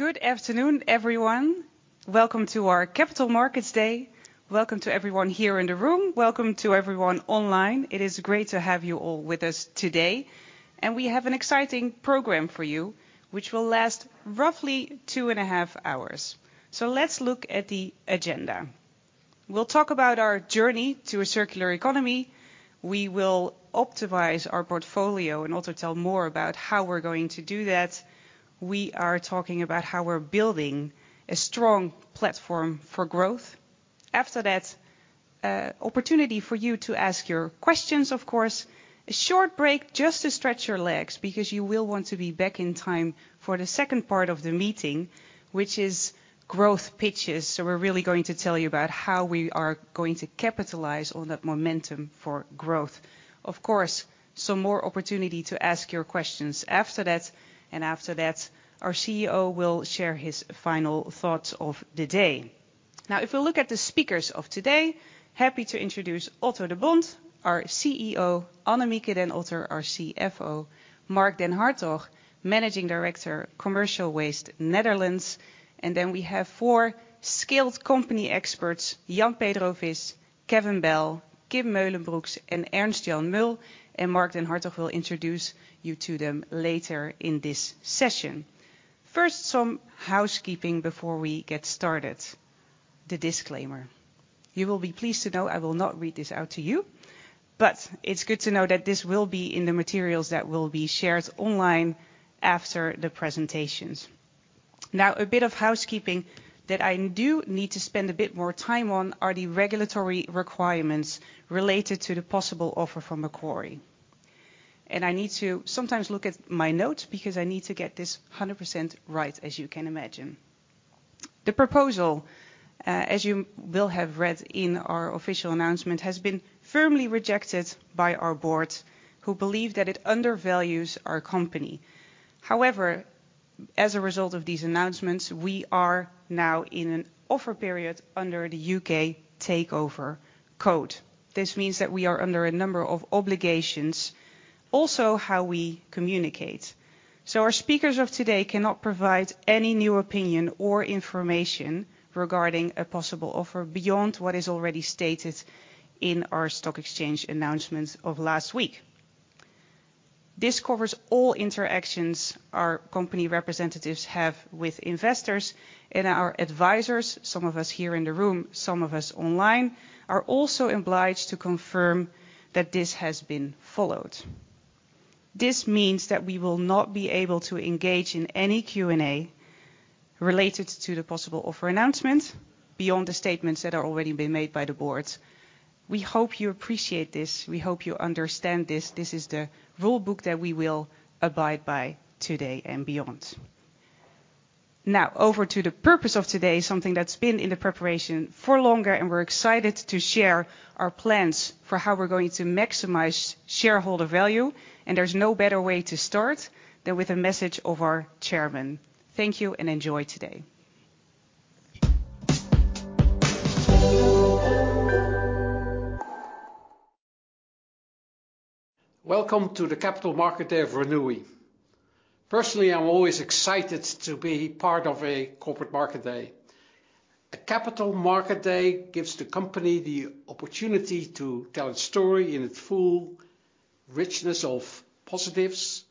Good afternoon, everyone. Welcome to our Capital Markets Day. Welcome to everyone here in the room. Welcome to everyone online. It is great to have you all with us today, and we have an exciting program for you, which will last roughly 2.5 hours. Let's look at the agenda. We'll talk about our journey to a circular economy. We will optimize our portfolio and also tell more about how we're going to do that. We are talking about how we're building a strong platform for growth. After that, opportunity for you to ask your questions, of course. A short break, just to stretch your legs, because you will want to be back in time for the second part of the meeting, which is growth pitches. We're really going to tell you about how we are going to capitalize on that momentum for growth. Of course, some more opportunity to ask your questions after that, and after that, our CEO will share his final thoughts of the day. Now, if we look at the speakers of today, happy to introduce Otto de Bont, our CEO, Annemieke den Otter, our CFO, Marc den Hartog, Managing Director, Commercial Waste, Netherlands. And then we have four skilled company experts, Jan-Pedro Vis, Kevin Bell, Kim Meulenbroeks, and Ernst-Jan Mul, and Marc den Hartog will introduce you to them later in this session. First, some housekeeping before we get started. The disclaimer. You will be pleased to know I will not read this out to you, but it's good to know that this will be in the materials that will be shared online after the presentations. Now, a bit of housekeeping that I do need to spend a bit more time on are the regulatory requirements related to the possible offer from Macquarie. I need to sometimes look at my notes because I need to get this 100% right, as you can imagine. The proposal, as you will have read in our official announcement, has been firmly rejected by our board, who believe that it undervalues our company. However, as a result of these announcements, we are now in an offer period under the U.K. Takeover Code. This means that we are under a number of obligations, also how we communicate. Our speakers of today cannot provide any new opinion or information regarding a possible offer beyond what is already stated in our Stock Exchange Announcements of last week. This covers all interactions our company representatives have with investors and our advisors. Some of us here in the room, some of us online, are also obliged to confirm that this has been followed. This means that we will not be able to engage in any Q&A related to the possible offer announcement, beyond the statements that are already been made by the board. We hope you appreciate this. We hope you understand this. This is the rule book that we will abide by today and beyond. Now, over to the purpose of today, something that's been in the preparation for longer, and we're excited to share our plans for how we're going to maximize shareholder value, and there's no better way to start than with a message of our chairman. Thank you, and enjoy today. Welcome to the Capital Markets Day of Renewi. Personally, I'm always excited to be part of a Capital Markets Day. A Capital Markets Day gives the company the opportunity to tell its story in its full richness of positives,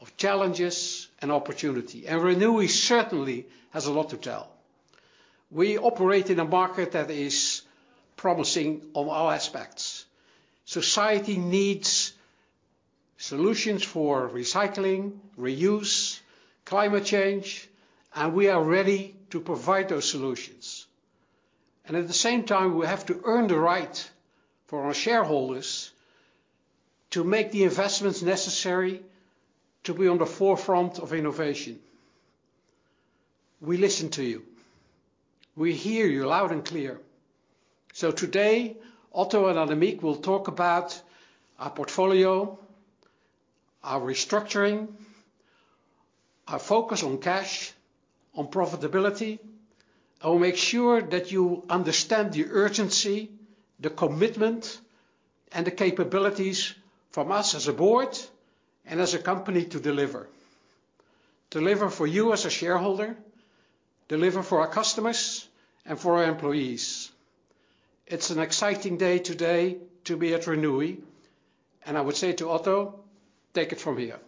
of challenges, and opportunity, and Renewi certainly has a lot to tell. We operate in a market that is promising on all aspects. Society needs solutions for recycling, reuse, climate change, and we are ready to provide those solutions. At the same time, we have to earn the right for our shareholders to make the investments necessary to be on the forefront of innovation. We listen to you. We hear you loud and clear. So today, Otto and Annemieke will talk about our portfolio, our restructuring, our focus on cash, on profitability, and we'll make sure that you understand the urgency, the commitment, and the capabilities from us as a board and as a company to deliver. Deliver for you as a shareholder, deliver for our customers, and for our employees. It's an exciting day today to be at Renewi, and I would say to Otto, take it from here.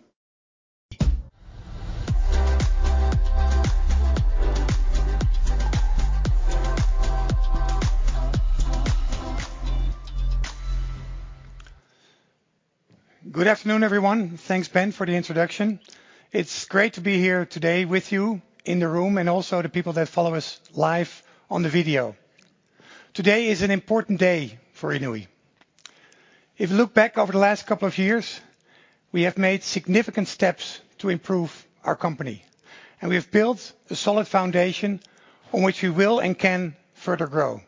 Good afternoon, everyone. Thanks, Ben, for the introduction. It's great to be here today with you in the room, and also the people that follow us live on the video. Today is an important day for Renewi. If you look back over the last couple of years, we have made significant steps to improve our company, and we have built a solid foundation on which we will and can further grow.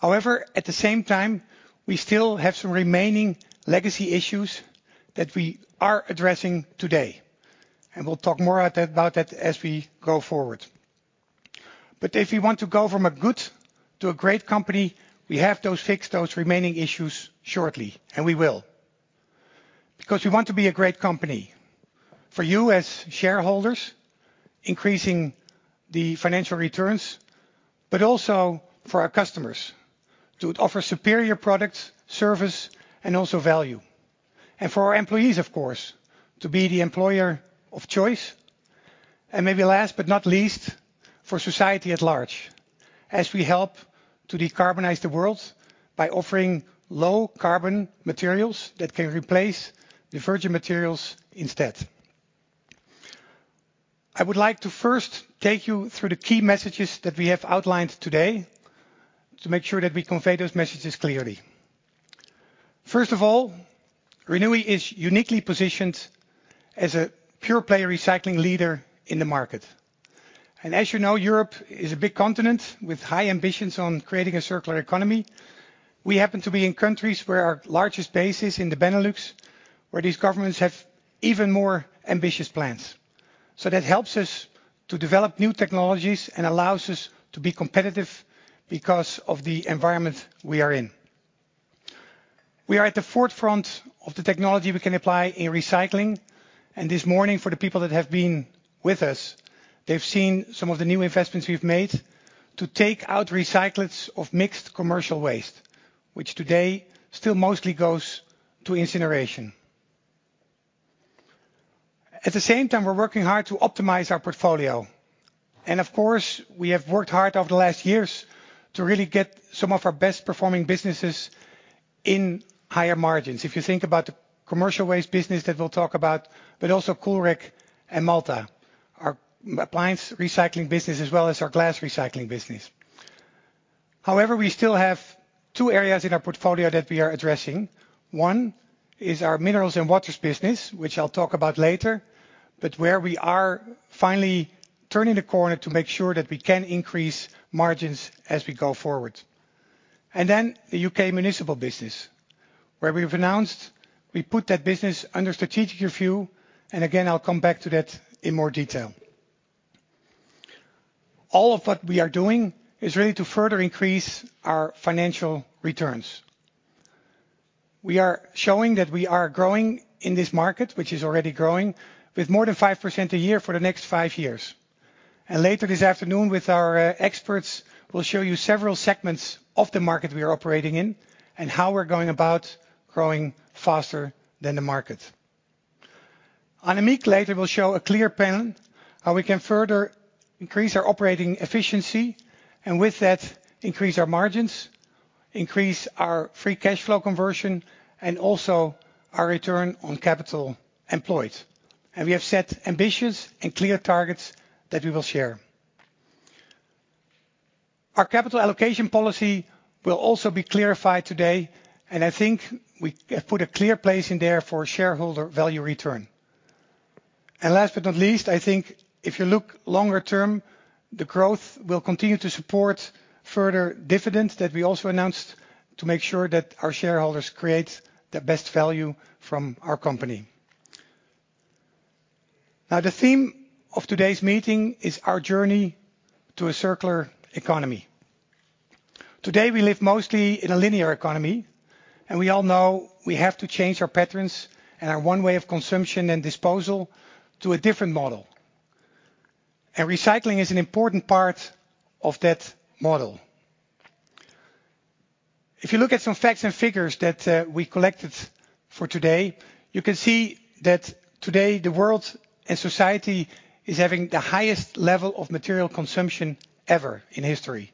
However, at the same time, we still have some remaining legacy issues that we are addressing today, and we'll talk more at that, about that as we go forward.... But if you want to go from a good to a great company, we have to fix those remaining issues shortly, and we will. Because we want to be a great company for you as shareholders, increasing the financial returns, but also for our customers, to offer superior products, service, and also value. And for our employees, of course, to be the employer of choice, and maybe last but not least, for society at large, as we help to decarbonize the world by offering low carbon materials that can replace the virgin materials instead. I would like to first take you through the key messages that we have outlined today to make sure that we convey those messages clearly. First of all, Renewi is uniquely positioned as a pure player recycling leader in the market. As you know, Europe is a big continent with high ambitions on creating a circular economy. We happen to be in countries where our largest base is in the Benelux, where these governments have even more ambitious plans. So that helps us to develop new technologies and allows us to be competitive because of the environment we are in. We are at the forefront of the technology we can apply in recycling, and this morning, for the people that have been with us, they've seen some of the new investments we've made to take out recyclates of mixed commercial waste, which today still mostly goes to incineration. At the same time, we're working hard to optimize our portfolio, and of course, we have worked hard over the last years to really get some of our best performing businesses in higher margins. If you think about the commercial waste business that we'll talk about, but also Coolrec and Maltha, our appliance recycling business, as well as our glass recycling business. However, we still have two areas in our portfolio that we are addressing. One is our Mineralz & Water business, which I'll talk about later, but where we are finally turning the corner to make sure that we can increase margins as we go forward. And then the U.K. Municipal business, where we've announced we put that business under strategic review, and again, I'll come back to that in more detail. All of what we are doing is really to further increase our financial returns. We are showing that we are growing in this market, which is already growing, with more than 5% a year for the next five years. Later this afternoon, with our experts, we'll show you several segments of the market we are operating in and how we're going about growing faster than the market. Annemieke later will show a clear plan how we can further increase our operating efficiency, and with that, increase our margins, increase our free cash flow conversion, and also our return on capital employed. We have set ambitious and clear targets that we will share. Our capital allocation policy will also be clarified today, and I think we have put a clear place in there for shareholder value return. And last but not least, I think if you look longer term, the growth will continue to support further dividends that we also announced to make sure that our shareholders create the best value from our company. Now, the theme of today's meeting is our journey to a circular economy. Today, we live mostly in a linear economy, and we all know we have to change our patterns and our one way of consumption and disposal to a different model. And recycling is an important part of that model. If you look at some facts and figures that we collected for today, you can see that today, the world and society is having the highest level of material consumption ever in history.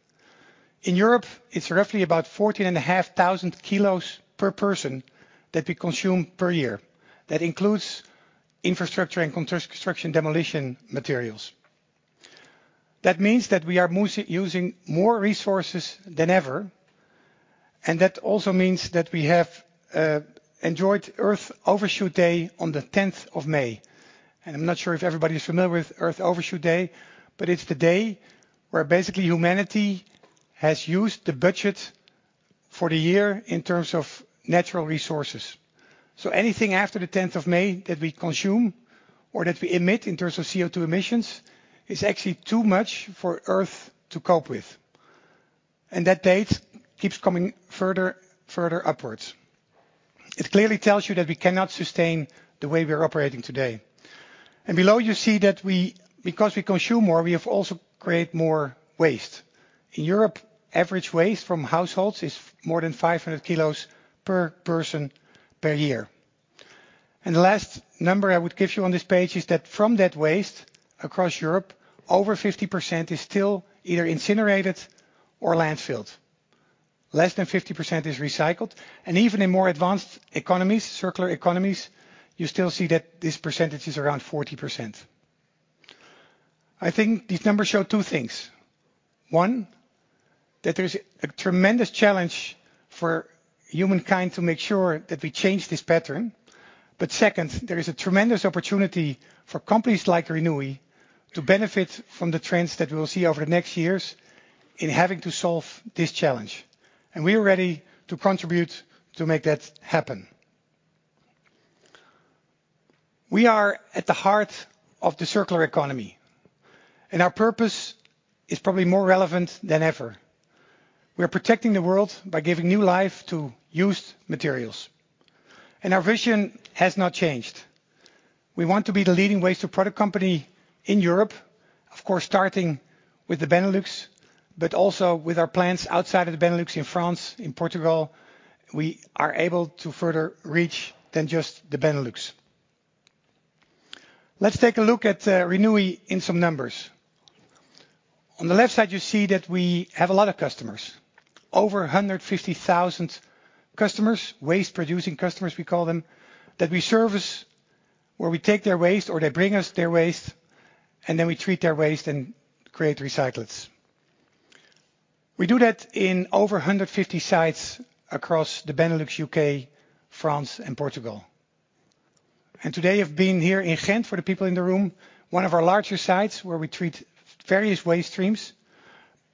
In Europe, it's roughly about 14,500 kilos per person that we consume per year. That includes infrastructure and construction demolition materials. That means that we are using more resources than ever, and that also means that we have enjoyed Earth Overshoot Day on the 10th of May. I'm not sure if everybody is familiar with Earth Overshoot Day, but it's the day where basically humanity has used the budget for the year in terms of natural resources. So anything after the 10th of May that we consume or that we emit in terms of CO₂ emissions is actually too much for Earth to cope with. That date keeps coming further, further upwards. It clearly tells you that we cannot sustain the way we are operating today. Below, you see that we, because we consume more, we have also create more waste. In Europe, average waste from households is more than 500 kilos per person per year. The last number I would give you on this page is that from that waste across Europe, over 50% is still either incinerated or landfilled. Less than 50% is recycled, and even in more advanced economies, circular economies, you still see that this percentage is around 40%. I think these numbers show two things. One, that there's a tremendous challenge for humankind to make sure that we change this pattern. But second, there is a tremendous opportunity for companies like Renewi to benefit from the trends that we will see over the next years in having to solve this challenge, and we are ready to contribute to make that happen. We are at the heart of the circular economy, and our purpose is probably more relevant than ever. We are protecting the world by giving new life to used materials, and our vision has not changed. We want to be the leading waste to product company in Europe, of course, starting with the Benelux, but also with our plants outside of the Benelux in France, in Portugal. We are able to further reach than just the Benelux. Let's take a look at Renewi in some numbers. On the left side, you see that we have a lot of customers. Over 150,000 customers, waste-producing customers, we call them, that we service, where we take their waste or they bring us their waste, and then we treat their waste and create recyclates. We do that in over 150 sites across the Benelux, U.K., France and Portugal. And today, I've been here in Ghent for the people in the room, one of our larger sites where we treat various waste streams.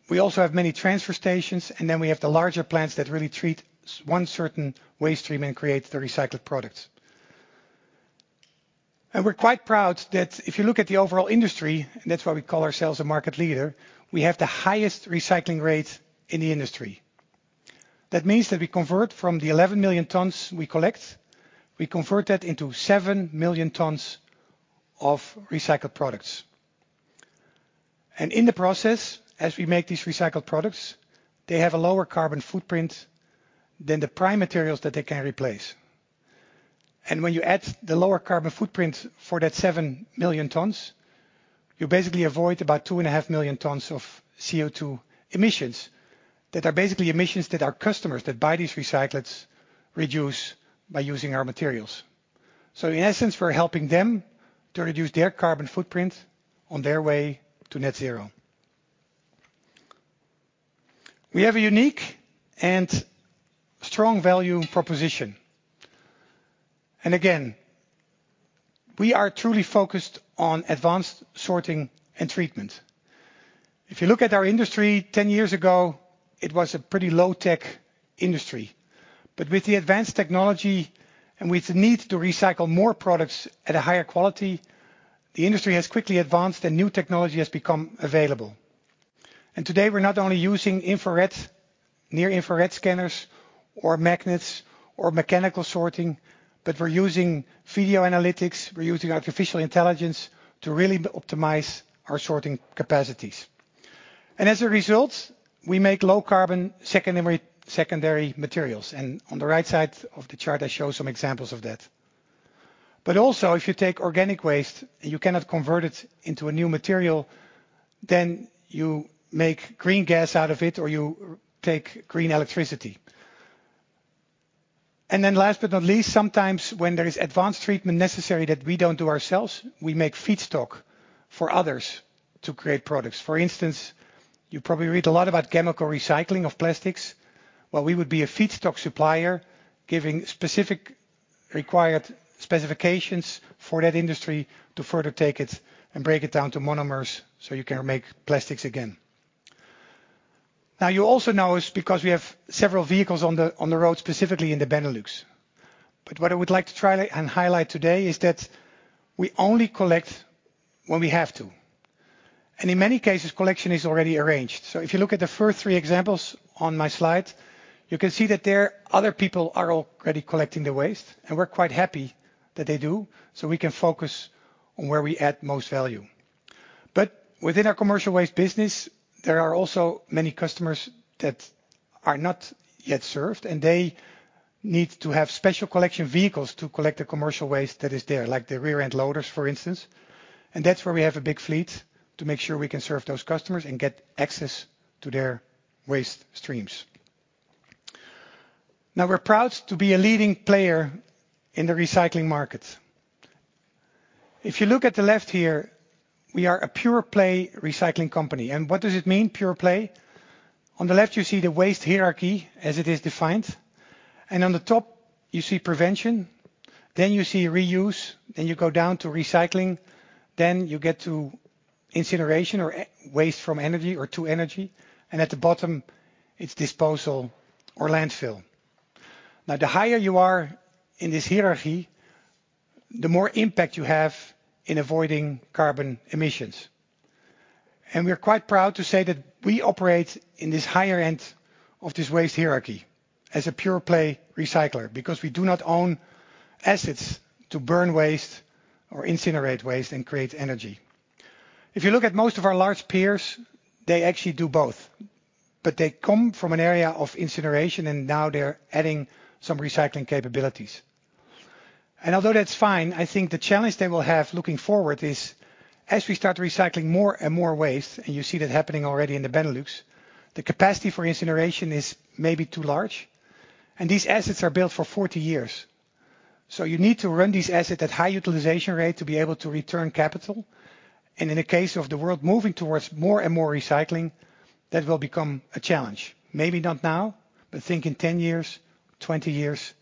We also have many transfer stations, and then we have the larger plants that really treat one certain waste stream and create the recycled products. And we're quite proud that if you look at the overall industry, and that's why we call ourselves a market leader, we have the highest recycling rate in the industry. That means that we convert from the 11 million tons we collect, we convert that into seven million tons of recycled products. And in the process, as we make these recycled products, they have a lower carbon footprint than the prime materials that they can replace. And when you add the lower carbon footprint for that seven million tons, you basically avoid about 2.5 million tons of CO₂ emissions, that are basically emissions that our customers that buy these recyclates reduce by using our materials. So in essence, we're helping them to reduce their carbon footprint on their way to net zero. We have a unique and strong value proposition, and again, we are truly focused on advanced sorting and treatment. If you look at our industry, ten years ago, it was a pretty low-tech industry, but with the advanced technology and with the need to recycle more products at a higher quality, the industry has quickly advanced and new technology has become available. And today, we're not only using infrared, near-infrared scanners or magnets or mechanical sorting, but we're using video analytics, we're using artificial intelligence to really optimize our sorting capacities. And as a result, we make low-carbon secondary, secondary materials. And on the right side of the chart, I show some examples of that. But also, if you take organic waste and you cannot convert it into a new material, then you make green gas out of it, or you take green electricity. And then last but not least, sometimes when there is advanced treatment necessary that we don't do ourselves, we make feedstock for others to create products. For instance, you probably read a lot about chemical recycling of plastics. Well, we would be a feedstock supplier, giving specific required specifications for that industry to further take it and break it down to monomers so you can make plastics again. Now, you also know us because we have several vehicles on the, on the road, specifically in the Benelux. But what I would like to try and highlight today is that we only collect when we have to, and in many cases, collection is already arranged. So if you look at the first three examples on my slide, you can see that there, other people are already collecting the waste, and we're quite happy that they do, so we can focus on where we add most value. But within our commercial waste business, there are also many customers that are not yet served, and they need to have special collection vehicles to collect the commercial waste that is there, like the rear end loaders, for instance. And that's where we have a big fleet to make sure we can serve those customers and get access to their waste streams. Now, we're proud to be a leading player in the recycling market. If you look at the left here, we are a pure-play recycling company. And what does it mean, pure-play? On the left, you see the waste hierarchy as it is defined, and on the top you see prevention, then you see reuse, then you go down to recycling, then you get to incineration, or energy from waste, or waste-to-energy, and at the bottom, it's disposal or landfill. Now, the higher you are in this hierarchy, the more impact you have in avoiding carbon emissions. We are quite proud to say that we operate in this higher end of this waste hierarchy as a pure-play recycler, because we do not own assets to burn waste or incinerate waste and create energy. If you look at most of our large peers, they actually do both, but they come from an area of incineration, and now they're adding some recycling capabilities. Although that's fine, I think the challenge they will have looking forward is, as we start recycling more and more waste, and you see that happening already in the Benelux, the capacity for incineration is maybe too large, and these assets are built for 40 years. So you need to run these assets at high utilization rate to be able to return capital, and in the case of the world moving towards more and more recycling, that will become a challenge. Maybe not now, but think in 10 years, 20 years.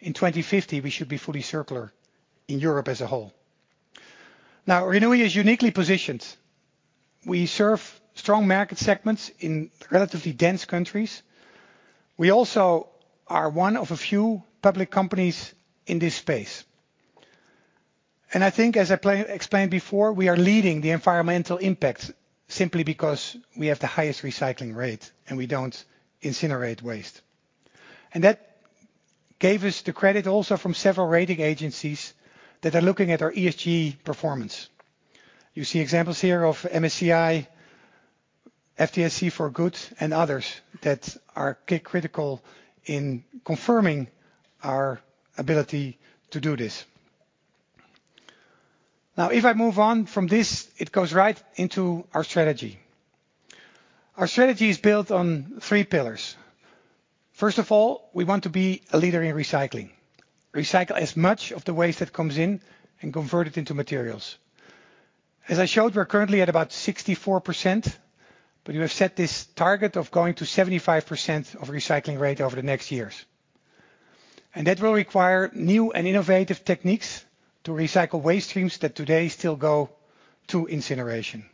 In 2050, we should be fully circular in Europe as a whole. Now, Renewi is uniquely positioned. We serve strong market segments in relatively dense countries. We also are one of a few public companies in this space. I think, as I explained before, we are leading the environmental impact, simply because we have the highest recycling rate, and we don't incinerate waste. That gave us the credit also from several rating agencies that are looking at our ESG performance. You see examples here of MSCI, FTSE4Good, and others that are critical in confirming our ability to do this. Now, if I move on from this, it goes right into our strategy. Our strategy is built on three pillars. First of all, we want to be a leader in recycling. Recycle as much of the waste that comes in and convert it into materials. As I showed, we're currently at about 64%, but we have set this target of going to 75% of recycling rate over the next years. That will require new and innovative techniques to recycle waste streams that today still go to incineration.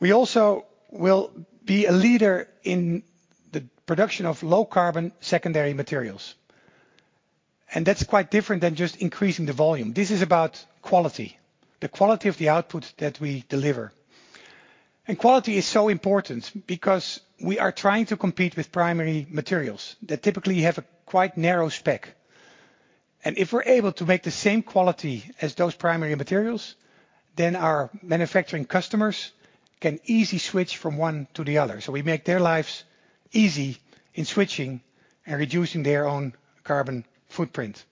We also will be a leader in the production of low-carbon secondary materials, and that's quite different than just increasing the volume. This is about quality, the quality of the output that we deliver. Quality is so important because we are trying to compete with primary materials that typically have a quite narrow spec. If we're able to make the same quality as those primary materials, then our manufacturing customers can easily switch from one to the other. We make their lives easy in switching and reducing their own carbon footprint.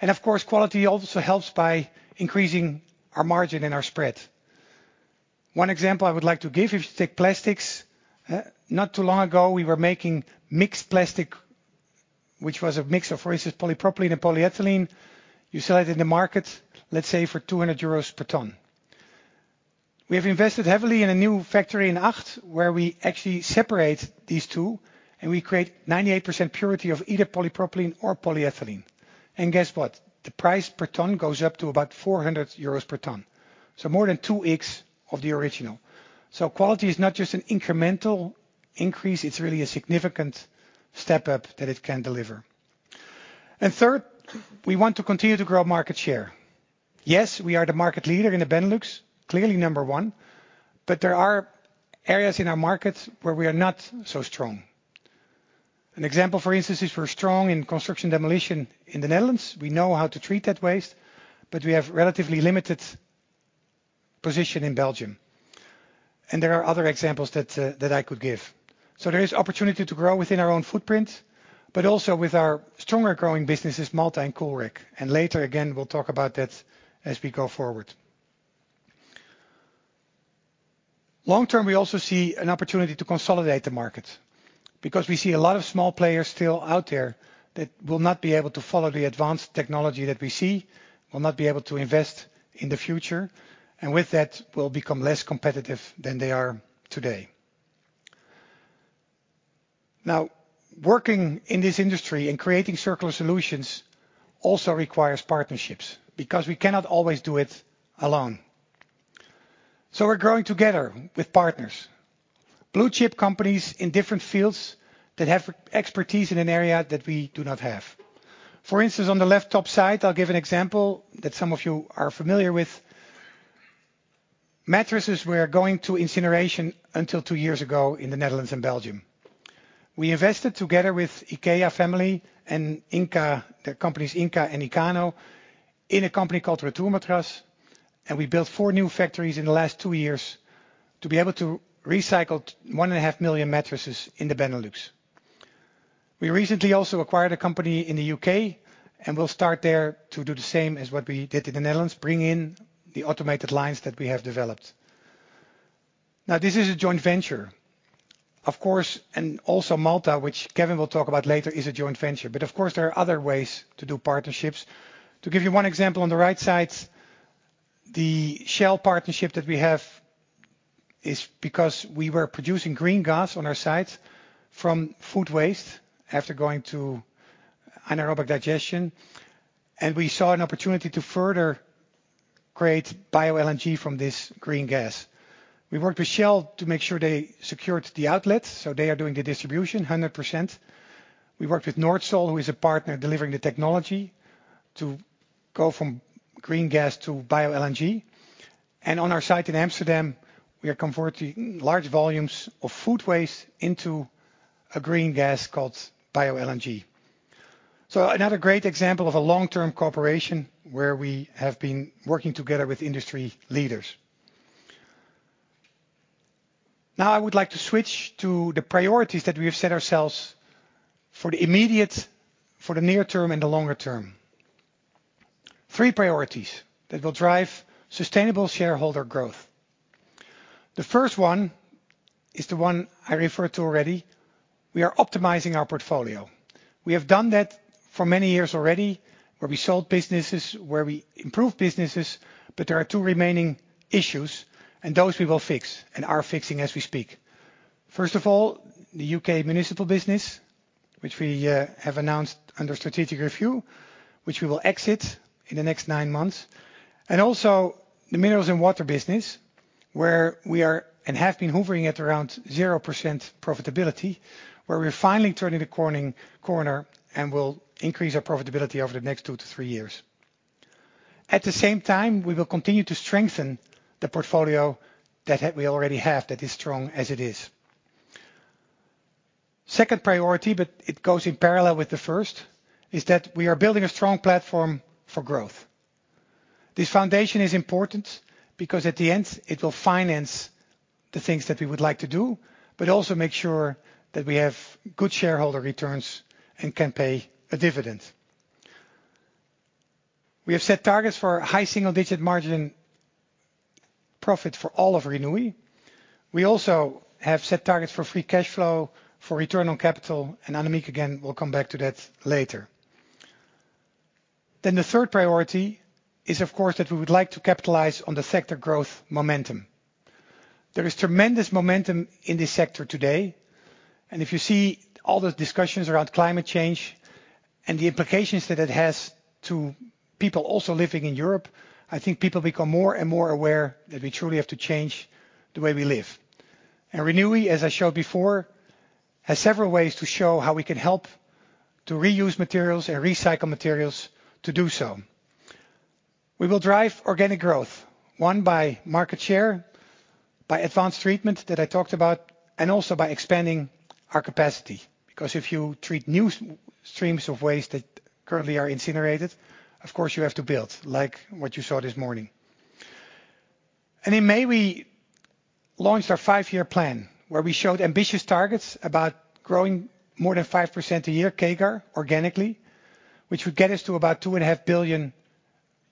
Of course, quality also helps by increasing our margin and our spread. One example I would like to give, if you take plastics, not too long ago, we were making mixed plastic, which was a mix of, for instance, polypropylene and polyethylene. You sell it in the market, let's say, for 200 euros per ton. We have invested heavily in a new factory in Acht, where we actually separate these two, and we create 98% purity of either polypropylene or polyethylene. And guess what? The price per ton goes up to about 400 euros per ton. So more than 2x of the original. So quality is not just an incremental increase, it's really a significant step up that it can deliver. And third, we want to continue to grow market share. Yes, we are the market leader in the Benelux, clearly number one, but there are areas in our markets where we are not so strong. An example, for instance, is we're strong in construction demolition in the Netherlands. We know how to treat that waste, but we have relatively limited position in Belgium. There are other examples that I could give. There is opportunity to grow within our own footprint, but also with our stronger growing businesses, Maltha and Coolrec. And later, again, we'll talk about that as we go forward. Long-term, we also see an opportunity to consolidate the market, because we see a lot of small players still out there that will not be able to follow the advanced technology that we see, will not be able to invest in the future, and with that, will become less competitive than they are today. Now, working in this industry and creating circular solutions also requires partnerships, because we cannot always do it alone. So we're growing together with partners, blue-chip companies in different fields that have expertise in an area that we do not have. For instance, on the left top side, I'll give an example that some of you are familiar with. Mattresses were going to incineration until two years ago in the Netherlands and Belgium. We invested together with IKEA family and Ingka, the companies Ingka and Ikano, in a company called RetourMatras, and we built four new factories in the last two years to be able to recycle 1.5 million mattresses in the Benelux. We recently also acquired a company in the U.K., and we'll start there to do the same as what we did in the Netherlands, bring in the automated lines that we have developed. Now, this is a joint venture, of course, and also Maltha, which Kevin will talk about later, is a joint venture. But of course, there are other ways to do partnerships. To give you one example, on the right side, the Shell partnership that we have is because we were producing green gas on our site from food waste after going to anaerobic digestion, and we saw an opportunity to further create Bio-LNG from this green gas. We worked with Shell to make sure they secured the outlets, so they are doing the distribution 100%. We worked with Nordsol, who is a partner, delivering the technology to go from green gas to Bio-LNG. And on our site in Amsterdam, we are converting large volumes of food waste into a green gas called Bio-LNG. So another great example of a long-term cooperation where we have been working together with industry leaders. Now, I would like to switch to the priorities that we have set ourselves for the immediate, for the near term and the longer term. Three priorities that will drive sustainable shareholder growth. The first one is the one I referred to already. We are optimizing our portfolio. We have done that for many years already, where we sold businesses, where we improved businesses, but there are two remaining issues, and those we will fix and are fixing as we speak. First of all, the U.K. Municipal business, which we have announced under strategic review, which we will exit in the next nine months. Also the Mineralz & Water business, where we are and have been hovering at around 0% profitability, where we're finally turning the corner and will increase our profitability over the next 2-3 years. At the same time, we will continue to strengthen the portfolio that we already have, that is strong as it is. Second priority, but it goes in parallel with the first, is that we are building a strong platform for growth. This foundation is important because at the end, it will finance the things that we would like to do, but also make sure that we have good shareholder returns and can pay a dividend. We have set targets for high single-digit margin profit for all of Renewi. We also have set targets for free cash flow, for return on capital, and Annemieke, again, will come back to that later. Then the third priority is, of course, that we would like to capitalize on the sector growth momentum. There is tremendous momentum in this sector today, and if you see all the discussions around climate change and the implications that it has to people also living in Europe, I think people become more and more aware that we truly have to change the way we live. And Renewi, as I showed before, has several ways to show how we can help to reuse materials and recycle materials to do so. We will drive organic growth, one, by market share, by advanced treatment that I talked about, and also by expanding our capacity. Because if you treat new streams of waste that currently are incinerated, of course, you have to build, like what you saw this morning. In May, we launched our five-year plan, where we showed ambitious targets about growing more than 5% a year CAGR organically, which would get us to about 2.5 billion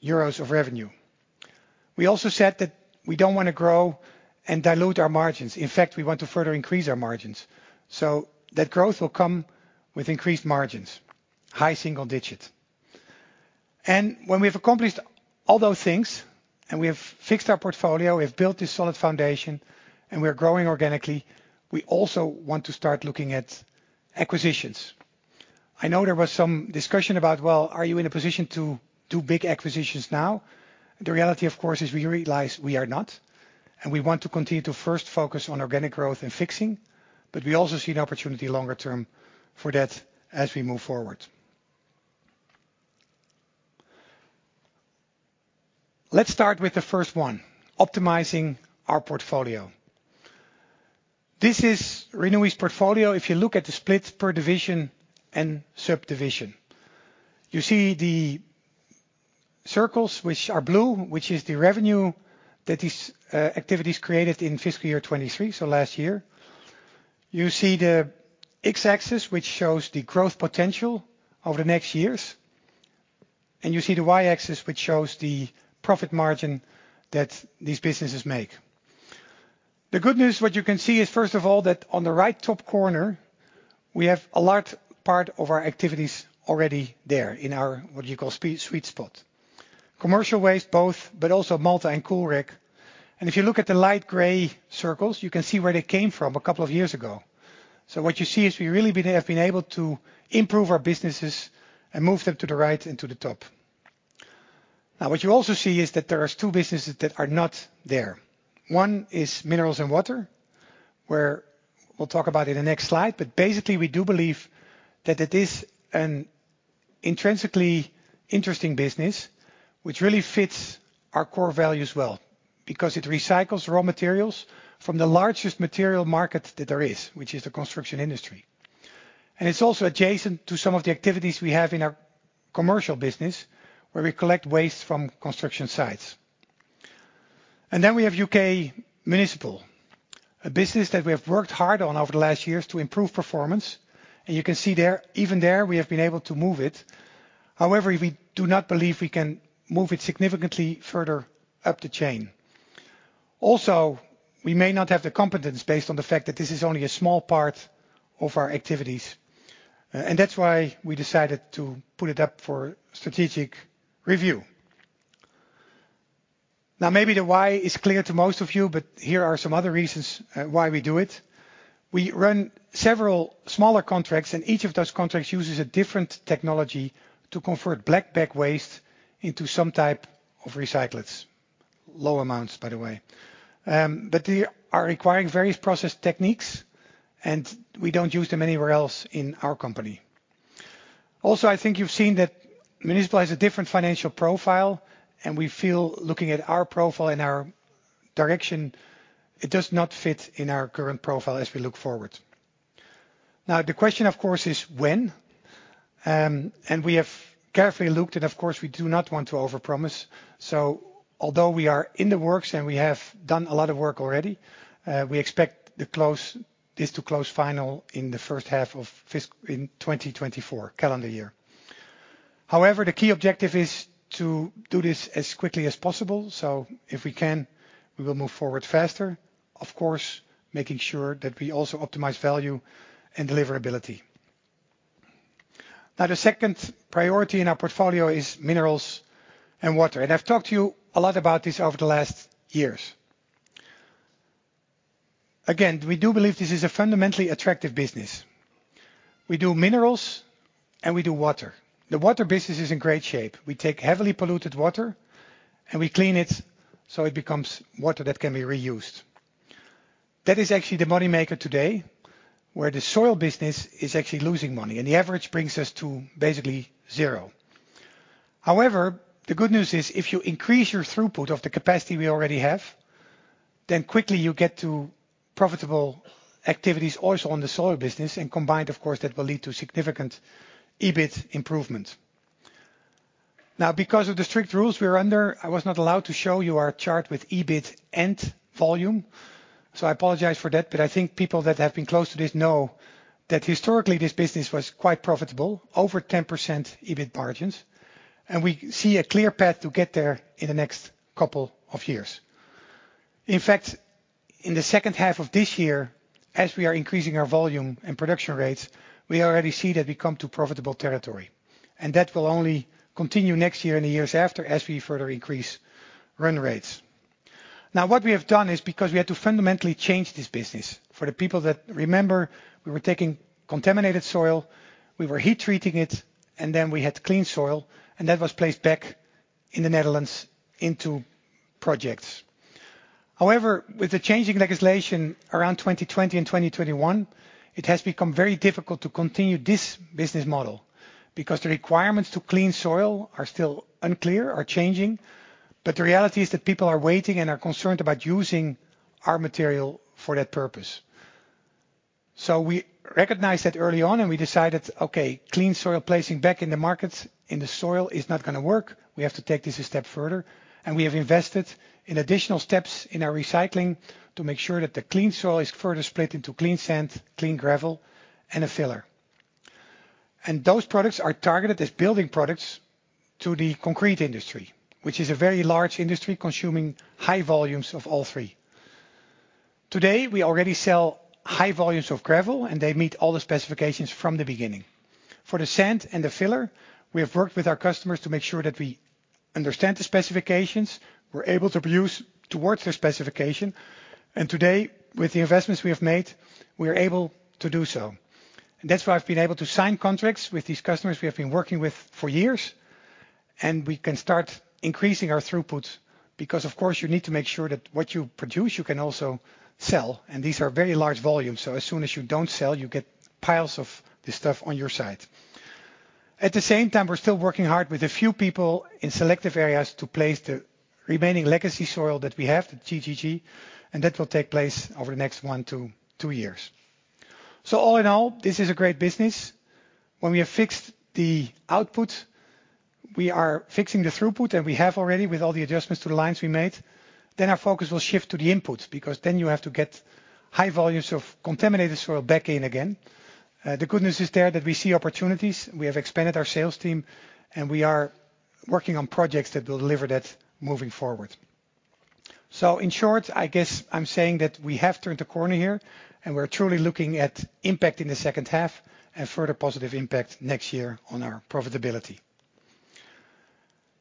euros of revenue. We also said that we don't want to grow and dilute our margins. In fact, we want to further increase our margins. So that growth will come with increased margins, high single digits. And when we have accomplished all those things, and we have fixed our portfolio, we have built this solid foundation, and we are growing organically, we also want to start looking at acquisitions. I know there was some discussion about, Well, are you in a position to do big acquisitions now? The reality, of course, is we realize we are not, and we want to continue to first focus on organic growth and fixing, but we also see an opportunity longer term for that as we move forward. Let's start with the first one: optimizing our portfolio. This is Renewi's portfolio, if you look at the splits per division and subdivision. You see the circles which are blue, which is the revenue that these activities created in fiscal year 2023, so last year. You see the X-axis, which shows the growth potential over the next years, and you see the Y-axis, which shows the profit margin that these businesses make. The good news, what you can see is, first of all, that on the right top corner, we have a large part of our activities already there in our, what you call sweet spot. Commercial waste, both, but also Maltha and Coolrec. And if you look at the light gray circles, you can see where they came from a couple of years ago. So what you see is we really have been able to improve our businesses and move them to the right and to the top. Now, what you also see is that there are two businesses that are not there. One is Mineralz & Water, where we'll talk about in the next slide. But basically, we do believe that it is an intrinsically interesting business, which really fits our core values well, because it recycles raw materials from the largest material market that there is, which is the construction industry. And it's also adjacent to some of the activities we have in our commercial business, where we collect waste from construction sites. And then we have U.K. Municipal, a business that we have worked hard on over the last years to improve performance. And you can see there, even there, we have been able to move it. However, we do not believe we can move it significantly further up the chain. Also, we may not have the competence based on the fact that this is only a small part of our activities, and that's why we decided to put it up for strategic review. Now, maybe the why is clear to most of you, but here are some other reasons why we do it. We run several smaller contracts, and each of those contracts uses a different technology to convert black bag waste into some type of recyclates. Low amounts, by the way. But they are requiring various process techniques, and we don't use them anywhere else in our company. Also, I think you've seen that municipal has a different financial profile, and we feel looking at our profile and our direction, it does not fit in our current profile as we look forward. Now, the question, of course, is when? And we have carefully looked, and of course, we do not want to overpromise. So although we are in the works and we have done a lot of work already, we expect this to close finally in the first half of 2024 calendar year. However, the key objective is to do this as quickly as possible, so if we can, we will move forward faster, of course, making sure that we also optimize value and deliverability. Now, the second priority in our portfolio is Mineralz & Water, and I've talked to you a lot about this over the last years. Again, we do believe this is a fundamentally attractive business. We do minerals and we do water. The water business is in great shape. We take heavily polluted water and we clean it so it becomes water that can be reused. That is actually the money maker today, where the soil business is actually losing money, and the average brings us to basically zero. However, the good news is, if you increase your throughput of the capacity we already have, then quickly you get to profitable activities also on the soil business, and combined, of course, that will lead to significant EBIT improvement. Now, because of the strict rules we are under, I was not allowed to show you our chart with EBIT and volume, so I apologize for that. But I think people that have been close to this know that historically, this business was quite profitable, over 10% EBIT margins, and we see a clear path to get there in the next couple of years. In fact, in the second half of this year, as we are increasing our volume and production rates, we already see that we come to profitable territory, and that will only continue next year and the years after as we further increase run rates. Now, what we have done is because we had to fundamentally change this business. For the people that remember, we were taking contaminated soil, we were heat treating it, and then we had clean soil, and that was placed back in the Netherlands into projects. However, with the changing legislation around 2020 and 2021, it has become very difficult to continue this business model because the requirements to clean soil are still unclear, are changing. But the reality is that people are waiting and are concerned about using our material for that purpose. So we recognized that early on and we decided, okay, clean soil placing back in the markets, in the soil is not gonna work. We have to take this a step further, and we have invested in additional steps in our recycling to make sure that the clean soil is further split into clean sand, clean gravel, and a filler. And those products are targeted as building products to the concrete industry, which is a very large industry, consuming high volumes of all three. Today, we already sell high volumes of gravel, and they meet all the specifications from the beginning. For the sand and the filler, we have worked with our customers to make sure that we understand the specifications, we're able to produce towards their specification, and today, with the investments we have made, we are able to do so. That's why I've been able to sign contracts with these customers we have been working with for years, and we can start increasing our throughput, because, of course, you need to make sure that what you produce, you can also sell, and these are very large volumes. So as soon as you don't sell, you get piles of this stuff on your site. At the same time, we're still working hard with a few people in selective areas to place the remaining legacy soil that we have, the TGG, and that will take place over the next 1-2 years. All in all, this is a great business. When we have fixed the output, we are fixing the throughput, and we have already, with all the adjustments to the lines we made, then our focus will shift to the input, because then you have to get high volumes of contaminated soil back in again. The good news is there that we see opportunities. We have expanded our sales team, and we are working on projects that will deliver that moving forward. So in short, I guess I'm saying that we have turned a corner here, and we're truly looking at impact in the second half and further positive impact next year on our profitability.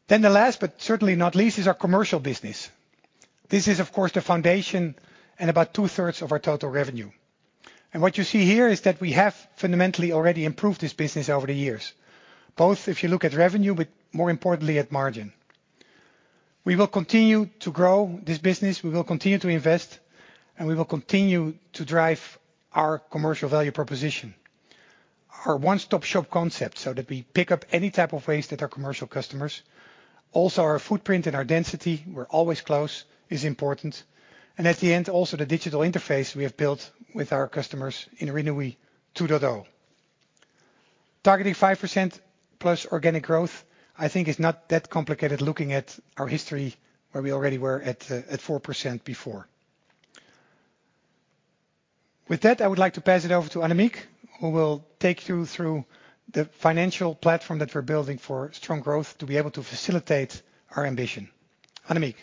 Then the last, but certainly not least, is our commercial business. This is, of course, the foundation and about two-thirds of our total revenue. And what you see here is that we have fundamentally already improved this business over the years, both if you look at revenue, but more importantly, at margin. We will continue to grow this business, we will continue to invest, and we will continue to drive our commercial value proposition. Our one-stop-shop concept, so that we pick up any type of waste at our commercial customers. Also, our footprint and our density, we're always close, is important. And at the end, also, the digital interface we have built with our customers in Renewi 2.0. Targeting 5%+ organic growth, I think is not that complicated, looking at our history, where we already were at 4% before. With that, I would like to pass it over to Annemieke, who will take you through the financial platform that we're building for strong growth to be able to facilitate our ambition. Annemieke?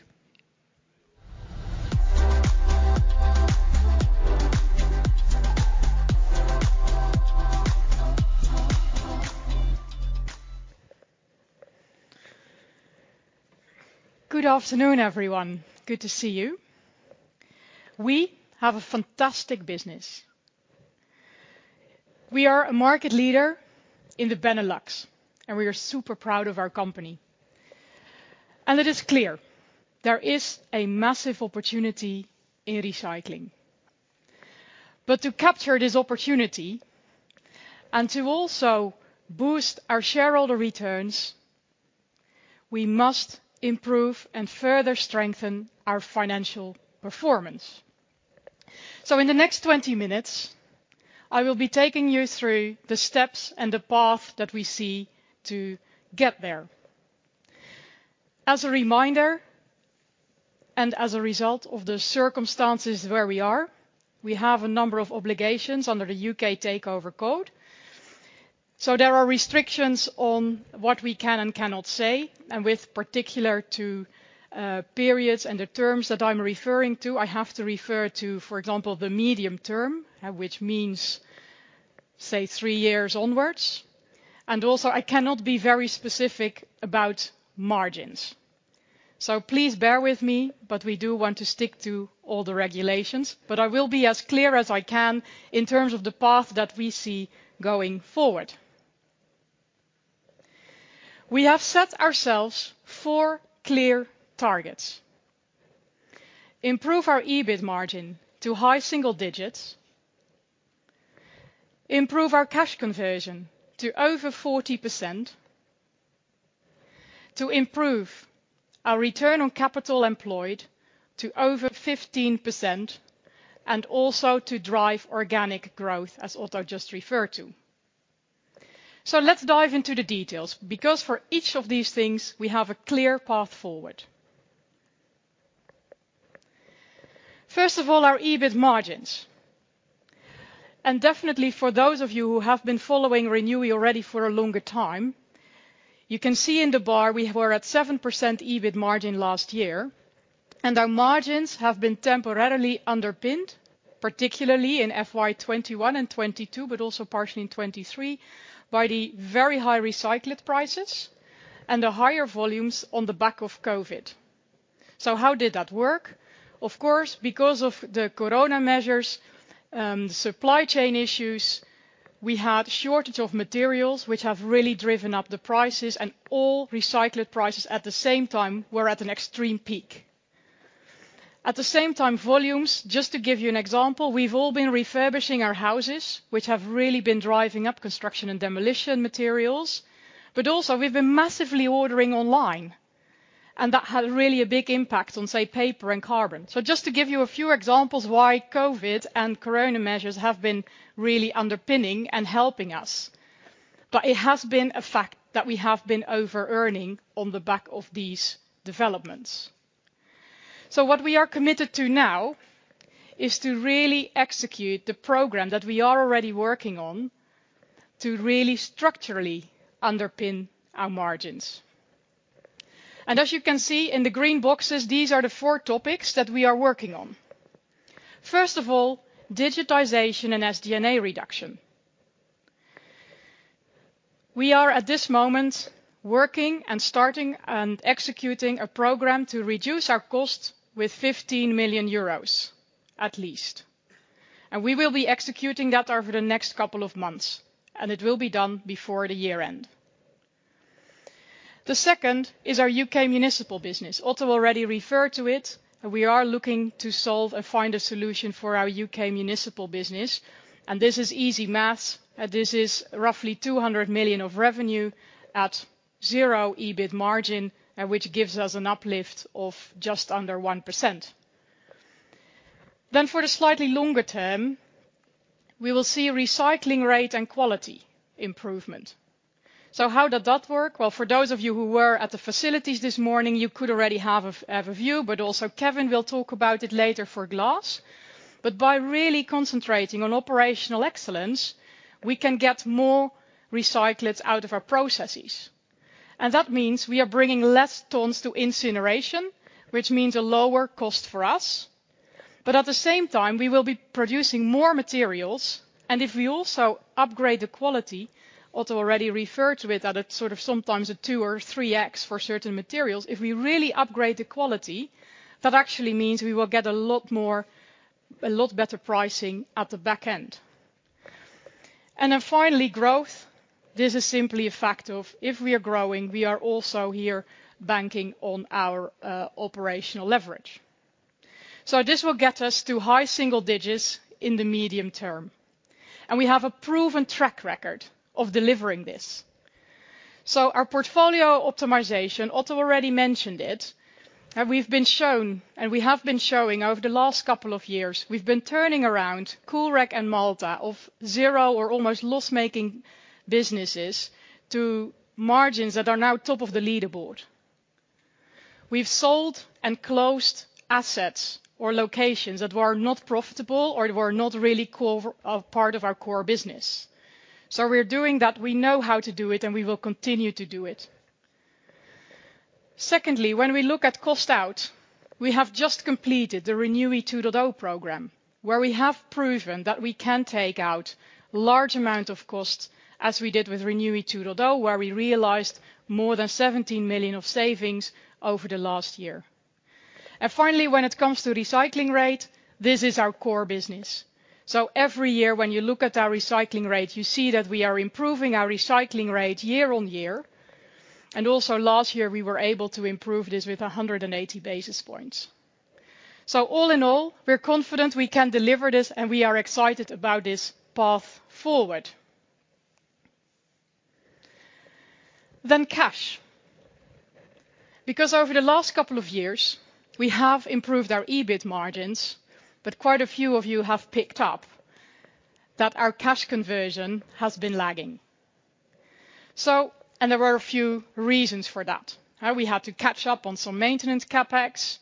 Good afternoon, everyone. Good to see you. We have a fantastic business. We are a market leader in the Benelux, and we are super proud of our company. It is clear there is a massive opportunity in recycling. But to capture this opportunity and to also boost our shareholder returns, we must improve and further strengthen our financial performance. In the next 20 minutes, I will be taking you through the steps and the path that we see to get there. As a reminder, and as a result of the circumstances where we are, we have a number of obligations under the U.K. Takeover Code. There are restrictions on what we can and cannot say, and with particular to, periods and the terms that I'm referring to, I have to refer to, for example, the medium term, which means-... Say, three years onwards, and also I cannot be very specific about margins. So please bear with me, but we do want to stick to all the regulations. But I will be as clear as I can in terms of the path that we see going forward. We have set ourselves four clear targets: improve our EBIT margin to high single digits, improve our cash conversion to over 40%, to improve our return on capital employed to over 15%, and also to drive organic growth, as Otto just referred to. So let's dive into the details, because for each of these things, we have a clear path forward. First of all, our EBIT margins. Definitely for those of you who have been following Renewi already for a longer time, you can see in the bar we were at 7% EBIT margin last year, and our margins have been temporarily underpinned, particularly in FY 2021 and 2022, but also partially in 2023, by the very high recyclate prices and the higher volumes on the back of COVID. So how did that work? Of course, because of the corona measures, supply chain issues, we had shortage of materials, which have really driven up the prices, and all recyclate prices at the same time were at an extreme peak. At the same time, volumes, just to give you an example, we've all been refurbishing our houses, which have really been driving up construction and demolition materials. But also, we've been massively ordering online, and that had really a big impact on, say, paper and carbon. So just to give you a few examples why COVID and corona measures have been really underpinning and helping us, but it has been a fact that we have been overearning on the back of these developments. So what we are committed to now is to really execute the program that we are already working on to really structurally underpin our margins. And as you can see in the green boxes, these are the four topics that we are working on. First of all, digitization and SG&A reduction. We are, at this moment, working and starting and executing a program to reduce our cost with 15 million euros at least, and we will be executing that over the next couple of months, and it will be done before the year end. The second is our U.K. Municipal business. Otto already referred to it, and we are looking to solve and find a solution for our U.K. Municipal business, and this is easy math. This is roughly 200 million of revenue at zero EBIT margin, and which gives us an uplift of just under 1%. Then for the slightly longer term, we will see a recycling rate and quality improvement. So how does that work? Well, for those of you who were at the facilities this morning, you could already have a view, but also Kevin will talk about it later for glass. But by really concentrating on operational excellence, we can get more recyclates out of our processes. That means we are bringing less tons to incineration, which means a lower cost for us. But at the same time, we will be producing more materials, and if we also upgrade the quality, Otto already referred to it, that it's sort of sometimes a 2 or 3x for certain materials. If we really upgrade the quality, that actually means we will get a lot more... a lot better pricing at the back end. And then finally, growth. This is simply a fact of if we are growing, we are also here banking on our operational leverage. So this will get us to high single digits in the medium term, and we have a proven track record of delivering this. So our portfolio optimization, Otto already mentioned it, and we've been shown, and we have been showing over the last couple of years, we've been turning around Coolrec and Maltha of zero or almost loss-making businesses to margins that are now top of the leaderboard. We've sold and closed assets or locations that were not profitable or that were not really core, part of our core business. So we're doing that. We know how to do it, and we will continue to do it. Secondly, when we look at cost out, we have just completed the Renewi 2.0 program, where we have proven that we can take out large amount of cost, as we did with Renewi 2.0, where we realized more than 17 million of savings over the last year. And finally, when it comes to recycling rate, this is our core business. So every year, when you look at our recycling rate, you see that we are improving our recycling rate year on year, and also last year, we were able to improve this with 180 basis points. So all in all, we're confident we can deliver this, and we are excited about this path forward. Then cash, because over the last couple of years, we have improved our EBIT margins, but quite a few of you have picked up that our cash conversion has been lagging. And there were a few reasons for that. We had to catch up on some maintenance CapEx.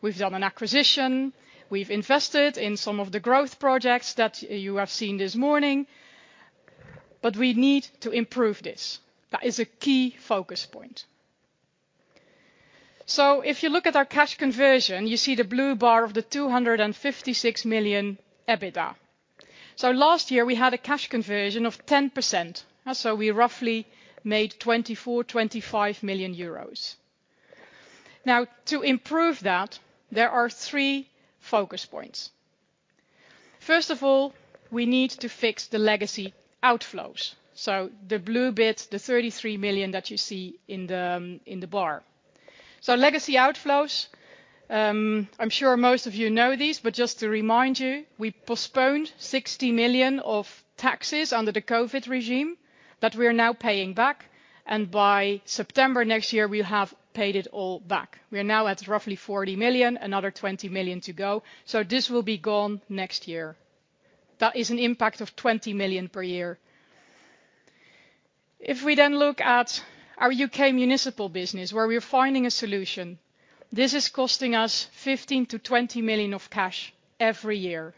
We've done an acquisition. We've invested in some of the growth projects that you have seen this morning, but we need to improve this. That is a key focus point. So if you look at our cash conversion, you see the blue bar of the 256 million EBITDA. So last year, we had a cash conversion of 10%, and so we roughly made 24-25 million euros. Now, to improve that, there are three focus points. First of all, we need to fix the legacy outflows, so the blue bits, the 33 million that you see in the, in the bar. So legacy outflows, I'm sure most of you know these, but just to remind you, we postponed 60 million of taxes under the COVID regime, that we are now paying back, and by September next year, we'll have paid it all back. We are now at roughly 40 million, another 20 million to go, so this will be gone next year. That is an impact of 20 million per year. If we then look at our U.K. Municipal business, where we are finding a solution, this is costing us 15-20 million of cash every year.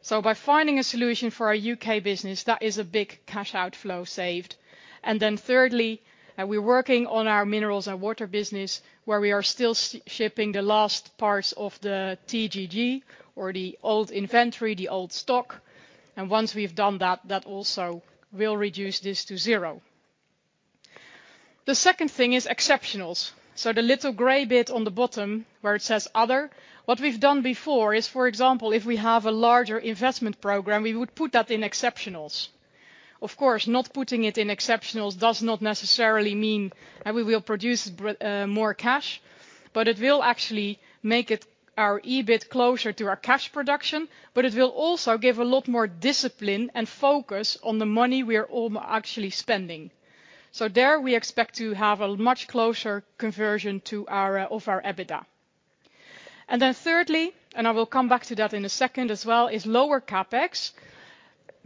So by finding a solution for our U.K. business, that is a big cash outflow saved. And then thirdly, and we're working on our Mineralz & Water business, where we are still shipping the last parts of the TGG or the old inventory, the old stock, and once we've done that, that also will reduce this to zero. The second thing is exceptionals. So the little gray bit on the bottom where it says, Other, what we've done before is, for example, if we have a larger investment program, we would put that in exceptionals. Of course, not putting it in exceptionals does not necessarily mean that we will produce more cash, but it will actually make it our EBIT closer to our cash production, but it will also give a lot more discipline and focus on the money we are actually spending. So there, we expect to have a much closer conversion to our of our EBITDA. And then thirdly, and I will come back to that in a second as well, is lower CapEx,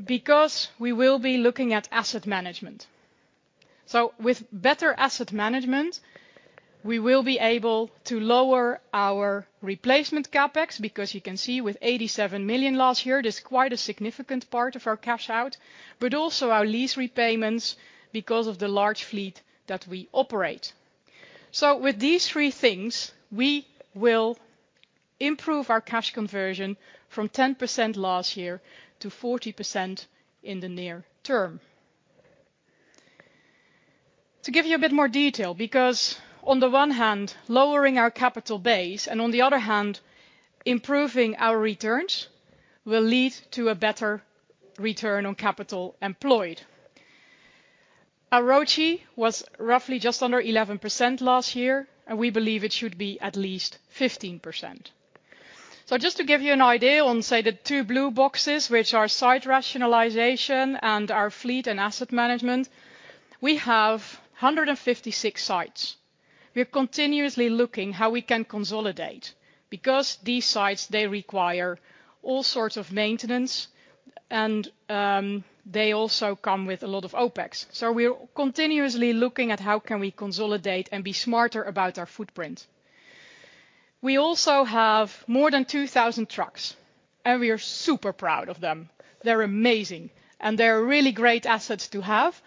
because we will be looking at asset management. So with better asset management, we will be able to lower our replacement CapEx, because you can see with 87 million last year, it is quite a significant part of our cash out, but also our lease repayments because of the large fleet that we operate. So with these three things, we will improve our cash conversion from 10% last year to 40% in the near term. To give you a bit more detail, because on the one hand, lowering our capital base, and on the other hand, improving our returns, will lead to a better return on capital employed. Our ROCE was roughly just under 11% last year, and we believe it should be at least 15%. So just to give you an idea on, say, the two blue boxes, which are site rationalization and our fleet and asset management, we have 156 sites. We are continuously looking how we can consolidate, because these sites, they require all sorts of maintenance and, they also come with a lot of OpEx. So we are continuously looking at how can we consolidate and be smarter about our footprint. We also have more than 2,000 trucks, and we are super proud of them. They're amazing, and they're really great assets to have,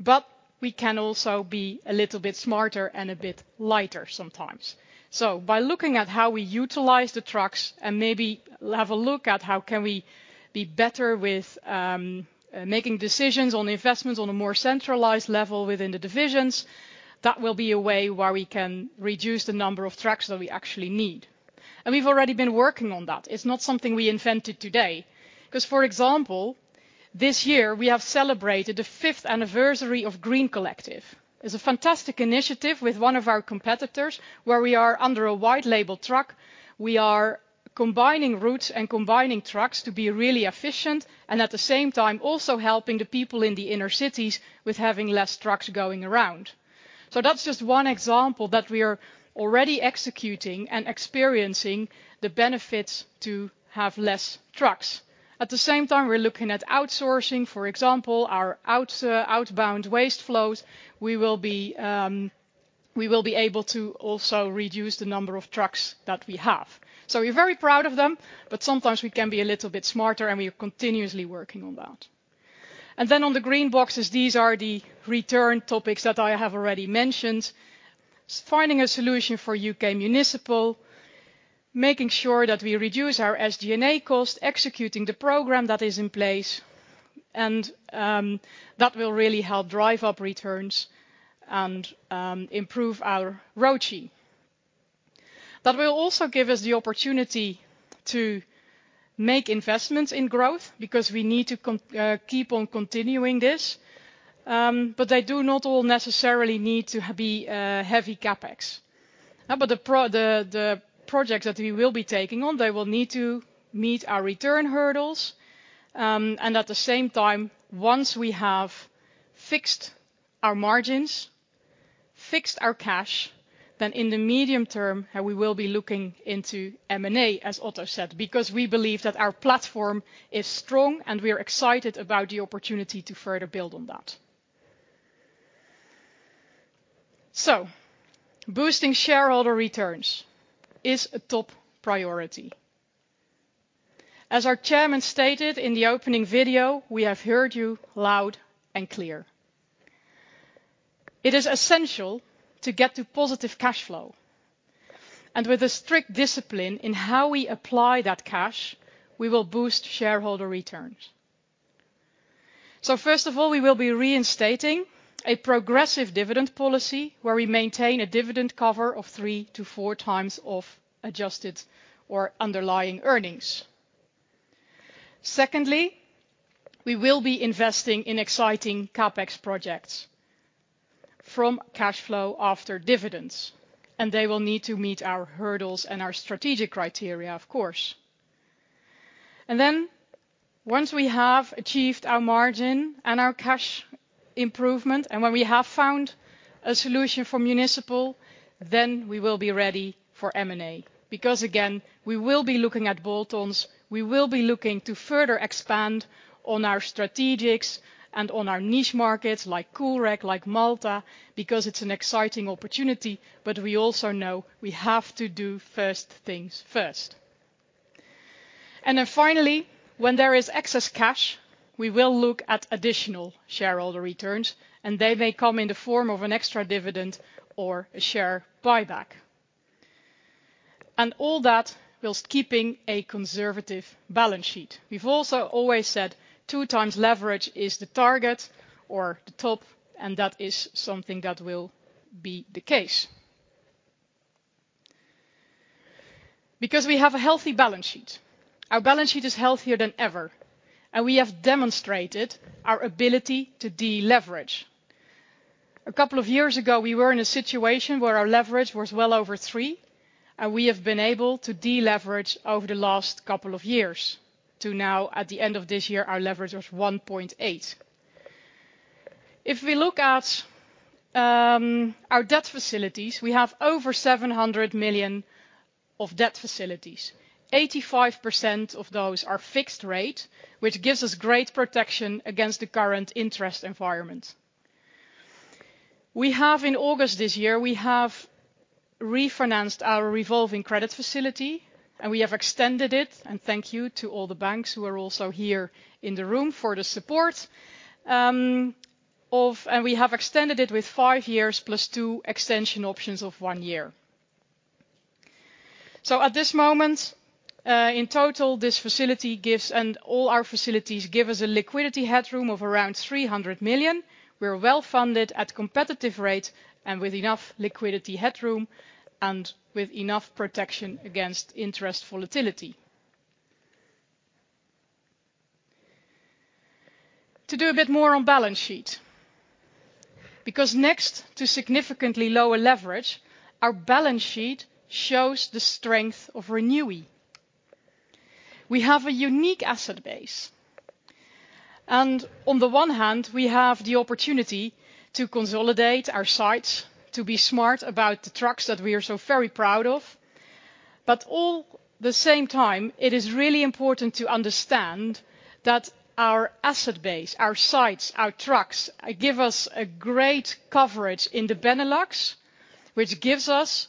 but we can also be a little bit smarter and a bit lighter sometimes. So by looking at how we utilize the trucks and maybe have a look at how can we be better with making decisions on investments on a more centralized level within the divisions, that will be a way where we can reduce the number of trucks that we actually need. And we've already been working on that. It's not something we invented today. 'Cause, for example, this year we have celebrated the fifth anniversary of Green Collective. It's a fantastic initiative with one of our competitors, where we are under a wide label truck. We are combining routes and combining trucks to be really efficient, and at the same time, also helping the people in the inner cities with having less trucks going around. So that's just one example that we are already executing and experiencing the benefits to have less trucks. At the same time, we're looking at outsourcing, for example, our outbound waste flows. We will be able to also reduce the number of trucks that we have. So we're very proud of them, but sometimes we can be a little bit smarter, and we are continuously working on that. And then on the green boxes, these are the return topics that I have already mentioned. Finding a solution for U.K. Municipal, making sure that we reduce our SG&A cost, executing the program that is in place, and that will really help drive up returns and improve our ROCE. That will also give us the opportunity to make investments in growth, because we need to keep on continuing this, but they do not all necessarily need to be heavy CapEx. But the projects that we will be taking on, they will need to meet our return hurdles, and at the same time, once we have fixed our margins, fixed our cash, then in the medium term, and we will be looking into M&A, as Otto said, because we believe that our platform is strong, and we are excited about the opportunity to further build on that. So boosting shareholder returns is a top priority. As our chairman stated in the opening video, we have heard you loud and clear. It is essential to get to positive cash flow, and with a strict discipline in how we apply that cash, we will boost shareholder returns. So first of all, we will be reinstating a progressive dividend policy, where we maintain a dividend cover of three to four times of adjusted or underlying earnings. Secondly, we will be investing in exciting CapEx projects from cash flow after dividends, and they will need to meet our hurdles and our strategic criteria, of course. And then once we have achieved our margin and our cash improvement, and when we have found a solution for municipal, then we will be ready for M&A. Because, again, we will be looking at bolt-ons, we will be looking to further expand on our strategics and on our niche markets, like Coolrec, like Maltha, because it's an exciting opportunity, but we also know we have to do first things first. And then finally, when there is excess cash, we will look at additional shareholder returns, and they may come in the form of an extra dividend or a share buyback. And all that whilst keeping a conservative balance sheet. We've also always said two times leverage is the target or the top, and that is something that will be the case. Because we have a healthy balance sheet. Our balance sheet is healthier than ever, and we have demonstrated our ability to deleverage. A couple of years ago, we were in a situation where our leverage was well over three, and we have been able to deleverage over the last couple of years to now, at the end of this year, our leverage was 1.8. If we look at our debt facilities, we have over 700 million of debt facilities. 85% of those are fixed rate, which gives us great protection against the current interest environment. We have in August this year, we have refinanced our revolving credit facility, and we have extended it, and thank you to all the banks who are also here in the room for the support. And we have extended it with five years, plus two extension options of one year. So at this moment, in total, this facility gives, and all our facilities give us a liquidity headroom of around 300 million. We are well-funded at competitive rate and with enough liquidity headroom and with enough protection against interest volatility. To do a bit more on balance sheet, because next to significantly lower leverage, our balance sheet shows the strength of Renewi. We have a unique asset base, and on the one hand, we have the opportunity to consolidate our sites, to be smart about the trucks that we are so very proud of. But at the same time, it is really important to understand that our asset base, our sites, our trucks, give us a great coverage in the Benelux, which gives us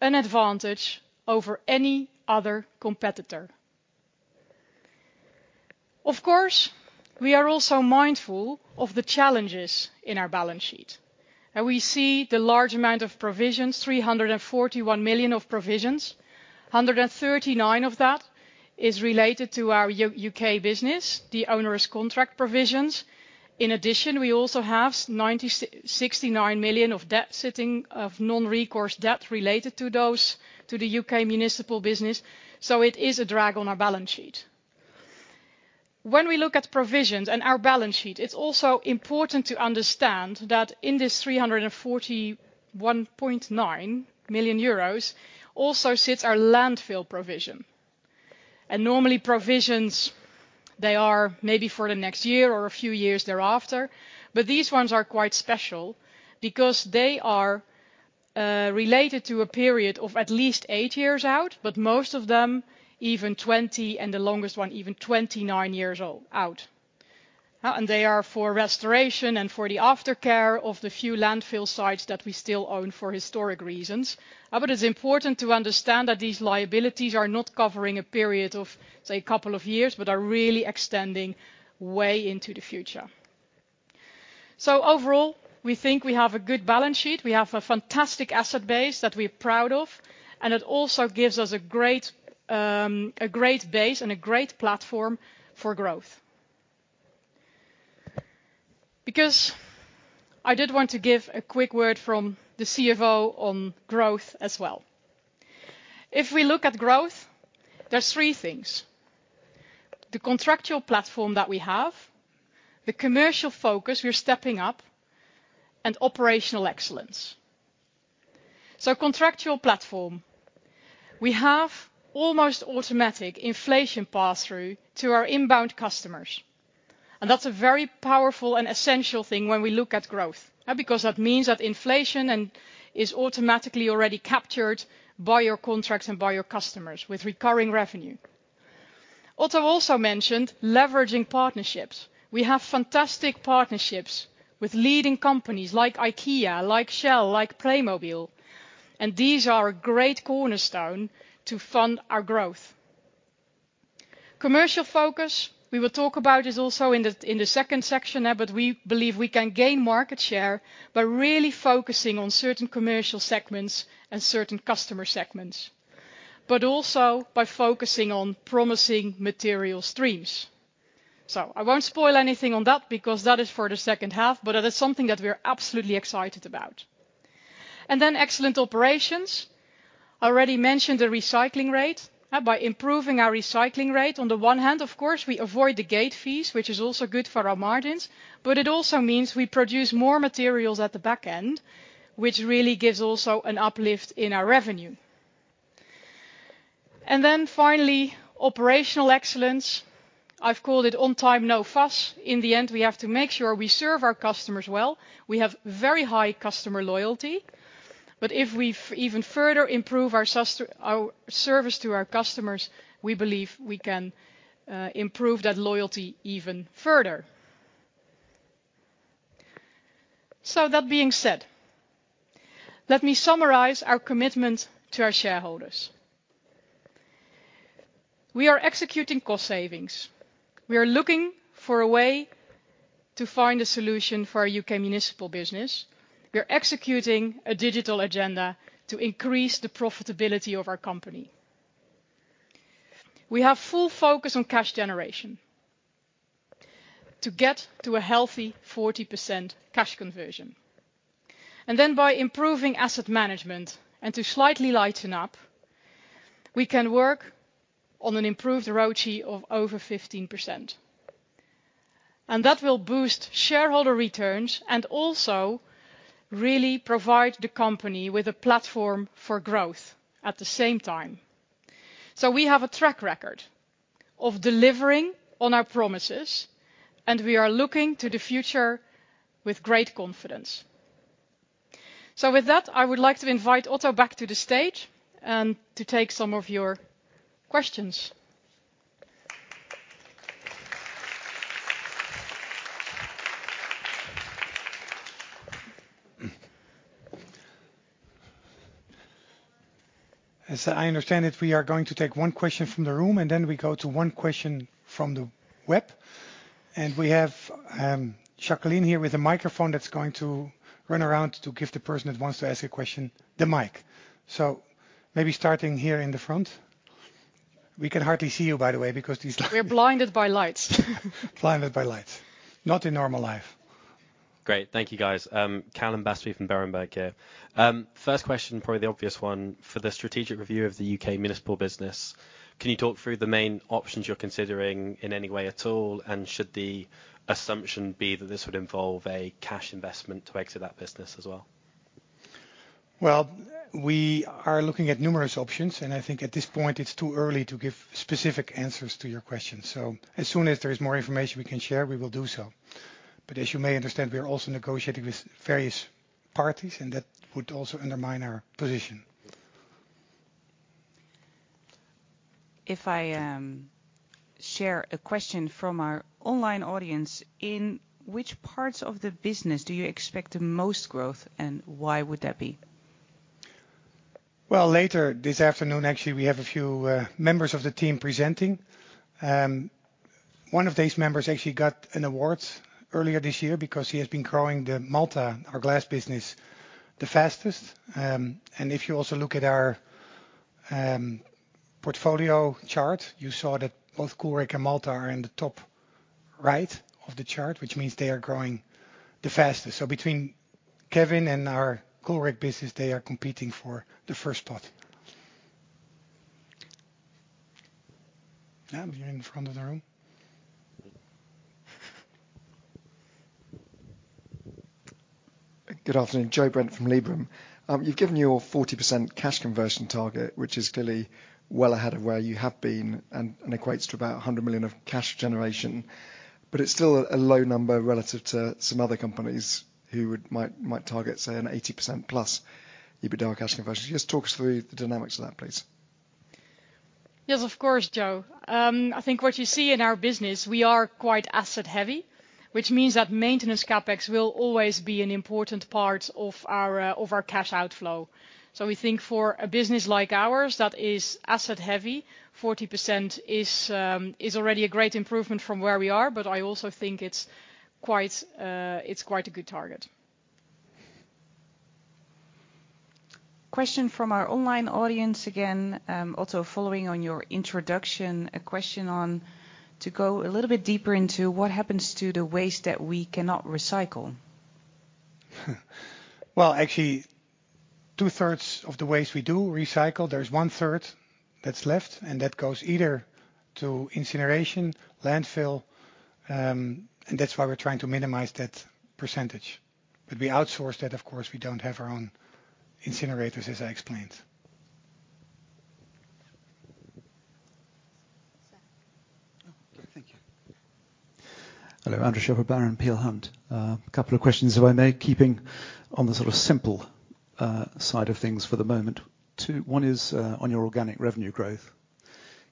an advantage over any other competitor. Of course, we are also mindful of the challenges in our balance sheet. We see the large amount of provisions, 341 million of provisions. 139 of that is related to our U.K. business, the onerous contract provisions. In addition, we also have 69 million of debt sitting, of non-recourse debt related to those, to the U.K. Municipal business, so it is a drag on our balance sheet. When we look at provisions and our balance sheet, it's also important to understand that in this 341.9 million euros, also sits our landfill provision. Normally, provisions, they are maybe for the next year or a few years thereafter, but these ones are quite special because they are related to a period of at least 8 years out, but most of them, even 20, and the longest one, even 29 years out. And they are for restoration and for the aftercare of the few landfill sites that we still own for historic reasons. But it's important to understand that these liabilities are not covering a period of, say, a couple of years, but are really extending way into the future. So overall, we think we have a good balance sheet. We have a fantastic asset base that we're proud of, and it also gives us a great, a great base and a great platform for growth. Because I did want to give a quick word from the CFO on growth as well. If we look at growth, there's three things: the contractual platform that we have, the commercial focus we're stepping up, and operational excellence. So contractual platform. We have almost automatic inflation pass-through to our inbound customers, and that's a very powerful and essential thing when we look at growth, because that means that inflation and is automatically already captured by your contracts and by your customers with recurring revenue. Otto also mentioned leveraging partnerships. We have fantastic partnerships with leading companies like IKEA, like Shell, like Playmobil.... And these are a great cornerstone to fund our growth. Commercial focus, we will talk about this also in the second section, but we believe we can gain market share by really focusing on certain commercial segments and certain customer segments. But also by focusing on promising material streams. So I won't spoil anything on that because that is for the second half, but that is something that we're absolutely excited about. And then excellent operations. Already mentioned the recycling rate. By improving our recycling rate, on the one hand, of course, we avoid the gate fees, which is also good for our margins, but it also means we produce more materials at the back end, which really gives also an uplift in our revenue. And then finally, operational excellence. I've called it on time, no fuss. In the end, we have to make sure we serve our customers well. We have very high customer loyalty, but if we even further improve our service to our customers, we believe we can improve that loyalty even further. So that being said, let me summarize our commitment to our shareholders. We are executing cost savings. We are looking for a way to find a solution for our U.K. Municipal business. We are executing a digital agenda to increase the profitability of our company. We have full focus on cash generation to get to a healthy 40% cash conversion. And then by improving asset management, and to slightly lighten up, we can work on an improved ROCE of over 15%. And that will boost shareholder returns and also really provide the company with a platform for growth at the same time. So we have a track record of delivering on our promises, and we are looking to the future with great confidence. So with that, I would like to invite Otto back to the stage and to take some of your questions. As I understand it, we are going to take one question from the room, and then we go to one question from the web. We have Jacqueline here with a microphone that's going to run around to give the person that wants to ask a question the mic. So maybe starting here in the front. We can hardly see you, by the way, because these- We're blinded by lights. Blinded by lights. Not in normal life. Great. Thank you, guys. Calum Battersby from Berenberg here. First question, probably the obvious one: for the strategic review of the U.K. Municipal business, can you talk through the main options you're considering in any way at all? And should the assumption be that this would involve a cash investment to exit that business as well? Well, we are looking at numerous options, and I think at this point, it's too early to give specific answers to your question. So as soon as there is more information we can share, we will do so. But as you may understand, we are also negotiating with various parties, and that would also undermine our position. If I share a question from our online audience, in which parts of the business do you expect the most growth, and why would that be? Well, later this afternoon, actually, we have a few members of the team presenting. One of these members actually got an award earlier this year because he has been growing the Maltha, our glass business, the fastest. And if you also look at our portfolio chart, you saw that both Coolrec and Maltha are in the top right of the chart, which means they are growing the fastest. So between Kevin and our Coolrec business, they are competing for the first spot. Here in the front of the room. Good afternoon. Joe Brent from Liberum. You've given your 40% cash conversion target, which is clearly well ahead of where you have been and equates to about 100 million of cash generation. But it's still a low number relative to some other companies who would might target, say, an 80%+ EBITDA cash conversion. Can you just talk us through the dynamics of that, please? Yes, of course, Joe. I think what you see in our business, we are quite asset heavy, which means that maintenance CapEx will always be an important part of our cash outflow. So we think for a business like ours, that is asset heavy, 40% is already a great improvement from where we are, but I also think it's quite a good target. Question from our online audience again. Also following on your introduction, a question on to go a little bit deeper into what happens to the waste that we cannot recycle? Well, actually, two-thirds of the waste we do recycle. There's one-third that's left, and that goes either to incineration, landfill, and that's why we're trying to minimize that percentage. But we outsource that, of course, we don't have our own incinerators, as I explained. Thank you. Hello, Andrew Shepherd-Barron, Peel Hunt. A couple of questions, if I may, keeping on the sort of simple side of things for the moment. Two—One is on your organic revenue growth.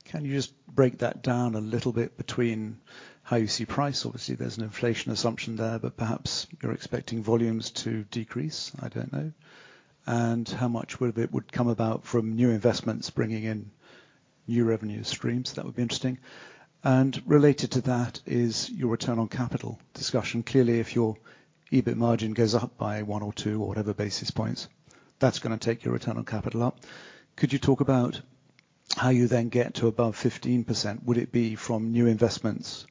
Can you just break that down a little bit between how you see price? Obviously, there's an inflation assumption there, but perhaps you're expecting volumes to decrease, I don't know. And how much would of it would come about from new investments bringing in new revenue streams? That would be interesting. And related to that is your return on capital discussion. Clearly, if your EBIT margin goes up by one or two or whatever basis points, that's gonna take your return on capital up. Could you talk about how you then get to above 15%? Would it be from new investments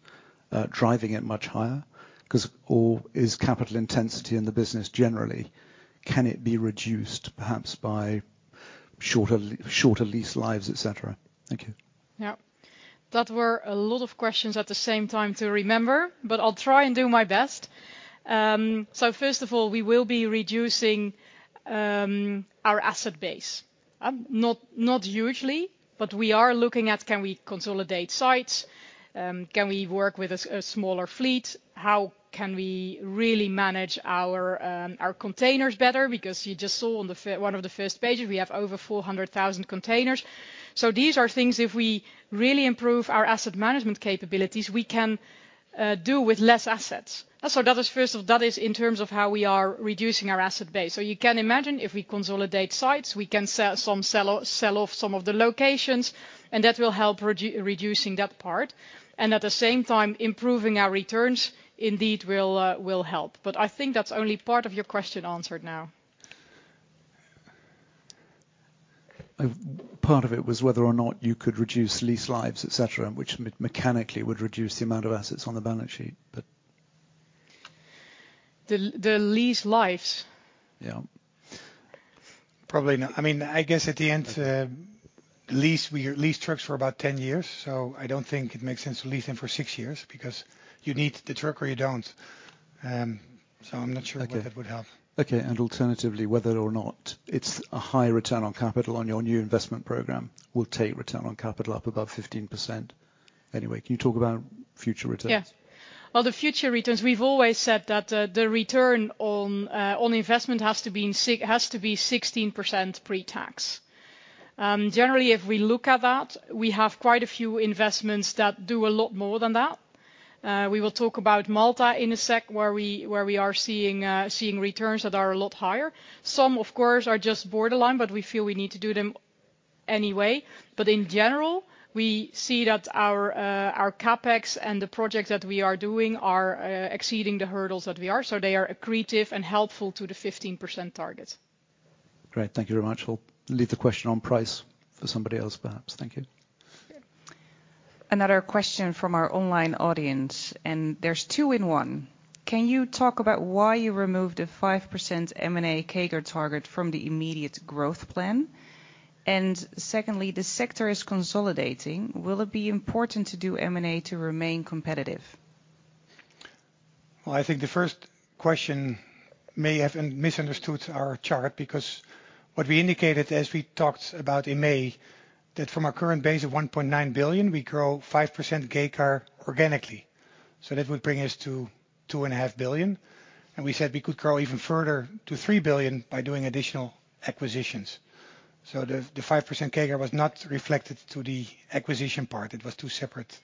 driving it much higher? 'Cause or is capital intensity in the business generally, can it be reduced, perhaps by shorter lease lives, et cetera? Thank you. Yeah. That were a lot of questions at the same time to remember, but I'll try and do my best. So first of all, we will be reducing our asset base. Not, not hugely, but we are looking at can we consolidate sites, can we work with a, a smaller fleet? How can we really manage our our containers better? Because you just saw on the one of the first pages, we have over 400,000 containers. So these are things if we really improve our asset management capabilities, we can do with less assets. So that is first of... That is in terms of how we are reducing our asset base. You can imagine if we consolidate sites, we can sell off some of the locations, and that will help reducing that part, and at the same time, improving our returns indeed will help. But I think that's only part of your question answered now. Part of it was whether or not you could reduce lease lives, et cetera, which mechanically would reduce the amount of assets on the balance sheet, but. The lease lives? Yeah. Probably not. I mean, I guess at the end, at least we lease trucks for about 10 years, so I don't think it makes sense to lease them for six years, because you need the truck or you don't. So I'm not sure how that would help. Okay, and alternatively, whether or not it's a high return on capital on your new investment program will take return on capital up above 15% anyway. Can you talk about future returns? Yeah. Well, the future returns, we've always said that, the return on, on investment has to be in six- has to be 16% pre-tax. Generally, if we look at that, we have quite a few investments that do a lot more than that. We will talk about Maltha in a sec, where we, where we are seeing, seeing returns that are a lot higher. Some, of course, are just borderline, but we feel we need to do them anyway. But in general, we see that our, our CapEx and the projects that we are doing are, exceeding the hurdles that we are, so they are accretive and helpful to the 15% target. Great. Thank you very much. We'll leave the question on price for somebody else, perhaps. Thank you. Yeah. Another question from our online audience, and there's two in one: Can you talk about why you removed the 5% M&A CAGR target from the immediate growth plan? And secondly, the sector is consolidating. Will it be important to do M&A to remain competitive? Well, I think the first question may have misunderstood our chart, because what we indicated as we talked about in May, that from our current base of 1.9 billion, we grow 5% CAGR organically. So that would bring us to 2.5 billion, and we said we could grow even further to three billion by doing additional acquisitions. So the five percent CAGR was not reflected to the acquisition part. It was two separate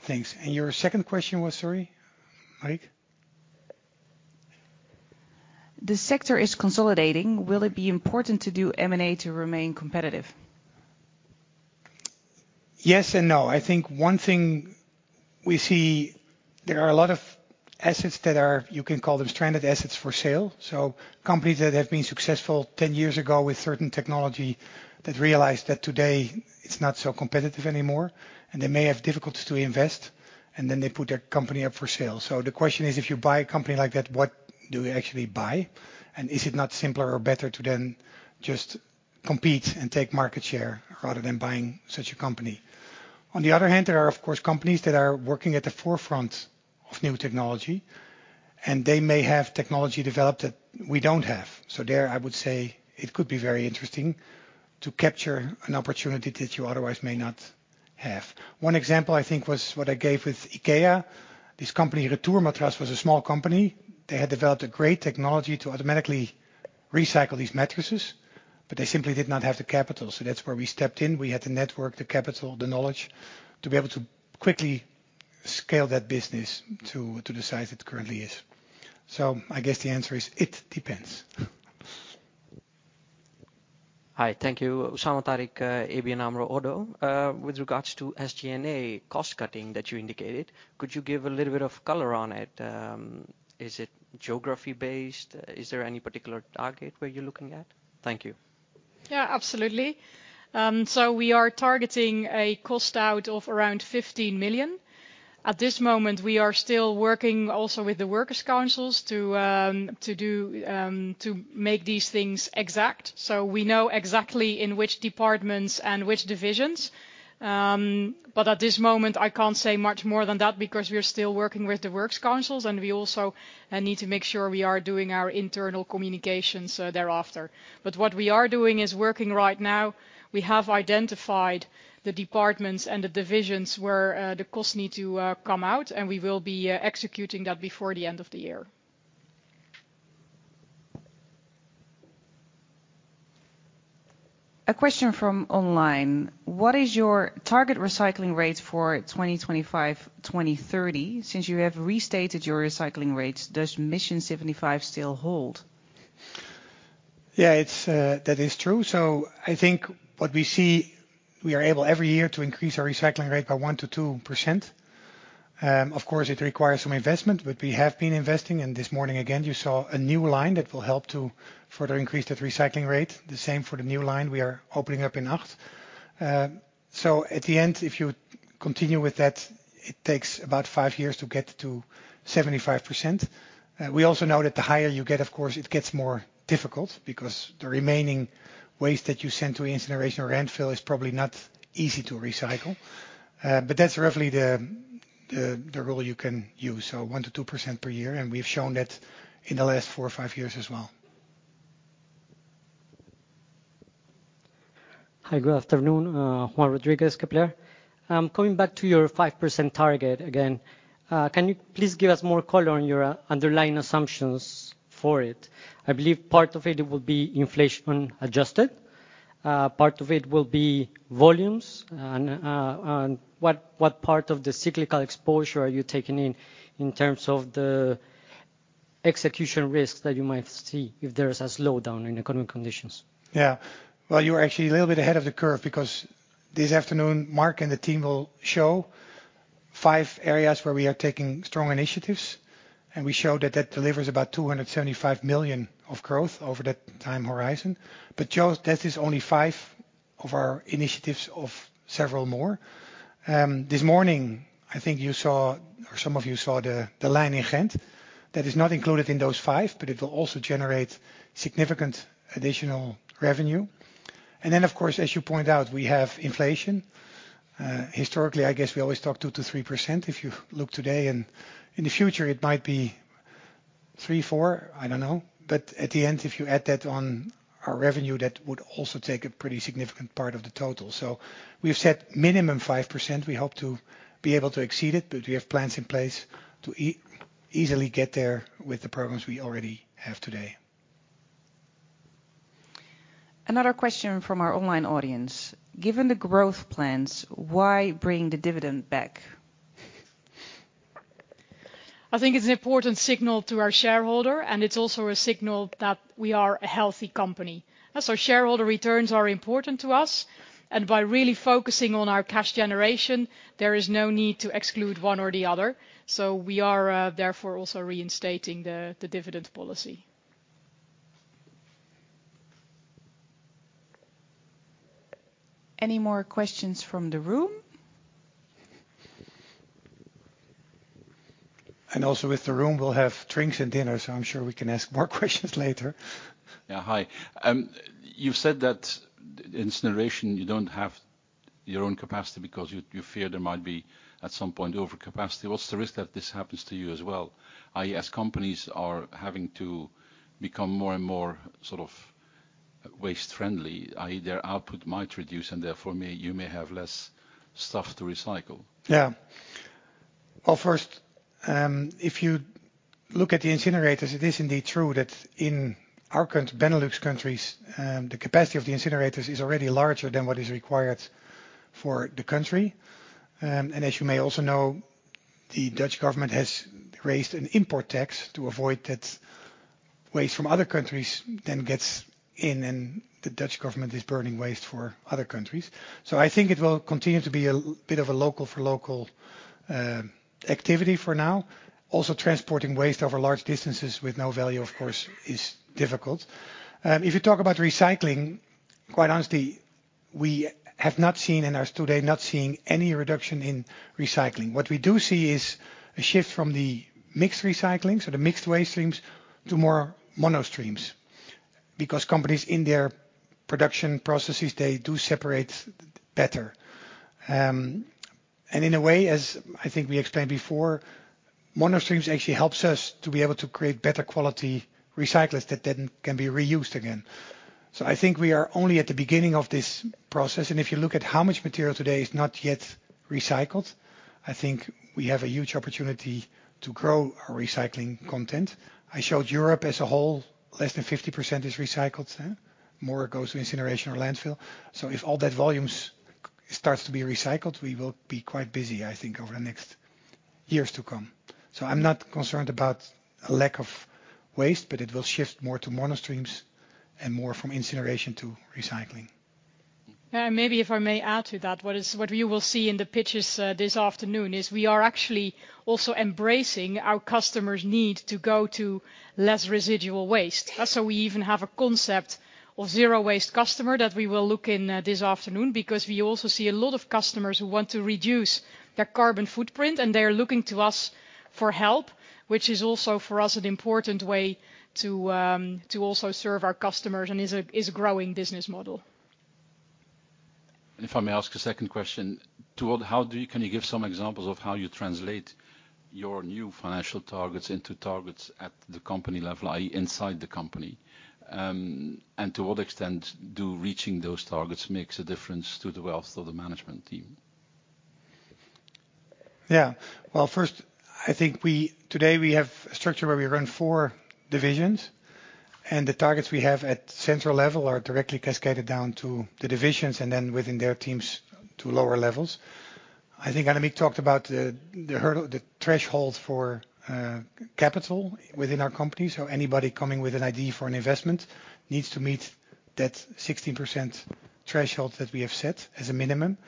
things. And your second question was, sorry, Marie? The sector is consolidating. Will it be important to do M&A to remain competitive? Yes and no. I think one thing we see, there are a lot of assets that are, you can call them stranded assets for sale. So companies that have been successful ten years ago with certain technology that realized that today it's not so competitive anymore, and they may have difficulties to invest, and then they put their company up for sale. So the question is, if you buy a company like that, what do you actually buy? And is it not simpler or better to then just compete and take market share rather than buying such a company? On the other hand, there are, of course, companies that are working at the forefront of new technology, and they may have technology developed that we don't have. So there, I would say it could be very interesting to capture an opportunity that you otherwise may not have. One example, I think, was what I gave with IKEA. This company, Retourmatras, was a small company. They had developed a great technology to automatically recycle these mattresses, but they simply did not have the capital, so that's where we stepped in. We had the network, the capital, the knowledge to be able to quickly scale that business to, to the size it currently is. So I guess the answer is: it depends. Hi, thank you. Usama Tariq, ABN AMRO, Otto. With regards to SG&A cost-cutting that you indicated, could you give a little bit of color on it? Is it geography-based? Is there any particular target where you're looking at? Thank you. Yeah, absolutely. So we are targeting a cost-out of around 15 million. At this moment, we are still working also with the workers' councils to do to make these things exact, so we know exactly in which departments and which divisions. But at this moment, I can't say much more than that, because we are still working with the works councils, and we also need to make sure we are doing our internal communications thereafter. But what we are doing is working right now. We have identified the departments and the divisions where the costs need to come out, and we will be executing that before the end of the year. ... A question from online: What is your target recycling rate for 2025, 2030? Since you have restated your recycling rates, does Mission5 still hold? Yeah, it's, that is true. So I think what we see, we are able every year to increase our recycling rate by 1%-2%. Of course, it requires some investment, but we have been investing, and this morning, again, you saw a new line that will help to further increase that recycling rate. The same for the new line we are opening up in Acht. So at the end, if you continue with that, it takes about five years to get to 75%. We also know that the higher you get, of course, it gets more difficult because the remaining waste that you send to incineration or landfill is probably not easy to recycle. That's roughly the rule you can use, so 1%-2% per year, and we've shown that in the last four or five years as well. Hi, good afternoon, Juan Rodriguez, Kepler. Coming back to your 5% target again, can you please give us more color on your underlying assumptions for it? I believe part of it will be inflation adjusted, part of it will be volumes. And, and what, what part of the cyclical exposure are you taking in, in terms of the execution risks that you might see if there is a slowdown in economic conditions? Yeah. Well, you are actually a little bit ahead of the curve, because this afternoon, Marc and the team will show five areas where we are taking strong initiatives, and we show that that delivers about 275 million of growth over that time horizon. But just, that is only five of our initiatives of several more. This morning, I think you saw, or some of you saw the, the line in Ghent. That is not included in those five, but it will also generate significant additional revenue. And then, of course, as you point out, we have inflation. Historically, I guess we always talk 2%-3%. If you look today and in the future, it might be 3%-4%, I don't know. At the end, if you add that on our revenue, that would also take a pretty significant part of the total. We've set minimum 5%. We hope to be able to exceed it, but we have plans in place to easily get there with the programs we already have today. Another question from our online audience: Given the growth plans, why bring the dividend back? I think it's an important signal to our shareholder, and it's also a signal that we are a healthy company. So shareholder returns are important to us, and by really focusing on our cash generation, there is no need to exclude one or the other. So we are therefore also reinstating the dividend policy. Any more questions from the room? And also, with the room, we'll have drinks and dinner, so I'm sure we can ask more questions later. Yeah. Hi. You've said that incineration, you don't have your own capacity because you fear there might be, at some point, overcapacity. What's the risk that this happens to you as well, i.e., as companies are having to become more and more sort of waste friendly, i.e., their output might reduce and therefore you may have less stuff to recycle? Yeah. Well, first, if you look at the incinerators, it is indeed true that in our Benelux countries, the capacity of the incinerators is already larger than what is required for the country. And as you may also know, the Dutch government has raised an import tax to avoid that waste from other countries then gets in, and the Dutch government is burning waste for other countries. So I think it will continue to be a little bit of a local for local activity for now. Also, transporting waste over large distances with no value, of course, is difficult. If you talk about recycling, quite honestly, we have not seen and are today not seeing any reduction in recycling. What we do see is a shift from the mixed recycling, so the mixed waste streams, to more mono streams, because companies, in their production processes, they do separate better. And in a way, as I think we explained before, mono streams actually helps us to be able to create better quality recyclate that then can be reused again. So I think we are only at the beginning of this process, and if you look at how much material today is not yet recycled, I think we have a huge opportunity to grow our recycling content. I showed Europe as a whole, less than 50% is recycled. More goes to incineration or landfill. So if all that volumes starts to be recycled, we will be quite busy, I think, over the next years to come. I'm not concerned about a lack of waste, but it will shift more to mono streams and more from incineration to recycling. Yeah, maybe if I may add to that, what you will see in the pitches this afternoon is we are actually also embracing our customers' need to go to less residual waste. So we even have a concept of zero waste customer that we will look in this afternoon, because we also see a lot of customers who want to reduce their carbon footprint, and they are looking to us for help, which is also, for us, an important way to also serve our customers and is a growing business model. If I may ask a second question, how do you... Can you give some examples of how you translate your new financial targets into targets at the company level, i.e., inside the company? To what extent do reaching those targets makes a difference to the wealth of the management team?... Yeah. Well, first, I think we today have a structure where we run four divisions, and the targets we have at central level are directly cascaded down to the divisions and then within their teams to lower levels. I think Annemieke talked about the hurdle, the threshold for capital within our company. So anybody coming with an idea for an investment needs to meet that 16% threshold that we have set as a minimum.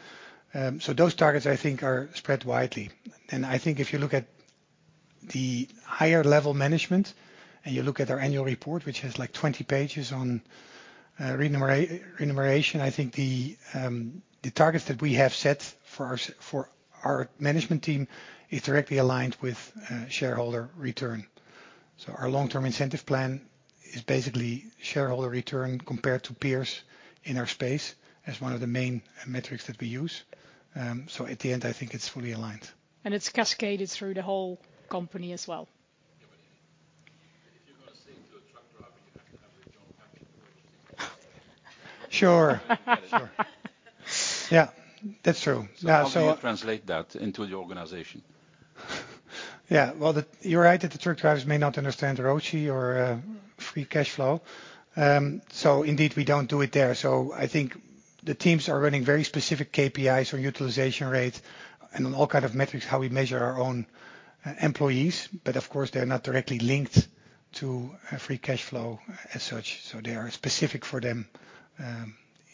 So those targets, I think, are spread widely. And I think if you look at the higher level management, and you look at our annual report, which has, like, 20 pages on remuneration, I think the targets that we have set for our management team is directly aligned with shareholder return. Our long-term incentive plan is basically shareholder return compared to peers in our space as one of the main metrics that we use. So at the end, I think it's fully aligned. It's cascaded through the whole company as well. If you're going to say to a truck driver, you have to have a joint package. Sure. Sure. Yeah, that's true. Now, so- How do you translate that into the organization? Yeah, well, you're right that the truck drivers may not understand ROIC or free cash flow. So indeed, we don't do it there. So I think the teams are running very specific KPIs or utilization rates and all kind of metrics, how we measure our own employees. But of course, they are not directly linked to free cash flow as such, so they are specific for them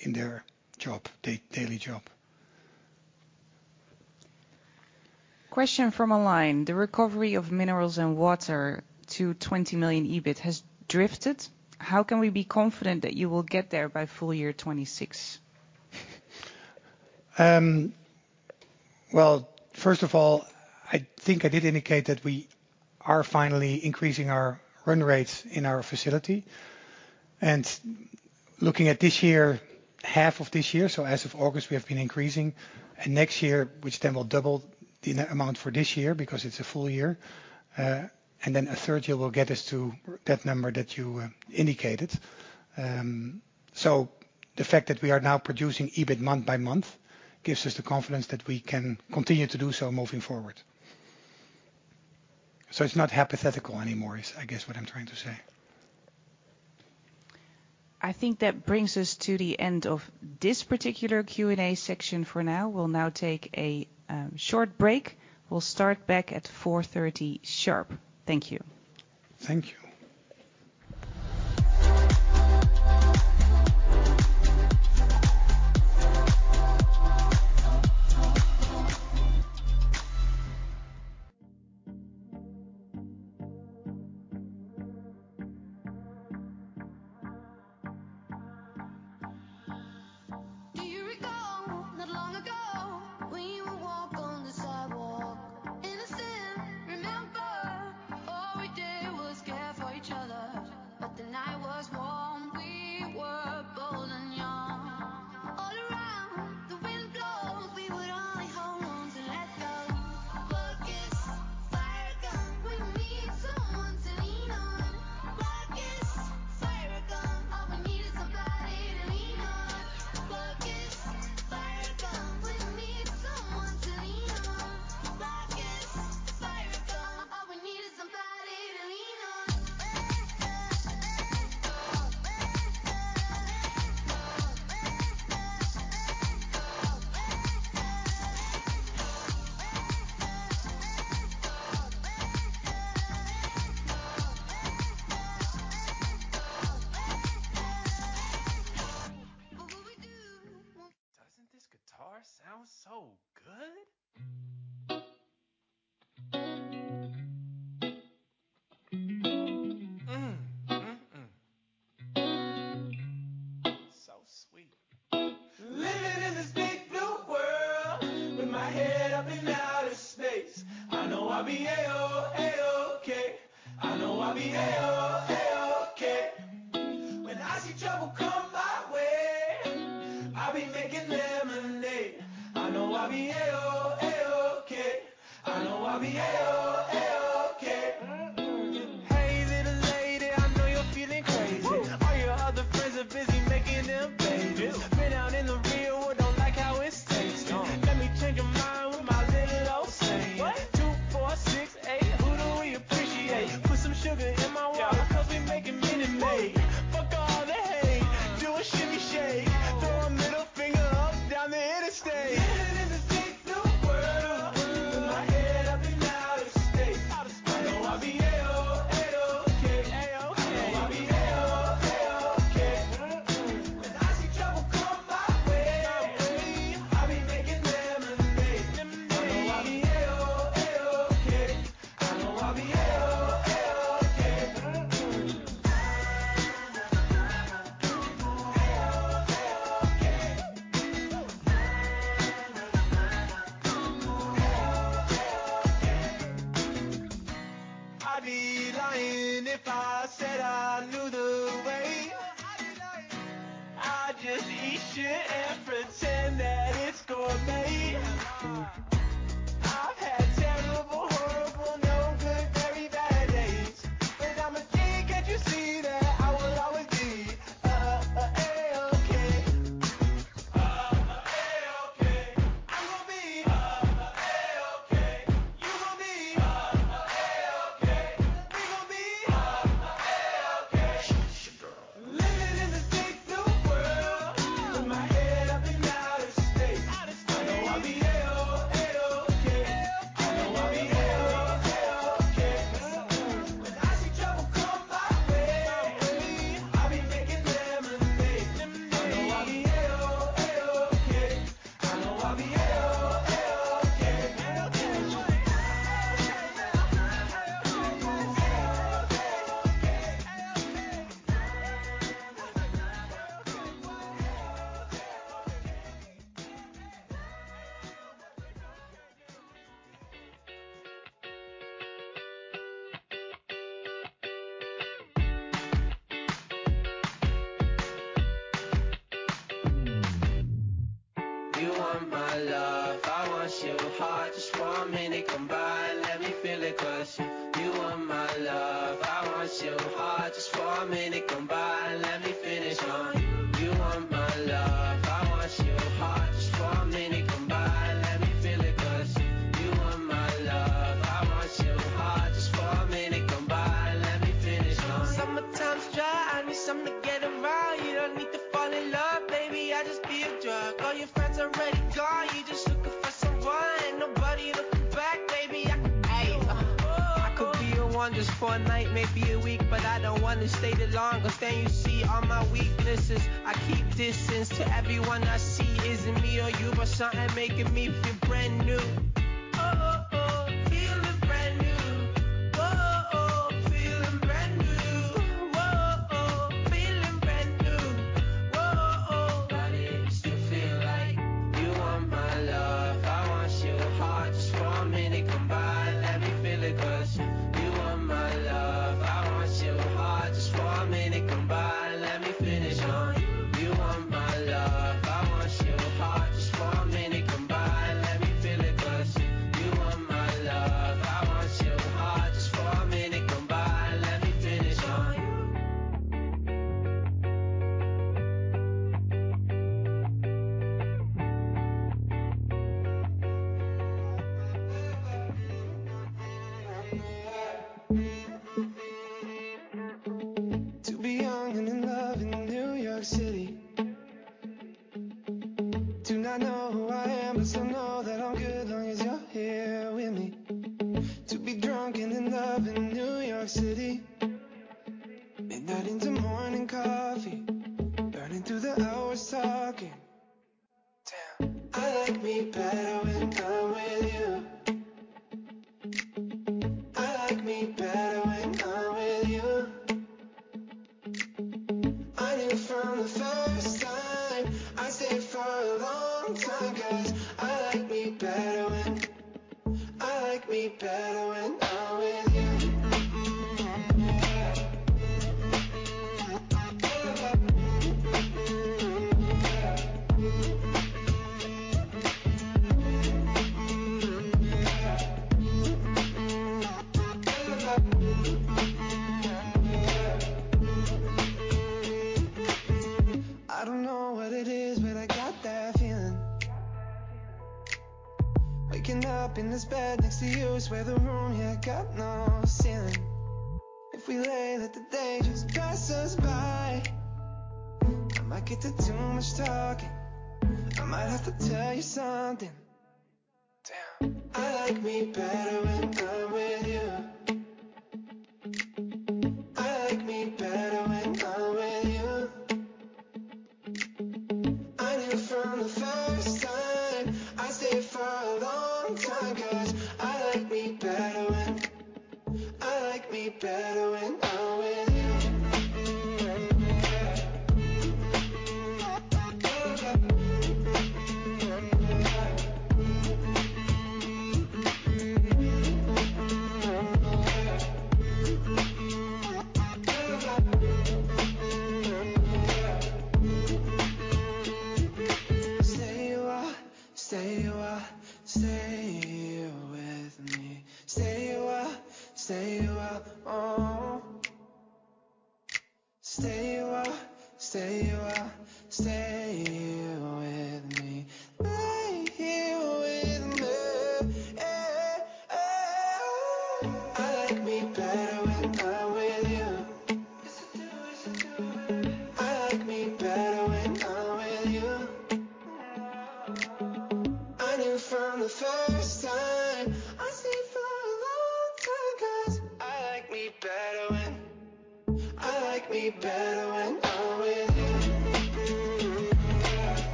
in their job, daily job. Question from online: The recovery of Mineralz & Water to 20 million EBIT has drifted. How can we be confident that you will get there by full year 2026? Well, first of all, I think I did indicate that we are finally increasing our run rates in our facility. And looking at this year, half of this year, so as of August, we have been increasing, and next year, which then will double the amount for this year because it's a full year, and then a third year will get us to that number that you indicated. So the fact that we are now producing EBIT month by month gives us the confidence that we can continue to do so moving forward. So it's not hypothetical anymore, is, I guess, what I'm trying to say. I think that brings us to the end of this particular Q&A section for now. We'll now take a short break. We'll start back at 4:30 P.M. sharp. Thank you. Thank you.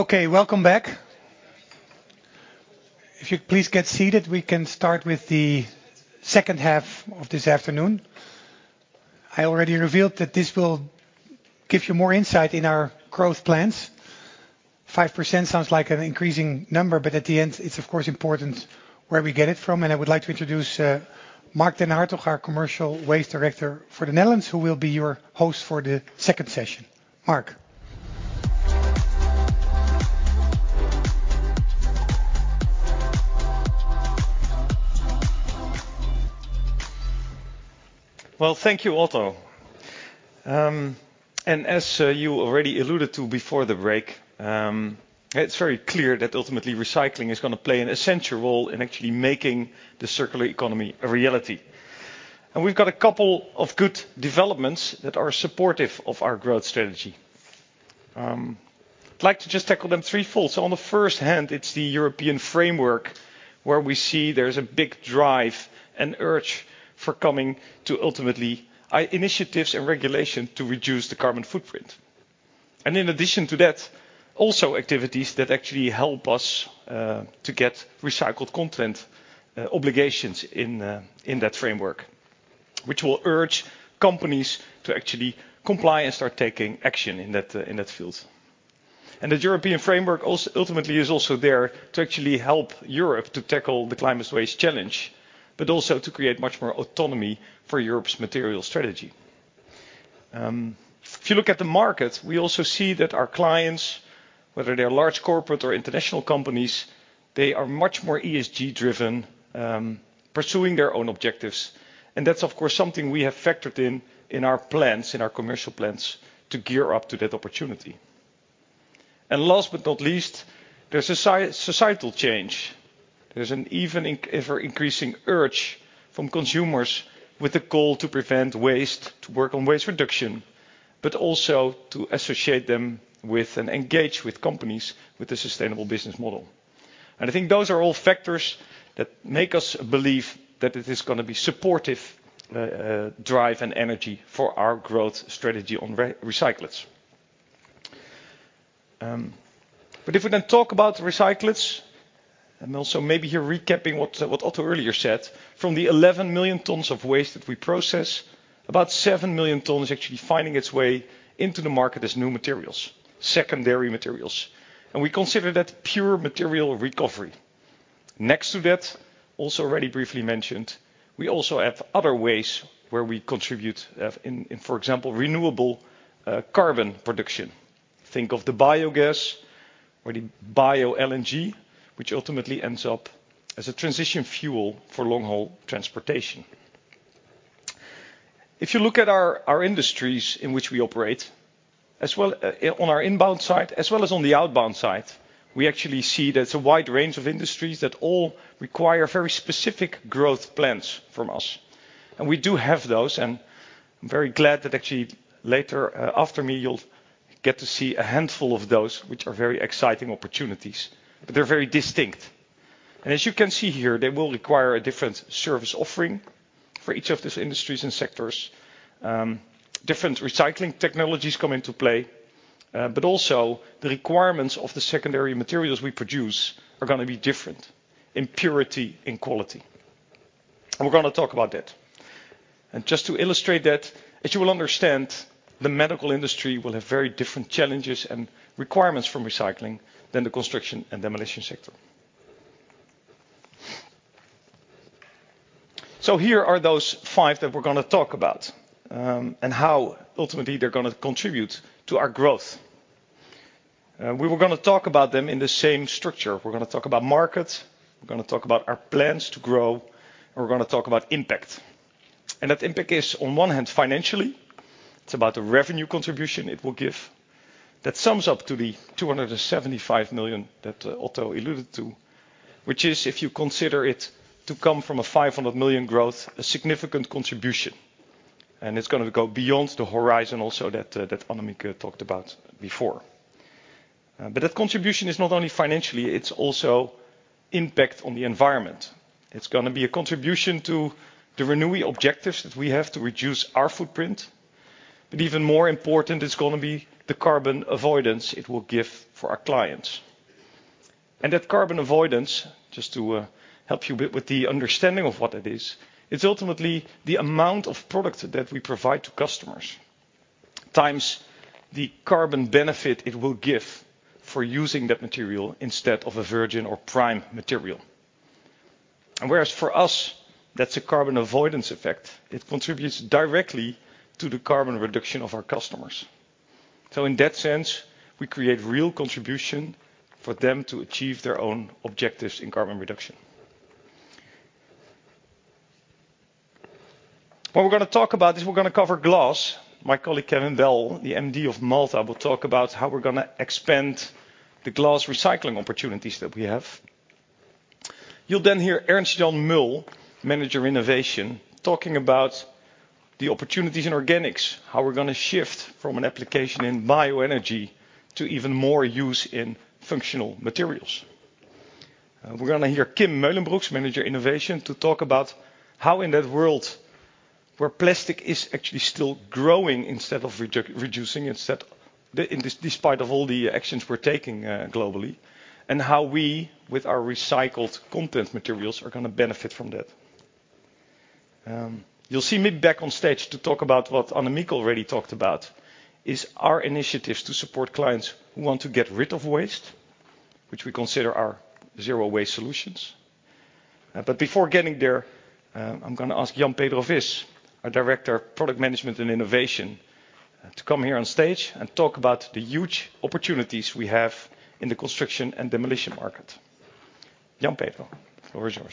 Okay, welcome back. If you'd please get seated, we can start with the second half of this afternoon. I already revealed that this will give you more insight in our growth plans. 5% sounds like an increasing number, but at the end, it's of course, important where we get it from. And I would like to introduce, Marc den Hartog, our Commercial Waste Director for the Netherlands, who will be your host for the second session. Marc? Well, thank you, Otto. And as you already alluded to before the break, it's very clear that ultimately recycling is going to play an essential role in actually making the circular economy a reality. And we've got a couple of good developments that are supportive of our growth strategy. I'd like to just tackle them threefold. So on the first hand, it's the European framework, where we see there's a big drive and urge for coming to ultimately initiatives and regulation to reduce the carbon footprint. And in addition to that, also activities that actually help us to get recycled content obligations in that framework, which will urge companies to actually comply and start taking action in that field. And the European framework also ultimately is also there to actually help Europe to tackle the climate waste challenge, but also to create much more autonomy for Europe's material strategy. If you look at the market, we also see that our clients, whether they are large corporate or international companies, they are much more ESG-driven, pursuing their own objectives. And that's, of course, something we have factored in in our plans, in our commercial plans, to gear up to that opportunity. And last but not least, there's societal change. There's an even ever-increasing urge from consumers with a goal to prevent waste, to work on waste reduction, but also to associate them with, and engage with, companies with a sustainable business model. And I think those are all factors that make us believe that it is gonna be supportive drive and energy for our growth strategy on recyclates. But if we then talk about recyclates, and also maybe here recapping what Otto earlier said, from the 11 million tons of waste that we process, about seven million tons is actually finding its way into the market as new materials, secondary materials, and we consider that pure material recovery. Next to that, also already briefly mentioned, we also have other ways where we contribute, in for example, renewable carbon production. Think of the biogas or the Bio-LNG, which ultimately ends up as a transition fuel for long-haul transportation. If you look at our industries in which we operate, as well, on our inbound side, as well as on the outbound side, we actually see there's a wide range of industries that all require very specific growth plans from us. And we do have those, and I'm very glad that actually later, after me, you'll get to see a handful of those, which are very exciting opportunities. But they're very distinct. And as you can see here, they will require a different service offering for each of these industries and sectors. Different recycling technologies come into play, but also the requirements of the secondary materials we produce are gonna be different in purity and quality. And we're gonna talk about that. Just to illustrate that, as you will understand, the medical industry will have very different challenges and requirements from recycling than the construction and demolition sector. Here are those five that we're gonna talk about, and how ultimately they're gonna contribute to our growth. We were gonna talk about them in the same structure. We're gonna talk about market, we're gonna talk about our plans to grow, and we're gonna talk about impact. That impact is, on one hand, financially, it's about the revenue contribution it will give. That sums up to the 275 million that Otto alluded to, which is, if you consider it to come from a 500 million growth, a significant contribution, and it's gonna go beyond the horizon also that Annemieke talked about before. But that contribution is not only financially, it's also impact on the environment. It's gonna be a contribution to the Renewi objectives, that we have to reduce our footprint, but even more important, it's gonna be the carbon avoidance it will give for our clients. And that carbon avoidance, just to help you a bit with the understanding of what that is, it's ultimately the amount of product that we provide to customers, times the carbon benefit it will give for using that material instead of a virgin or prime material. And whereas for us, that's a carbon avoidance effect, it contributes directly to the carbon reduction of our customers. So in that sense, we create real contribution for them to achieve their own objectives in carbon reduction. What we're gonna talk about is, we're gonna cover glass. My colleague, Kevin Bell, the MD of Maltha, will talk about how we're gonna expand the glass recycling opportunities that we have. You'll then hear Ernst-Jan Mul, Manager, Innovation, talking about the opportunities in organics, how we're gonna shift from an application in bioenergy to even more use in functional materials. We're gonna hear Kim Meulenbroeks, Manager, Innovation, to talk about how in that world, where plastic is actually still growing instead of reducing, in this, despite of all the actions we're taking globally, and how we, with our recycled content materials, are gonna benefit from that. You'll see me back on stage to talk about what Annemieke already talked about, is our initiatives to support clients who want to get rid of waste, which we consider our zero waste solutions. Before getting there, I'm gonna ask Jan-Pedro Vis, our Director of Product Management and Innovation, to come here on stage and talk about the huge opportunities we have in the construction and demolition market. Jan-Pedro, the floor is yours.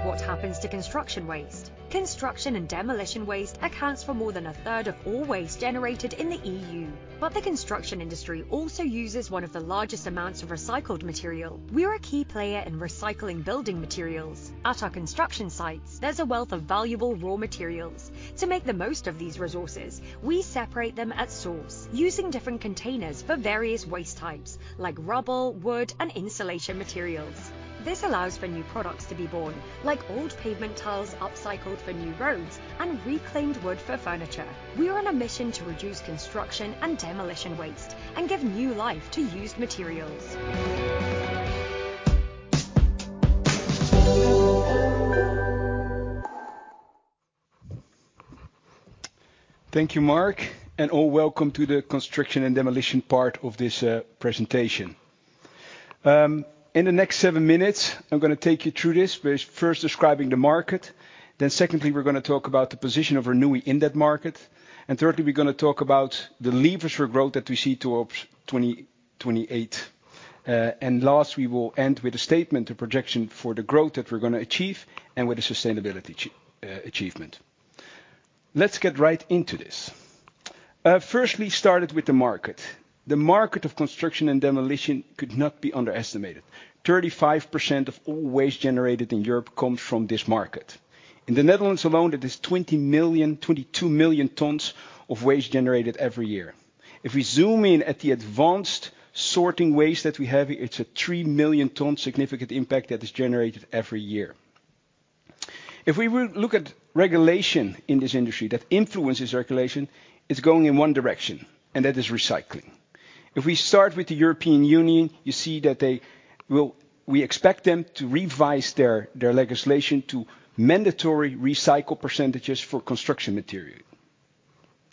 Have you ever wondered what happens to construction waste? Construction and demolition waste accounts for more than a third of all waste generated in the EU. But the construction industry also uses one of the largest amounts of recycled material. We're a key player in recycling building materials. At our construction sites, there's a wealth of valuable raw materials. To make the most of these resources, we separate them at source, using different containers for various waste types, like rubble, wood, and insulation materials. This allows for new products to be born, like old pavement tiles upcycled for new roads and reclaimed wood for furniture. We are on a mission to reduce construction and demolition waste, and give new life to used materials. Thank you, Marc, and all welcome to the construction and demolition part of this, presentation. In the next seven minutes, I'm gonna take you through this, with first describing the market, then secondly, we're gonna talk about the position of Renewi in that market, and thirdly, we're gonna talk about the levers for growth that we see towards 2028.... and last, we will end with a statement, a projection for the growth that we're gonna achieve, and with a sustainability achievement. Let's get right into this. Firstly, started with the market. The market of construction and demolition could not be underestimated. 35% of all waste generated in Europe comes from this market. In the Netherlands alone, it is 20 million-2two million tons of waste generated every year. If we zoom in at the advanced sorting waste that we have, it's a 3 million-ton significant impact that is generated every year. If we look at regulation in this industry, that influences regulation, it's going in one direction, and that is recycling. If we start with the European Union, you see that they will... We expect them to revise their, their legislation to mandatory recycle percentages for construction material.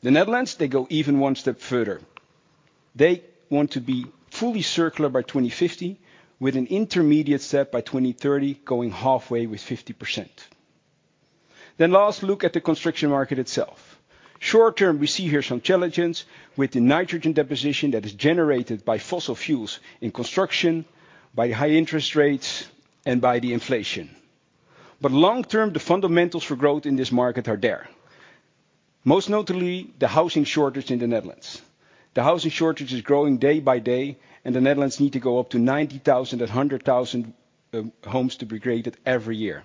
The Netherlands, they go even one step further. They want to be fully circular by 2050, with an intermediate step by 2030, going halfway with 50%. Then last, look at the construction market itself. Short term, we see here some challenges with the nitrogen deposition that is generated by fossil fuels in construction, by high interest rates, and by the inflation. But long term, the fundamentals for growth in this market are there. Most notably, the housing shortage in the Netherlands. The housing shortage is growing day by day, and the Netherlands need to go up to 90,000-100,000 homes to be created every year.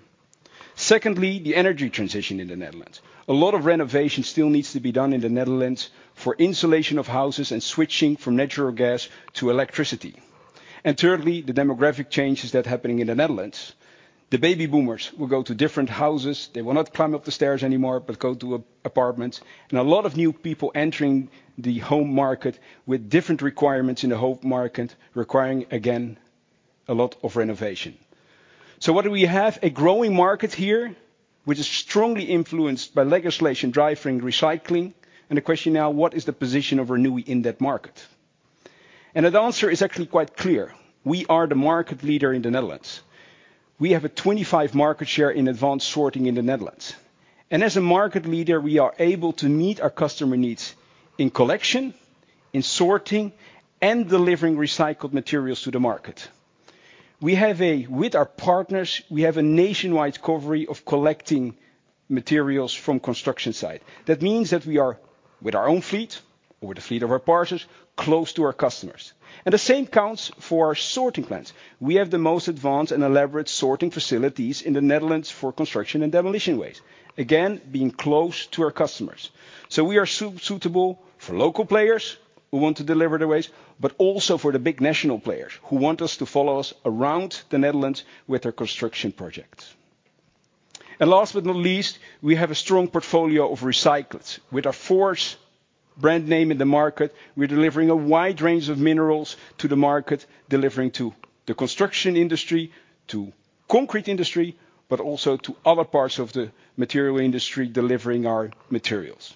Secondly, the energy transition in the Netherlands. A lot of renovation still needs to be done in the Netherlands for insulation of houses and switching from natural gas to electricity. And thirdly, the demographic changes that are happening in the Netherlands. The baby boomers will go to different houses. They will not climb up the stairs anymore, but go to apartments. And a lot of new people entering the home market with different requirements in the home market, requiring, again, a lot of renovation. So what do we have? A growing market here, which is strongly influenced by legislation driving recycling. And the question now: What is the position of Renewi in that market? And the answer is actually quite clear. We are the market leader in the Netherlands. We have a 25 market share in advanced sorting in the Netherlands. And as a market leader, we are able to meet our customer needs in collection, in sorting, and delivering recycled materials to the market. We have a... With our partners, we have a nationwide coverage of collecting materials from construction site. That means that we are, with our own fleet, or the fleet of our partners, close to our customers. And the same counts for our sorting plants. We have the most advanced and elaborate sorting facilities in the Netherlands for construction and demolition waste. Again, being close to our customers. So we are suitable for local players who want to deliver the waste, but also for the big national players, who want us to follow us around the Netherlands with their construction projects. And last but not least, we have a strong portfolio of recyclates. With our Forz brand name in the market, we're delivering a wide range of minerals to the market, delivering to the construction industry, to concrete industry, but also to other parts of the material industry, delivering our materials.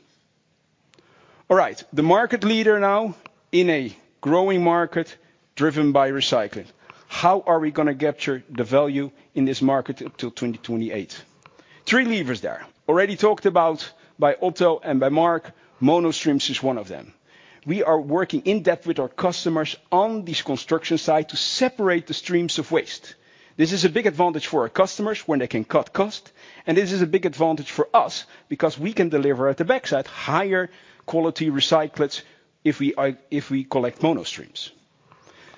All right. The market leader now in a growing market, driven by recycling. How are we gonna capture the value in this market up till 2028? Three levers there. Already talked about by Otto and by Marc, mono streams is one of them. We are working in depth with our customers on this construction site, to separate the streams of waste. This is a big advantage for our customers when they can cut cost, and this is a big advantage for us, because we can deliver at the backside, higher quality recyclates if we collect mono streams.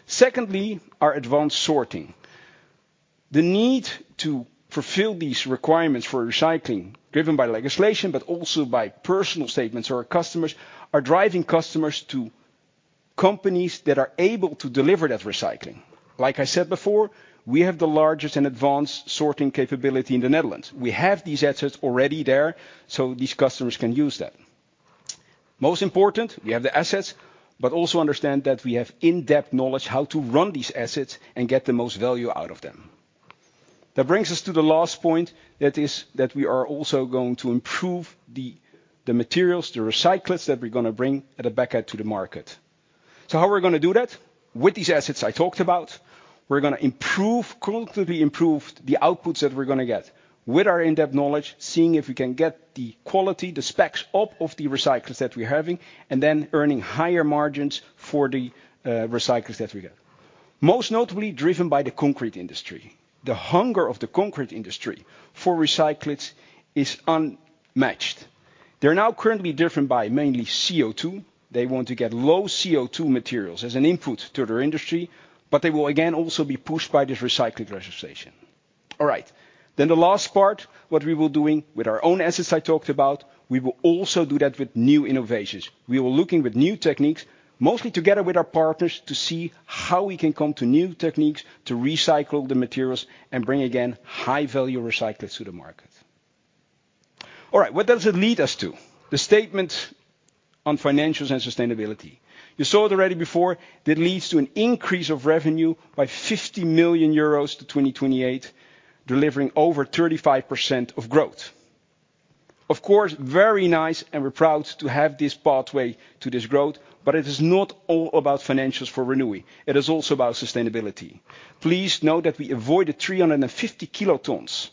Secondly, our advanced sorting. The need to fulfill these requirements for recycling, driven by legislation but also by personal statements of our customers, are driving customers to companies that are able to deliver that recycling. Like I said before, we have the largest and advanced sorting capability in the Netherlands. We have these assets already there, so these customers can use that. Most important, we have the assets, but also understand that we have in-depth knowledge how to run these assets and get the most value out of them. That brings us to the last point, that is, that we are also going to improve the materials, the recyclates that we're gonna bring at the back end to the market. So how are we gonna do that? With these assets I talked about, we're gonna improve, critically improve the outputs that we're gonna get. With our in-depth knowledge, seeing if we can get the quality, the specs up of the recyclates that we're having, and then earning higher margins for the recyclates that we get. Most notably, driven by the concrete industry. The hunger of the concrete industry for recyclates is unmatched. They're now currently different by mainly CO2. They want to get low-CO2 materials as an input to their industry, but they will again also be pushed by this recycling registration. All right. Then the last part, what we will be doing with our own assets I talked about, we will also do that with new innovations. We are looking with new techniques, mostly together with our partners, to see how we can come to new techniques to recycle the materials and bring again high-value recyclates to the market. All right, what does it lead us to? The statement on financials and sustainability. You saw it already before, that leads to an increase of revenue by 50 million euros to 2028, delivering over 35% of growth. Of course, very nice, and we're proud to have this pathway to this growth, but it is not all about financials for Renewi, it is also about sustainability. Please note that we avoided 350 kilotons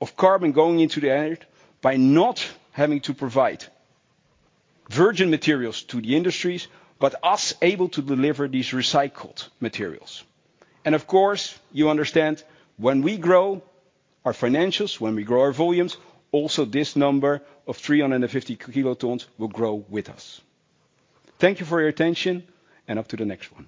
of carbon going into the air by not having to provide virgin materials to the industries, but us able to deliver these recycled materials. And of course, you understand, when we grow our financials, when we grow our volumes, also this number of 350 kilotons will grow with us. Thank you for your attention, and up to the next one.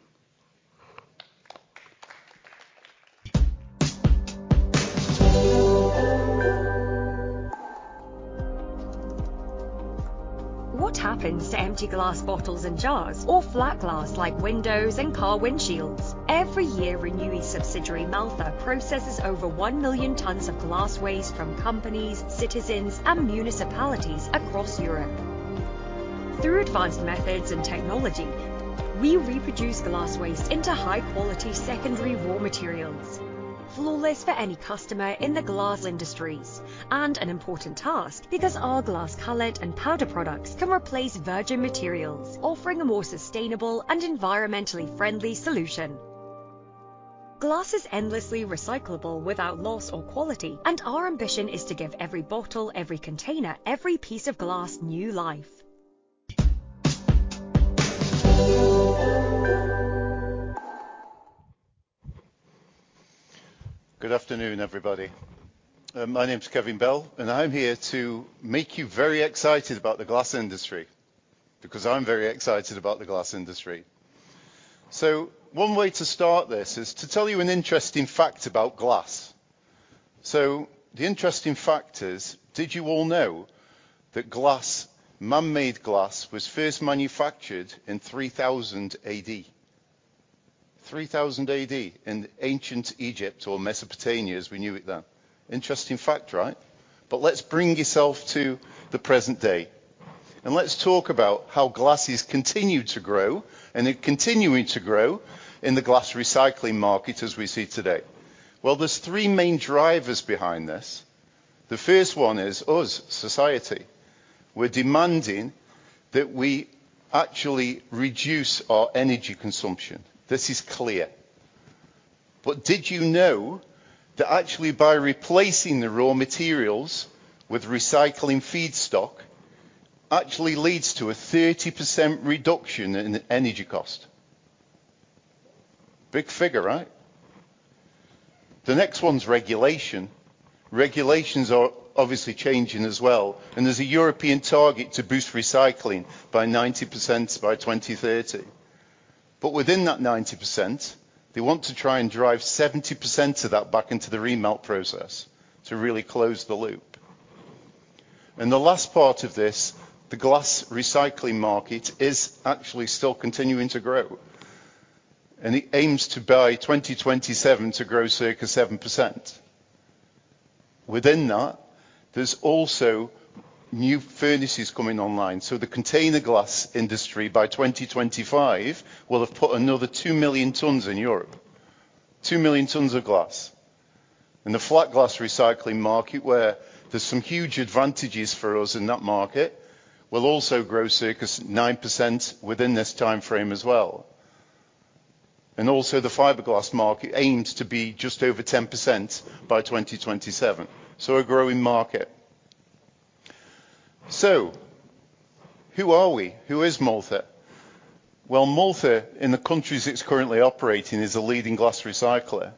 What happens to empty glass bottles and jars or flat glass, like windows and car windshields? Every year, Renewi subsidiary Maltha processes over one million tons of glass waste from companies, citizens, and municipalities across Europe. Through advanced methods and technology, we reproduce glass waste into high-quality secondary raw materials. Flawless for any customer in the glass industries, and an important task because our glass cullet and powder products can replace virgin materials, offering a more sustainable and environmentally friendly solution. Glass is endlessly recyclable without loss or quality, and our ambition is to give every bottle, every container, every piece of glass, new life. Good afternoon, everybody. My name is Kevin Bell, and I'm here to make you very excited about the glass industry, because I'm very excited about the glass industry. So one way to start this is to tell you an interesting fact about glass. So the interesting fact is, did you all know that glass, man-made glass, was first manufactured in 3,000 AD? 3,000 AD, in ancient Egypt or Mesopotamia, as we knew it then. Interesting fact, right? But let's bring yourself to the present day, and let's talk about how glass has continued to grow, and it continuing to grow in the glass recycling market as we see today. Well, there's three main drivers behind this. The first one is us, society. We're demanding that we actually reduce our energy consumption. This is clear. But did you know that actually by replacing the raw materials with recycling feedstock, actually leads to a 30% reduction in, in energy cost? Big figure, right? The next one's regulation. Regulations are obviously changing as well, and there's a European target to boost recycling by 90% by 2030. But within that 90%, they want to try and drive 70% of that back into the remelt process to really close the loop. And the last part of this, the glass recycling market, is actually still continuing to grow, and it aims to, by 2027, to grow circa 7%. Within that, there's also new furnaces coming online, so the container glass industry, by 2025, will have put another two million tons in Europe. two million tons of glass. In the flat glass recycling market, where there's some huge advantages for us in that market, will also grow circa 9% within this timeframe as well. And also, the fiberglass market aims to be just over 10% by 2027, so a growing market. So who are we? Who is Maltha? Well, Maltha, in the countries it's currently operating, is a leading glass recycler.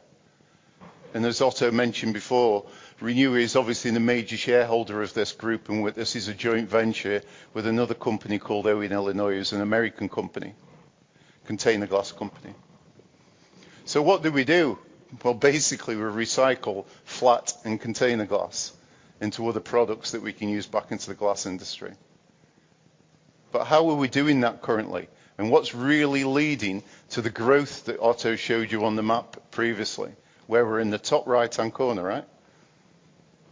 And as Otto mentioned before, Renewi is obviously the major shareholder of this group, and with this is a joint venture with another company called Owens-Illinois. It's an American company, container glass company. So what do we do? Well, basically, we recycle flat and container glass into other products that we can use back into the glass industry. But how are we doing that currently? What's really leading to the growth that Otto showed you on the map previously, where we're in the top right-hand corner, right?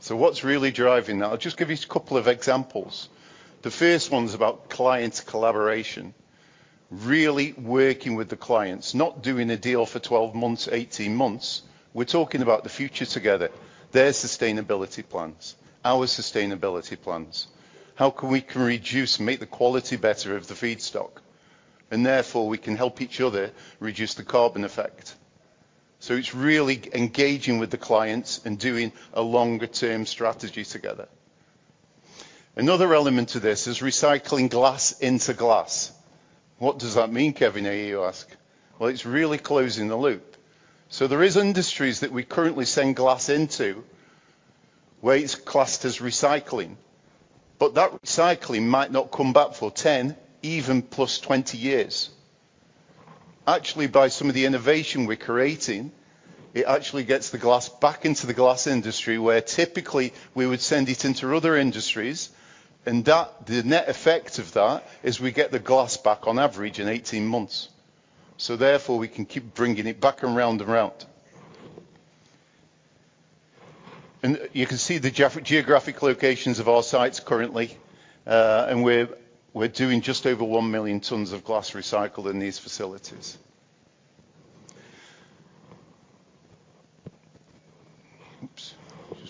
So what's really driving that? I'll just give you a couple of examples. The first one's about client collaboration. Really working with the clients, not doing a deal for 12 months, 18 months. We're talking about the future together, their sustainability plans, our sustainability plans. How can we reduce, make the quality better of the feedstock, and therefore, we can help each other reduce the carbon effect. So it's really engaging with the clients and doing a longer term strategy together. Another element to this is recycling glass into glass. What does that mean, Kevin? I hear you ask. Well, it's really closing the loop. So there are industries that we currently send glass into where it's classed as recycling, but that recycling might not come back for 10, even +20 years. Actually, by some of the innovation we're creating, it actually gets the glass back into the glass industry, where typically we would send it into other industries, and that—the net effect of that is we get the glass back, on average, in 18 months. So therefore, we can keep bringing it back and round and round. And you can see the geographic locations of our sites currently, and we're doing just over 1 million tons of glass recycled in these facilities.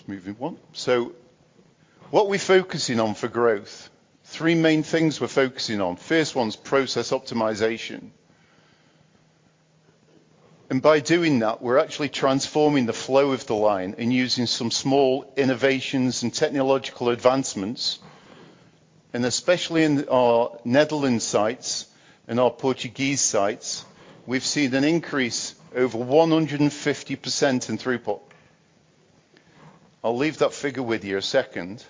Oops, just moving on. So what we're focusing on for growth, three main things we're focusing on. First one is process optimization.... By doing that, we're actually transforming the flow of the line and using some small innovations and technological advancements. Especially in our Netherlands sites and our Portuguese sites, we've seen an increase over 150% in throughput. I'll leave that figure with you a second.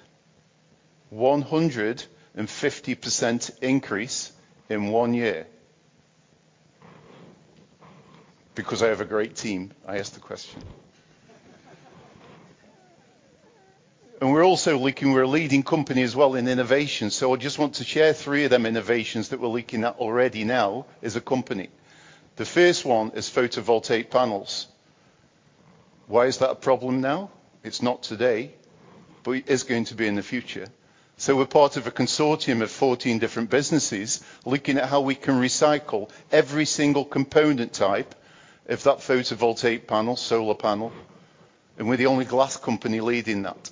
150% increase in one year. Because I have a great team, I ask the question. We're also looking, we're a leading company as well in innovation, so I just want to share three of them innovations that we're looking at already now as a company. The first one is photovoltaic panels. Why is that a problem now? It's not today, but it is going to be in the future. So we're part of a consortium of 14 different businesses, looking at how we can recycle every single component type of that photovoltaic panel, solar panel, and we're the only glass company leading that.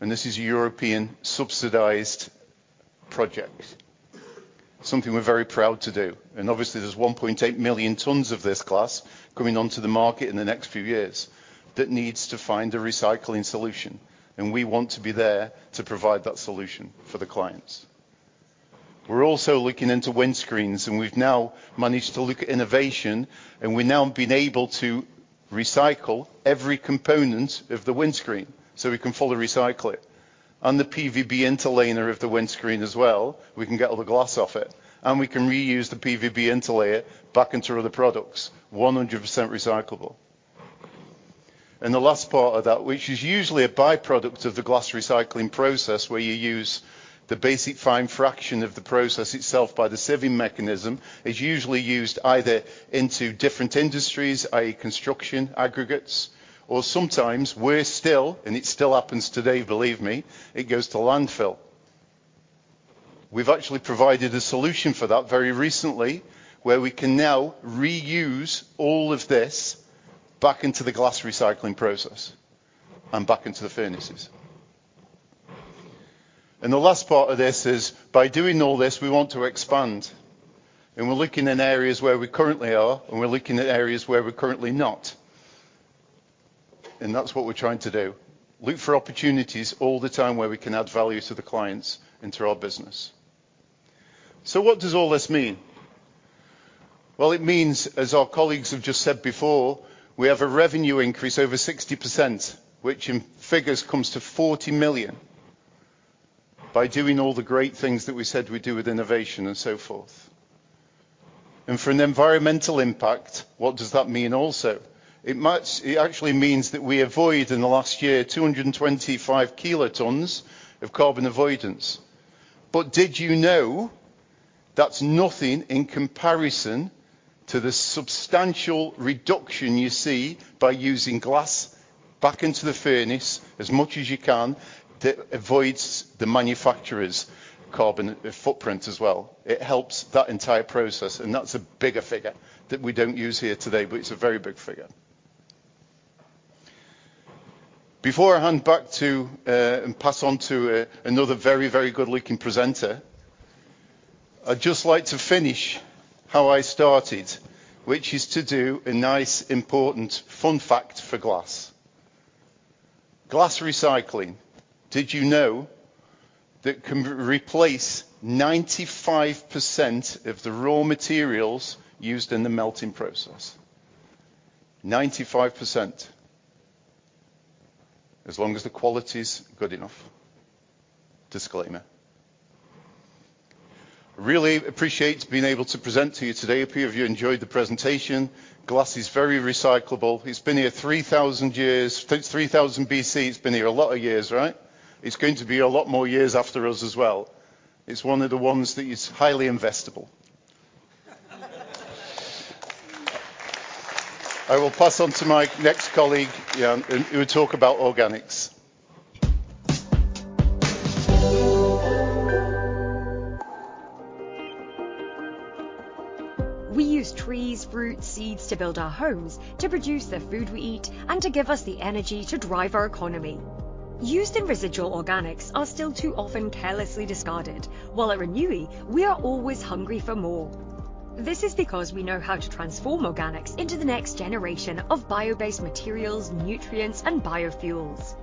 And this is a European subsidized project, something we're very proud to do. And obviously, there's 1.8 million tons of this glass coming onto the market in the next few years that needs to find a recycling solution, and we want to be there to provide that solution for the clients. We're also looking into windscreens, and we've now managed to look at innovation, and we've now been able to recycle every component of the windscreen, so we can fully recycle it. On the PVB interlayer of the windscreen as well, we can get all the glass off it, and we can reuse the PVB interlayer back into other products, 100% recyclable. The last part of that, which is usually a by-product of the glass recycling process, where you use the basic fine fraction of the process itself by the sieving mechanism, is usually used either into different industries, i.e., construction, aggregates, or sometimes worse still, and it still happens today, believe me, it goes to landfill. We've actually provided a solution for that very recently, where we can now reuse all of this back into the glass recycling process and back into the furnaces. The last part of this is, by doing all this, we want to expand, and we're looking in areas where we currently are, and we're looking at areas where we're currently not. And that's what we're trying to do, look for opportunities all the time where we can add value to the clients into our business. So what does all this mean? Well, it means, as our colleagues have just said before, we have a revenue increase over 60%, which in figures, comes to 40 million, by doing all the great things that we said we'd do with innovation and so forth. And for an environmental impact, what does that mean also? It actually means that we avoid, in the last year, 225 kilotons of carbon avoidance. But did you know that's nothing in comparison to the substantial reduction you see by using glass back into the furnace as much as you can, that avoids the manufacturer's carbon footprint as well? It helps that entire process, and that's a bigger figure that we don't use here today, but it's a very big figure. Before I hand back to and pass on to another very, very good-looking presenter, I'd just like to finish how I started, which is to do a nice, important fun fact for glass. Glass recycling, did you know that can replace 95% of the raw materials used in the melting process? 95%, as long as the quality's good enough. Disclaimer. I really appreciate being able to present to you today. A few of you enjoyed the presentation. Glass is very recyclable. It's been here 3,000 years... Since 3,000 BC. It's been here a lot of years, right? It's going to be a lot more years after us as well. It's one of the ones that is highly investable. I will pass on to my next colleague, yeah, and who will talk about organics. We use trees, fruits, seeds to build our homes, to produce the food we eat, and to give us the energy to drive our economy. Used and residual organics are still too often carelessly discarded, while at Renewi, we are always hungry for more. This is because we know how to transform organics into the next generation of bio-based materials, nutrients, and biofuels.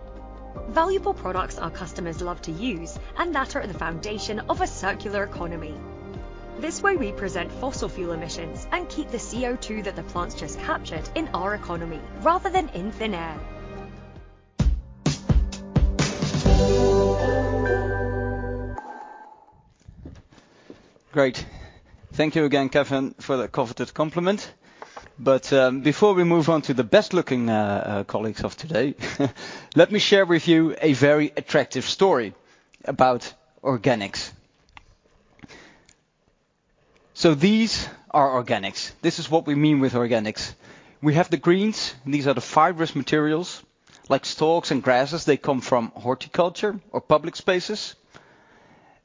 Valuable products our customers love to use and that are the foundation of a circular economy. This way, we present fossil fuel emissions and keep the CO2 that the plants just captured in our economy, rather than in thin air. Great. Thank you again, Kevin, for the coveted compliment. But, before we move on to the best-looking colleagues of today, let me share with you a very attractive story about organics. So these are organics. This is what we mean with organics. We have the greens. These are the fibrous materials, like stalks and grasses. They come from horticulture or public spaces.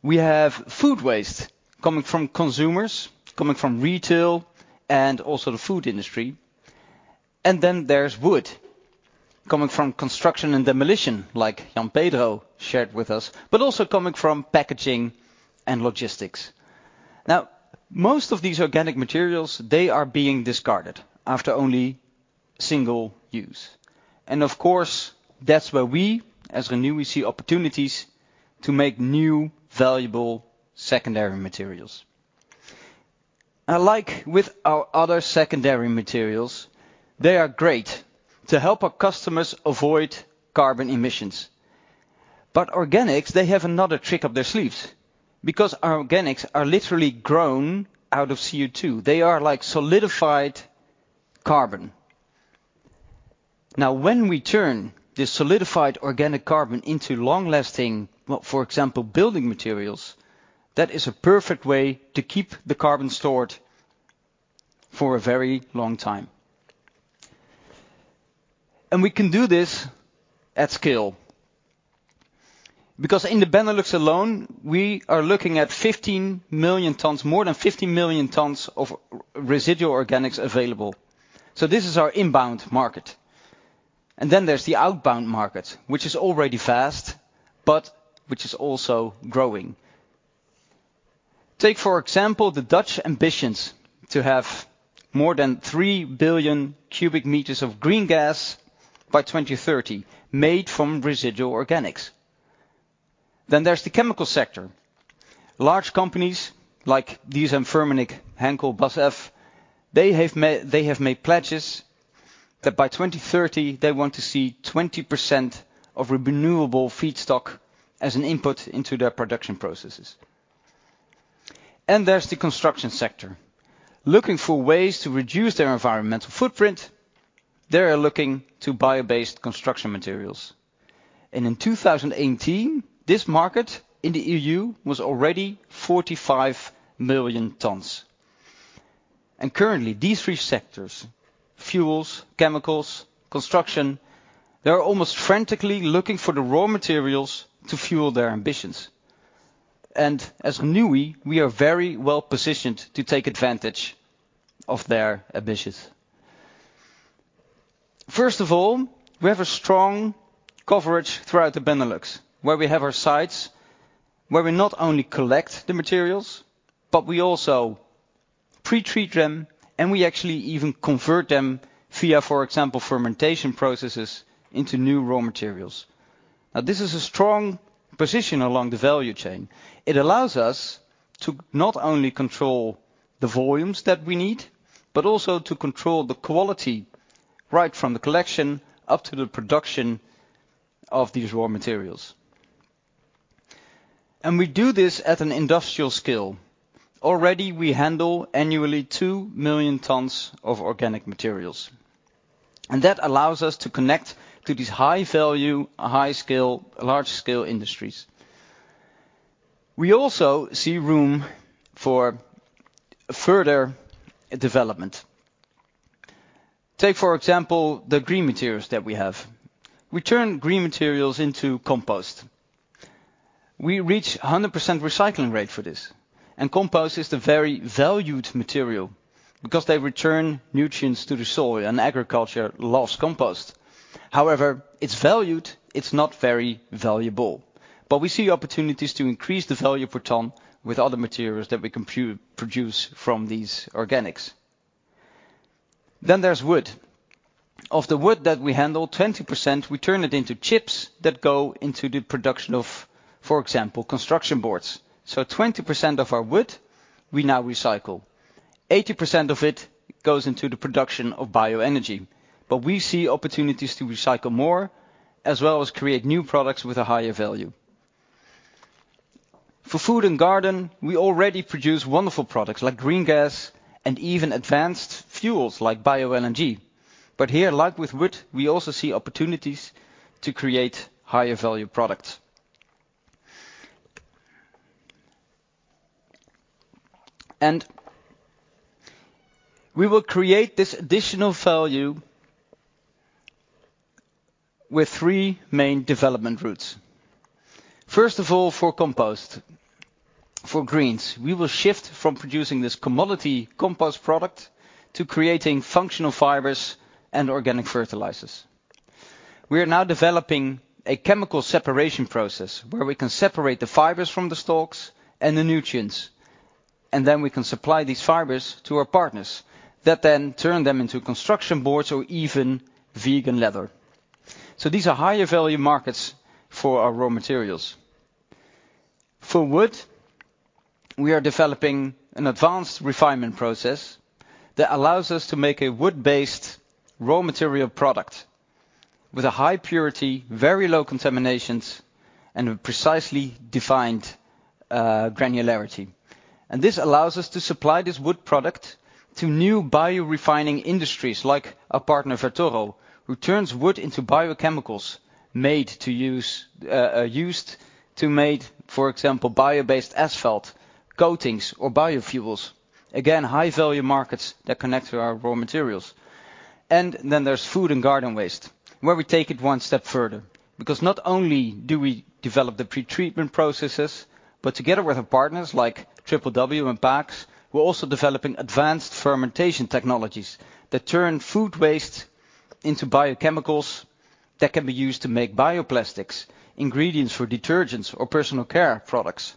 We have food waste coming from consumers, coming from retail, and also the food industry. And then there's wood. ...coming from construction and demolition, like Jan-Pedro shared with us, but also coming from packaging and logistics. Now, most of these organic materials, they are being discarded after only single use. And of course, that's where we, as Renewi, see opportunities to make new, valuable secondary materials. And like with our other secondary materials, they are great to help our customers avoid carbon emissions. But organics, they have another trick up their sleeves. Because our organics are literally grown out of CO2, they are like solidified carbon. Now, when we turn this solidified organic carbon into long-lasting, well, for example, building materials, that is a perfect way to keep the carbon stored for a very long time. And we can do this at scale. Because in the Benelux alone, we are looking at 15 million tonnes, more than 15 million tonnes of residual organics available. So this is our inbound market. And then there's the outbound market, which is already vast, but which is also growing. Take, for example, the Dutch ambitions to have more than 3 billion cubic meters of green gas by 2030, made from residual organics. Then there's the chemical sector. Large companies, like these DSM and Firmenich, Henkel, BASF, they have made pledges that by 2030, they want to see 20% of renewable feedstock as an input into their production processes. And there's the construction sector, looking for ways to reduce their environmental footprint, they are looking to bio-based construction materials. And in 2018, this market in the EU was already 45 million tons. And currently, these three sectors: fuels, chemicals, construction, they are almost frantically looking for the raw materials to fuel their ambitions. As Renewi, we are very well-positioned to take advantage of their ambitions. First of all, we have a strong coverage throughout the Benelux, where we have our sites, where we not only collect the materials, but we also pre-treat them, and we actually even convert them via, for example, fermentation processes, into new raw materials. Now, this is a strong position along the value chain. It allows us to not only control the volumes that we need, but also to control the quality, right from the collection up to the production of these raw materials. We do this at an industrial scale. Already, we handle annually two million tons of organic materials, and that allows us to connect to these high-value, high-scale, large-scale industries. We also see room for further development. Take, for example, the green materials that we have. We turn green materials into compost. We reach 100% recycling rate for this, and compost is the very valued material because they return nutrients to the soil, and agriculture loves compost. However, it's valued, it's not very valuable. But we see opportunities to increase the value per tonne with other materials that we produce from these organics. Then there's wood. Of the wood that we handle, 20%, we turn it into chips that go into the production of, for example, construction boards. So 20% of our wood, we now recycle. 80% of it goes into the production of bioenergy. But we see opportunities to recycle more, as well as create new products with a higher value. For food and garden, we already produce wonderful products like green gas and even advanced fuels, like Bio-LNG. But here, like with wood, we also see opportunities to create higher-value products. We will create this additional value with three main development routes. First of all, for compost. For greens, we will shift from producing this commodity compost product to creating functional fibers and organic fertilizers. We are now developing a chemical separation process, where we can separate the fibers from the stalks and the nutrients, and then we can supply these fibers to our partners, that then turn them into construction boards or even vegan leather. So these are higher-value markets for our raw materials. For wood, we are developing an advanced refinement process that allows us to make a wood-based raw material product with a high purity, very low contaminations, and a precisely defined granularity. This allows us to supply this wood product to new biorefining industries, like our partner, Vertoro, who turns wood into biochemicals used to make, for example, bio-based asphalt, coatings, or biofuels. Again, high-value markets that connect to our raw materials. Then there's food and garden waste, where we take it one step further, because not only do we develop the pre-treatment processes, but together with our partners, like TripleW and Paques, we're also developing advanced fermentation technologies that turn food waste into biochemicals that can be used to make bioplastics, ingredients for detergents or personal care products.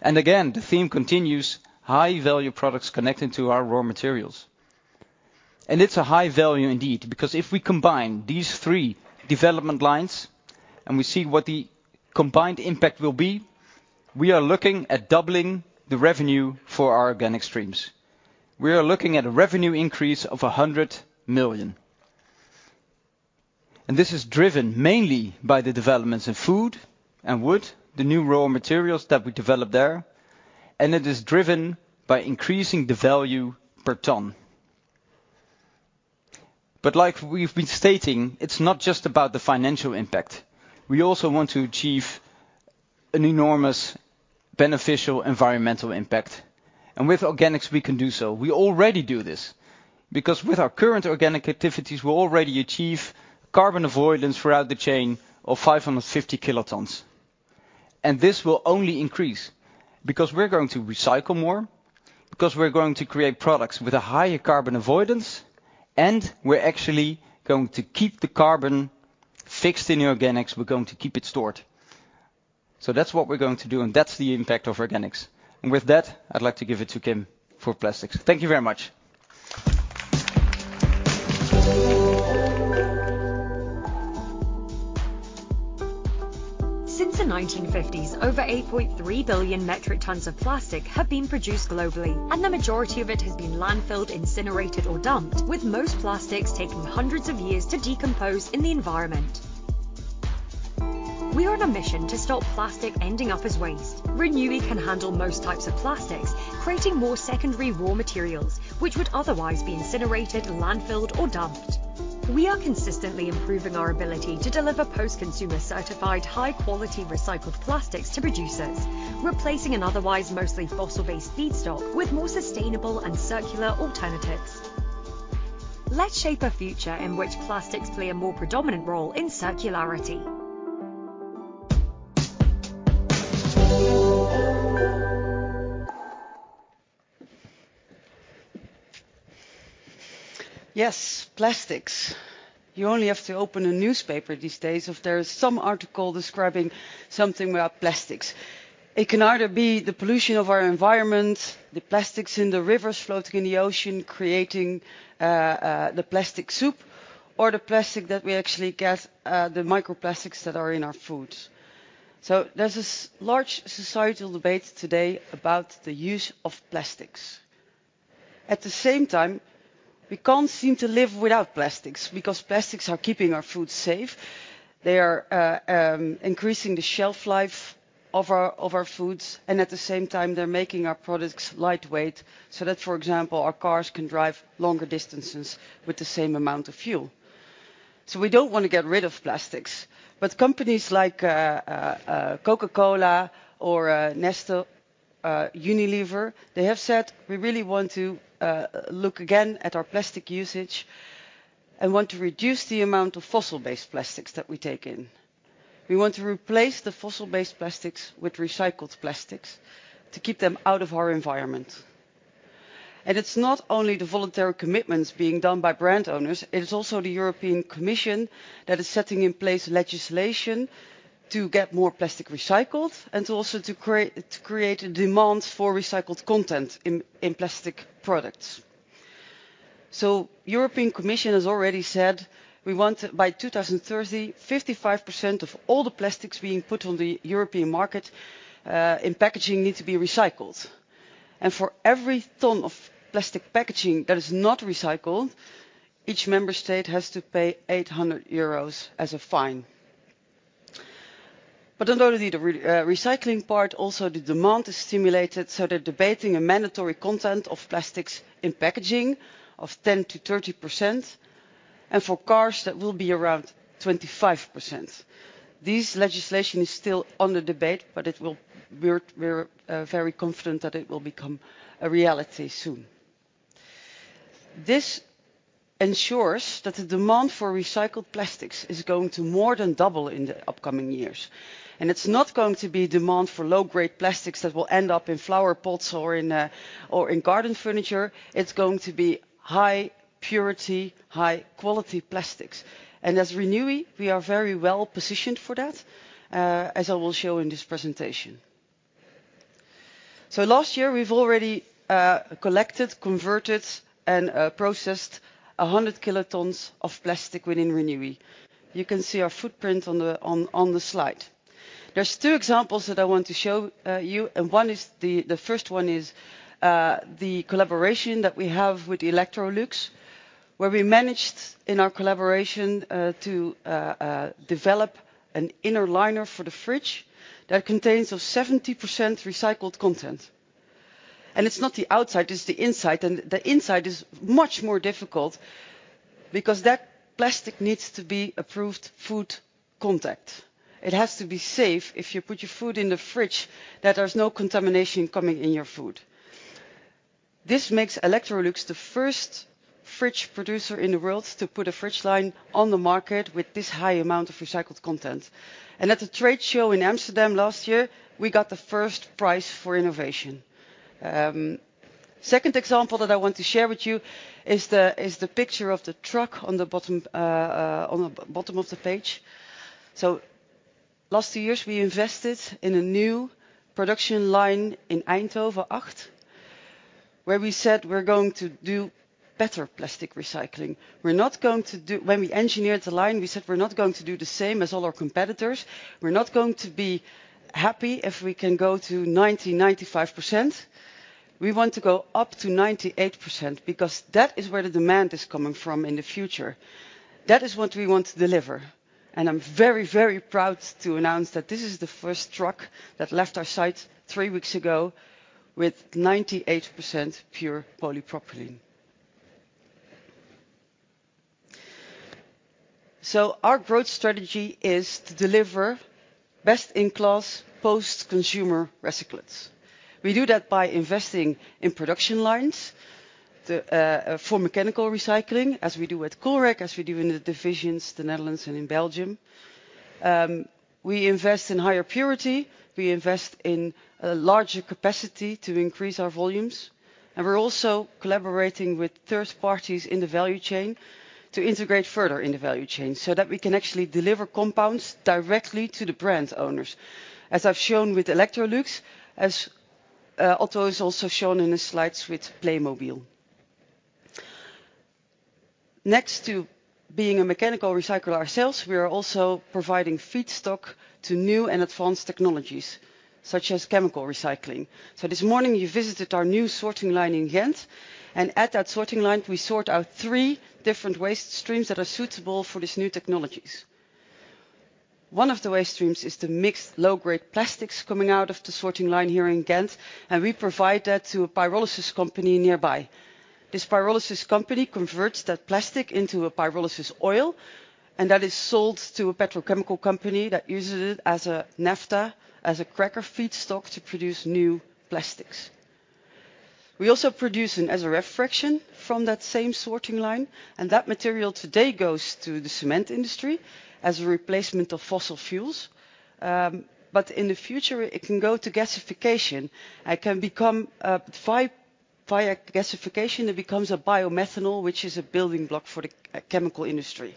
And again, the theme continues, high-value products connecting to our raw materials. It's a high value indeed, because if we combine these three development lines, and we see what the combined impact will be, we are looking at doubling the revenue for our organic streams. We are looking at a revenue increase of 100 million. This is driven mainly by the developments in food and wood, the new raw materials that we developed there, and it is driven by increasing the value per ton. But like we've been stating, it's not just about the financial impact. We also want to achieve an enormous beneficial environmental impact, and with organics, we can do so. We already do this, because with our current organic activities, we already achieve carbon avoidance throughout the chain of 550 kilotons. This will only increase, because we're going to recycle more, because we're going to create products with a higher carbon avoidance, and we're actually going to keep the carbon fixed in the organics. We're going to keep it stored. So that's what we're going to do, and that's the impact of organics. And with that, I'd like to give it to Kim for plastics. Thank you very much. Since the 1950s, over 8.3 billion metric tons of plastic have been produced globally, and the majority of it has been landfilled, incinerated, or dumped, with most plastics taking hundreds of years to decompose in the environment. We are on a mission to stop plastic ending up as waste. Renewi can handle most types of plastics, creating more secondary raw materials, which would otherwise be incinerated, landfilled, or dumped. We are consistently improving our ability to deliver post-consumer certified, high-quality recycled plastics to producers, replacing an otherwise mostly fossil-based feedstock with more sustainable and circular alternatives. Let's shape a future in which plastics play a more predominant role in circularity. Yes, plastics. You only have to open a newspaper these days if there is some article describing something about plastics. It can either be the pollution of our environment, the plastics in the rivers floating in the ocean, creating the plastic soup, or the plastic that we actually get the microplastics that are in our foods. So there's this large societal debate today about the use of plastics. At the same time, we can't seem to live without plastics, because plastics are keeping our food safe. They are increasing the shelf life of our foods, and at the same time, they're making our products lightweight so that, for example, our cars can drive longer distances with the same amount of fuel. So we don't want to get rid of plastics. But companies like Coca-Cola or Nestlé, Unilever, they have said: We really want to look again at our plastic usage and want to reduce the amount of fossil-based plastics that we take in. We want to replace the fossil-based plastics with recycled plastics to keep them out of our environment. And it's not only the voluntary commitments being done by brand owners, it is also the European Commission that is setting in place legislation to get more plastic recycled and to also create a demand for recycled content in plastic products. So European Commission has already said: We want, by 2030, 55% of all the plastics being put on the European market in packaging need to be recycled. And for every ton of plastic packaging that is not recycled, each member state has to pay 800 euros as a fine. But not only the recycling part, also the demand is stimulated, so they're debating a mandatory content of plastics in packaging of 10%-30%, and for cars, that will be around 25%. This legislation is still under debate, but it will. We're very confident that it will become a reality soon. This ensures that the demand for recycled plastics is going to more than double in the upcoming years. And it's not going to be demand for low-grade plastics that will end up in flower pots or in garden furniture. It's going to be high purity, high quality plastics. And as Renewi, we are very well positioned for that, as I will show in this presentation. So last year, we've already collected, converted, and processed 100 kilotons of plastic within Renewi. You can see our footprint on the slide. There's two examples that I want to show you, and one is the first one is the collaboration that we have with Electrolux, where we managed, in our collaboration, to develop an inner liner for the fridge that contains 70% recycled content. And it's not the outside, it's the inside, and the inside is much more difficult because that plastic needs to be approved food contact. It has to be safe if you put your food in the fridge, that there's no contamination coming in your food. This makes Electrolux the first fridge producer in the world to put a fridge line on the market with this high amount of recycled content. And at a trade show in Amsterdam last year, we got the first prize for innovation. Second example that I want to share with you is the picture of the truck on the bottom of the page. So last two years, we invested in a new production line in Eindhoven Acht, where we said we're going to do better plastic recycling. We're not going to do... When we engineered the line, we said we're not going to do the same as all our competitors. We're not going to be happy if we can go to 90%-95%. We want to go up to 98%, because that is where the demand is coming from in the future. That is what we want to deliver, and I'm very, very proud to announce that this is the first truck that left our site three weeks ago with 98% pure polypropylene. So our growth strategy is to deliver best-in-class post-consumer recyclates. We do that by investing in production lines for mechanical recycling, as we do with Coolrec, as we do in the divisions, the Netherlands and in Belgium. We invest in higher purity, we invest in a larger capacity to increase our volumes, and we're also collaborating with third parties in the value chain to integrate further in the value chain, so that we can actually deliver compounds directly to the brand owners. As I've shown with Electrolux, Otto has also shown in his slides with Playmobil. Next to being a mechanical recycler ourselves, we are also providing feedstock to new and advanced technologies, such as chemical recycling. So this morning, you visited our new sorting line in Ghent, and at that sorting line, we sort out three different waste streams that are suitable for these new technologies. One of the waste streams is the mixed low-grade plastics coming out of the sorting line here in Ghent, and we provide that to a pyrolysis company nearby. This pyrolysis company converts that plastic into a pyrolysis oil, and that is sold to a petrochemical company that uses it as a naphtha, as a cracker feedstock to produce new plastics. We also produce an SRF fraction from that same sorting line, and that material today goes to the cement industry as a replacement of fossil fuels. But in the future, it can go to gasification and can become via gasification, it becomes a biomethanol, which is a building block for the chemical industry.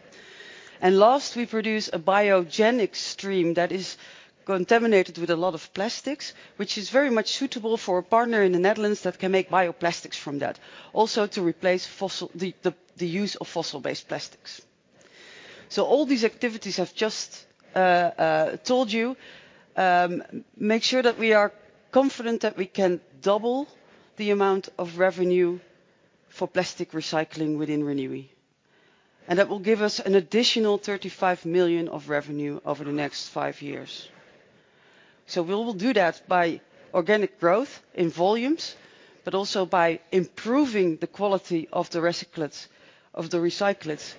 And last, we produce a biogenic stream that is contaminated with a lot of plastics, which is very much suitable for a partner in the Netherlands that can make bioplastics from that, also to replace the use of fossil-based plastics. So all these activities I've just told you make sure that we are confident that we can double the amount of revenue for plastic recycling within Renewi, and that will give us an additional 35 million of revenue over the next 5 years. So we will do that by organic growth in volumes, but also by improving the quality of the recyclates, of the recyclates,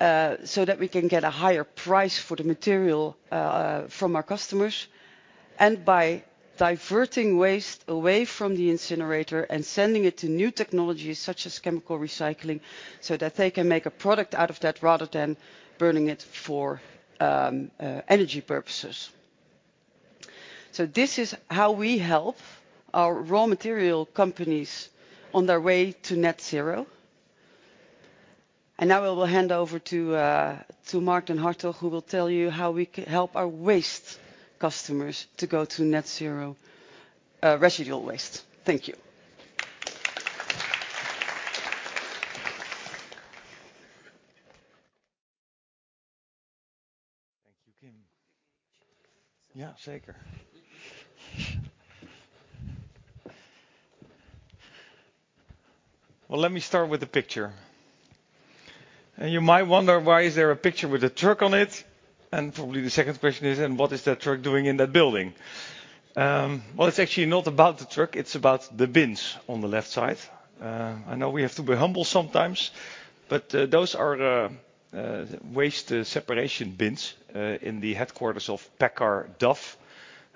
so that we can get a higher price for the material, from our customers, and by diverting waste away from the incinerator and sending it to new technologies, such as chemical recycling, so that they can make a product out of that, rather than burning it for energy purposes. So this is how we help our raw material companies on their way to net zero. And now I will hand over to Marc den Hartog, who will tell you how we help our waste customers to go to net zero, residual waste. Thank you. Thank you, Kim. Yeah, zeker. Well, let me start with the picture. And you might wonder, why is there a picture with a truck on it? And probably the second question is, and what is that truck doing in that building? Well, it's actually not about the truck, it's about the bins on the left side. I know we have to be humble sometimes, but, those are waste separation bins in the headquarters of PACCAR DAF,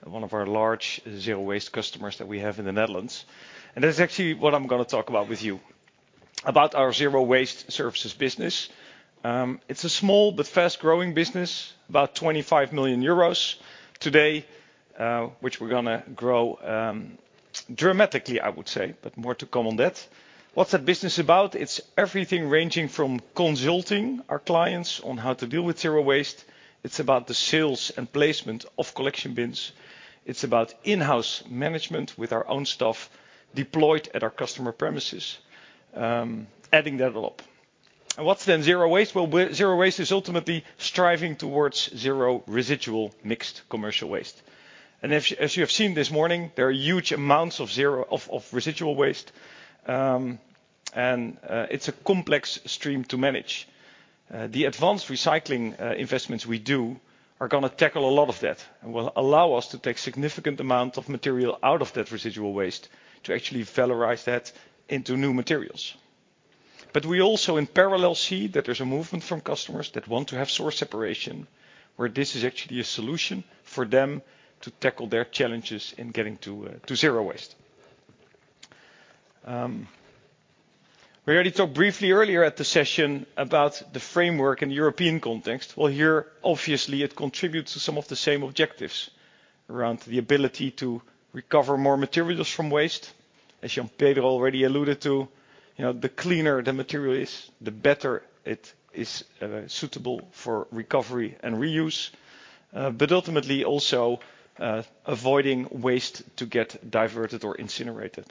one of our large zero waste customers that we have in the Netherlands. And that is actually what I'm gonna talk about with you, about our zero waste services business. It's a small but fast-growing business, about 25 million euros today, which we're gonna grow dramatically, I would say, but more to come on that. What's that business about? It's everything ranging from consulting our clients on how to deal with zero waste. It's about the sales and placement of collection bins. It's about in-house management with our own staff, deployed at our customer premises, adding that all up. And what's then zero waste? Well, zero waste is ultimately striving towards zero residual mixed commercial waste. And as you have seen this morning, there are huge amounts of residual waste, and it's a complex stream to manage. The advanced recycling investments we do are gonna tackle a lot of that and will allow us to take significant amount of material out of that residual waste, to actually valorize that into new materials. But we also in parallel see that there's a movement from customers that want to have source separation, where this is actually a solution for them to tackle their challenges in getting to, to zero waste. We already talked briefly earlier at the session about the framework in European context. Well, here, obviously, it contributes to some of the same objectives around the ability to recover more materials from waste. As Jan-Pedro already alluded to, you know, the cleaner the material is, the better it is, suitable for recovery and reuse, but ultimately also, avoiding waste to get diverted or incinerated.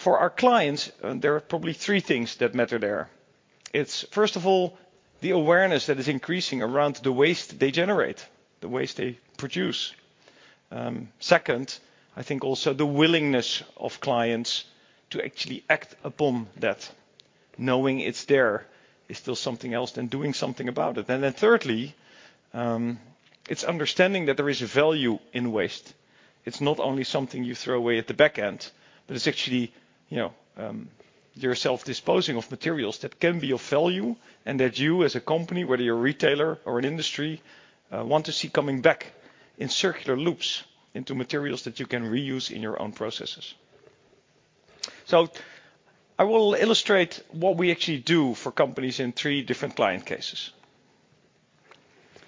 For our clients, there are probably three things that matter there. It's first of all, the awareness that is increasing around the waste they generate, the waste they produce. Second, I think also the willingness of clients to actually act upon that. Knowing it's there is still something else than doing something about it. And then thirdly, it's understanding that there is a value in waste. It's not only something you throw away at the back end, but it's actually, you know, yourself disposing of materials that can be of value, and that you, as a company, whether you're a retailer or an industry, want to see coming back in circular loops into materials that you can reuse in your own processes. So I will illustrate what we actually do for companies in three different client cases.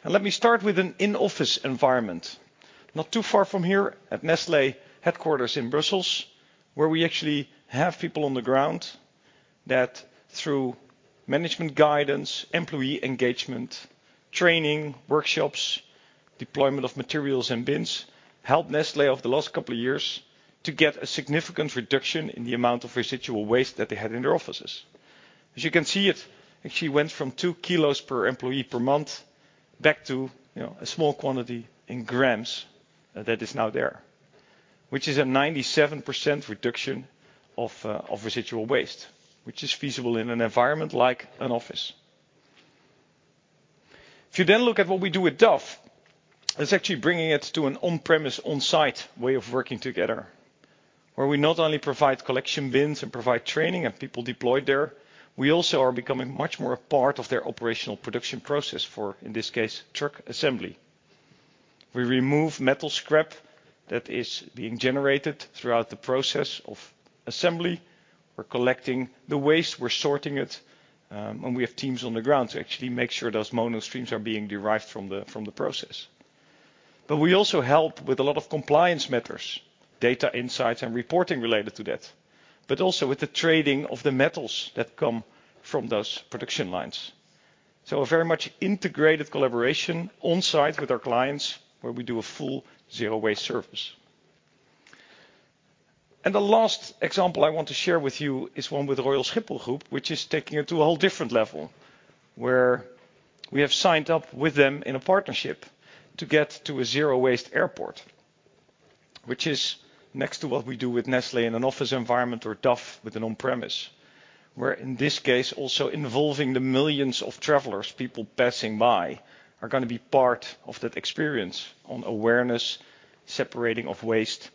Let me start with an in-office environment, not too far from here at Nestlé headquarters in Brussels, where we actually have people on the ground, that through management guidance, employee engagement, training, workshops, deployment of materials and bins, helped Nestlé over the last couple of years to get a significant reduction in the amount of residual waste that they had in their offices. As you can see, it actually went from 2 kilos per employee per month back to, you know, a small quantity in grams that is now there, which is a 97% reduction of residual waste, which is feasible in an environment like an office. If you then look at what we do with DAF, it's actually bringing it to an on-premise, on-site way of working together, where we not only provide collection bins and provide training and people deployed there, we also are becoming much more a part of their operational production process for, in this case, truck assembly. We remove metal scrap that is being generated throughout the process of assembly. We're collecting the waste, we're sorting it, and we have teams on the ground to actually make sure those mono streams are being derived from the, from the process. But we also help with a lot of compliance matters, data insights and reporting related to that, but also with the trading of the metals that come from those production lines. So a very much integrated collaboration on-site with our clients, where we do a full zero waste service. The last example I want to share with you is one with Royal Schiphol Group, which is taking it to a whole different level, where we have signed up with them in a partnership to get to a zero waste airport. Which is next to what we do with Nestlé in an office environment or Dove with an on-premise, where in this case, also involving the millions of travelers, people passing by, are gonna be part of that experience on awareness, separating of waste,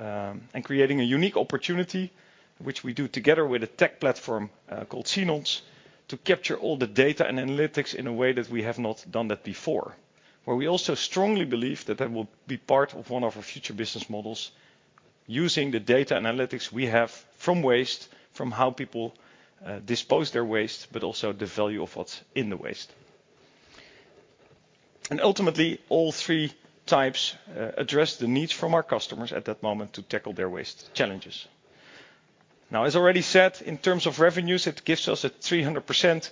and creating a unique opportunity, which we do together with a tech platform called Seenons, to capture all the data and analytics in a way that we have not done that before. But we also strongly believe that that will be part of one of our future business models, using the data analytics we have from waste, from how people dispose their waste, but also the value of what's in the waste. And ultimately, all three types address the needs from our customers at that moment to tackle their waste challenges. Now, as already said, in terms of revenues, it gives us a 300%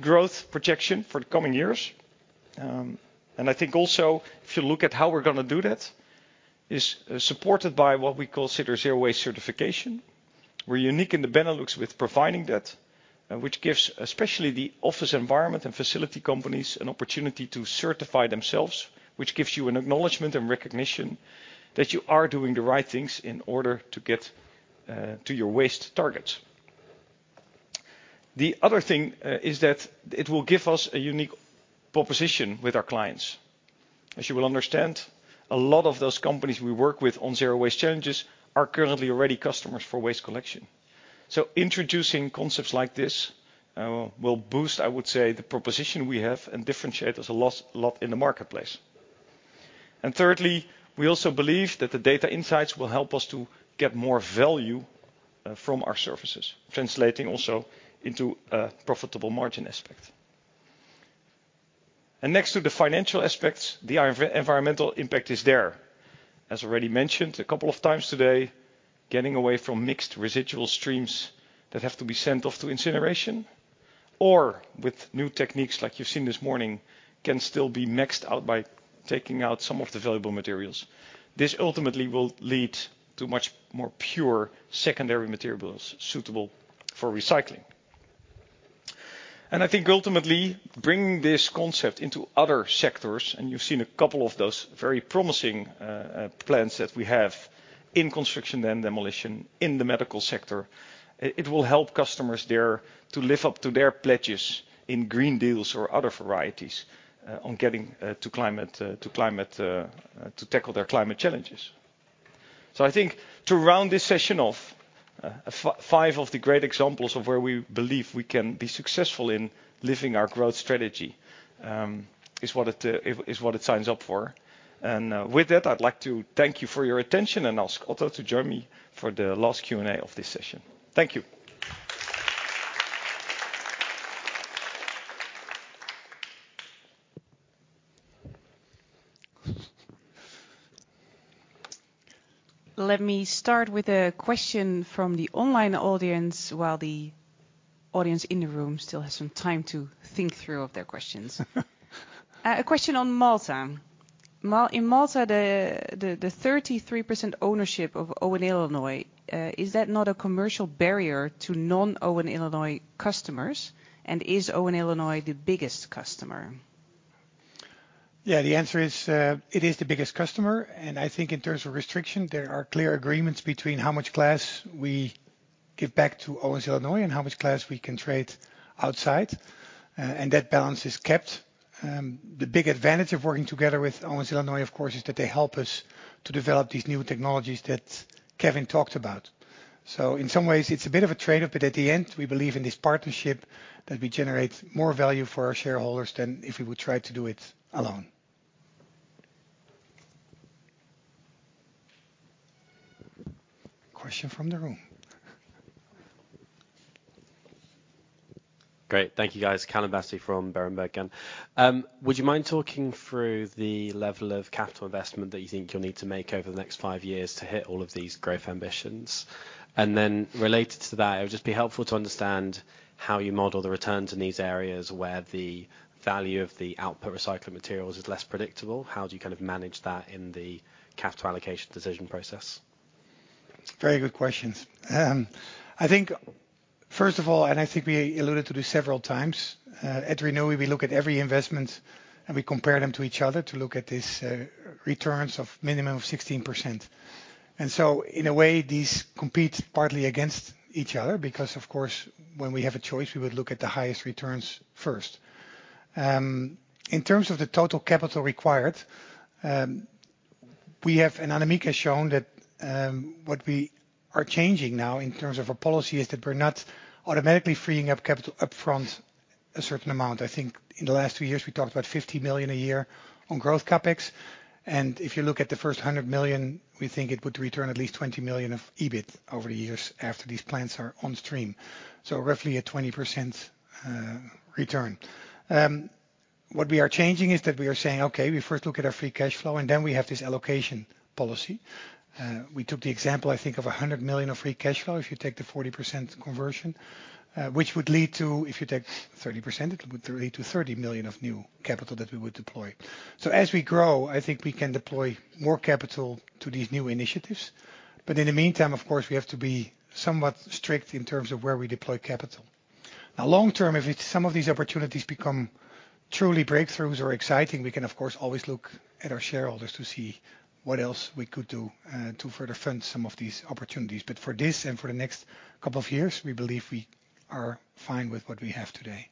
growth projection for the coming years. And I think also, if you look at how we're gonna do that, is supported by what we call Zero Waste Certification. We're unique in the Benelux with providing that, which gives, especially the office environment and facility companies, an opportunity to certify themselves, which gives you an acknowledgment and recognition that you are doing the right things in order to get to your waste targets. The other thing is that it will give us a unique proposition with our clients. As you will understand, a lot of those companies we work with on zero waste challenges are currently already customers for waste collection. So introducing concepts like this will boost, I would say, the proposition we have and differentiate us a lot, a lot in the marketplace. And thirdly, we also believe that the data insights will help us to get more value from our services, translating also into a profitable margin aspect. And next to the financial aspects, the environmental impact is there. As already mentioned a couple of times today, getting away from mixed residual streams that have to be sent off to incineration, or with new techniques like you've seen this morning, can still be mixed out by taking out some of the valuable materials. This ultimately will lead to much more pure secondary materials suitable for recycling. I think ultimately, bringing this concept into other sectors, and you've seen a couple of those very promising plans that we have in construction and demolition in the medical sector, it will help customers there to live up to their pledges in green deals or other varieties, on getting to climate, to climate, to tackle their climate challenges. So I think to round this session off, five of the great examples of where we believe we can be successful in living our growth strategy is what it is what it signs up for. With that, I'd like to thank you for your attention and ask Otto to join me for the last Q&A of this session. Thank you. Let me start with a question from the online audience, while the audience in the room still has some time to think through of their questions. A question on Maltha. In Maltha, the, the, the 33% ownership of Owens-Illinois, is that not a commercial barrier to non-Owens-Illinois customers? And is Owens-Illinois the biggest customer? Yeah, the answer is, it is the biggest customer, and I think in terms of restriction, there are clear agreements between how much glass we give back to Owens-Illinois and how much glass we can trade outside. And that balance is kept. The big advantage of working together with Owens-Illinois, of course, is that they help us to develop these new technologies that Kevin talked about. So in some ways, it's a bit of a trade-off, but at the end, we believe in this partnership, that we generate more value for our shareholders than if we would try to do it alone. Question from the room. Great. Thank you, guys. Callum Battersby from Berenberg, again. Would you mind talking through the level of capital investment that you think you'll need to make over the next five years to hit all of these growth ambitions? And then related to that, it would just be helpful to understand how you model the returns in these areas where the value of the output recycled materials is less predictable. How do you kind of manage that in the capital allocation decision process? Very good questions. I think, first of all, and I think we alluded to this several times, at Renewi, we look at every investment, and we compare them to each other to look at this, returns of minimum of 16%. And so in a way, these compete partly against each other because, of course, when we have a choice, we would look at the highest returns first. In terms of the total capital required, we have, and Annemieke has shown, that, what we are changing now, in terms of our policy, is that we're not automatically freeing up capital upfront a certain amount. I think in the last two years, we talked about 50 million a year on growth CapEx, and if you look at the first 100 million, we think it would return at least 20 million of EBIT over the years after these plants are on stream, so roughly a 20% return. What we are changing is that we are saying, Okay, we first look at our free cash flow, and then we have this allocation policy. We took the example, I think, of 100 million of free cash flow, if you take the 40% conversion, which would lead to. If you take 30%, it would lead to 30 million of new capital that we would deploy. So as we grow, I think we can deploy more capital to these new initiatives. In the meantime, of course, we have to be somewhat strict in terms of where we deploy capital. Now, long term, if it's some of these opportunities become truly breakthroughs or exciting, we can of course always look at our shareholders to see what else we could do to further fund some of these opportunities. For this, and for the next couple of years, we believe we are fine with what we have today.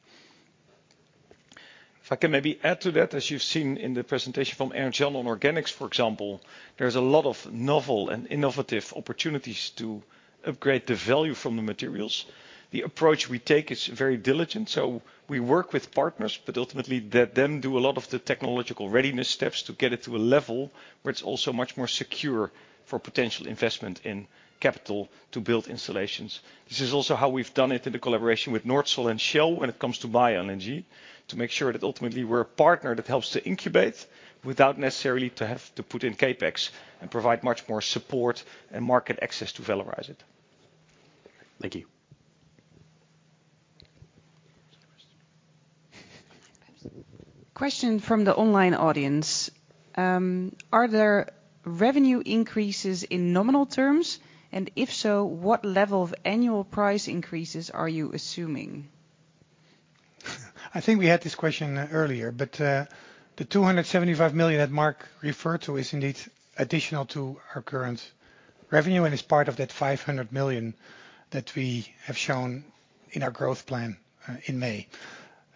If I can maybe add to that, as you've seen in the presentation from Aaron Shell on organics, for example, there's a lot of novel and innovative opportunities to upgrade the value from the materials. The approach we take is very diligent, so we work with partners, but ultimately, let them do a lot of the technological readiness steps to get it to a level where it's also much more secure for potential investment in capital to build installations. This is also how we've done it in the collaboration with Nordsol and Shell when it comes to bioenergy, to make sure that ultimately we're a partner that helps to incubate without necessarily to have to put in CapEx and provide much more support and market access to valorize it. Thank you. Question from the online audience. Are there revenue increases in nominal terms? And if so, what level of annual price increases are you assuming? I think we had this question earlier, but the 275 million that Marc referred to is indeed additional to our current revenue and is part of that 500 million that we have shown in our growth plan in May.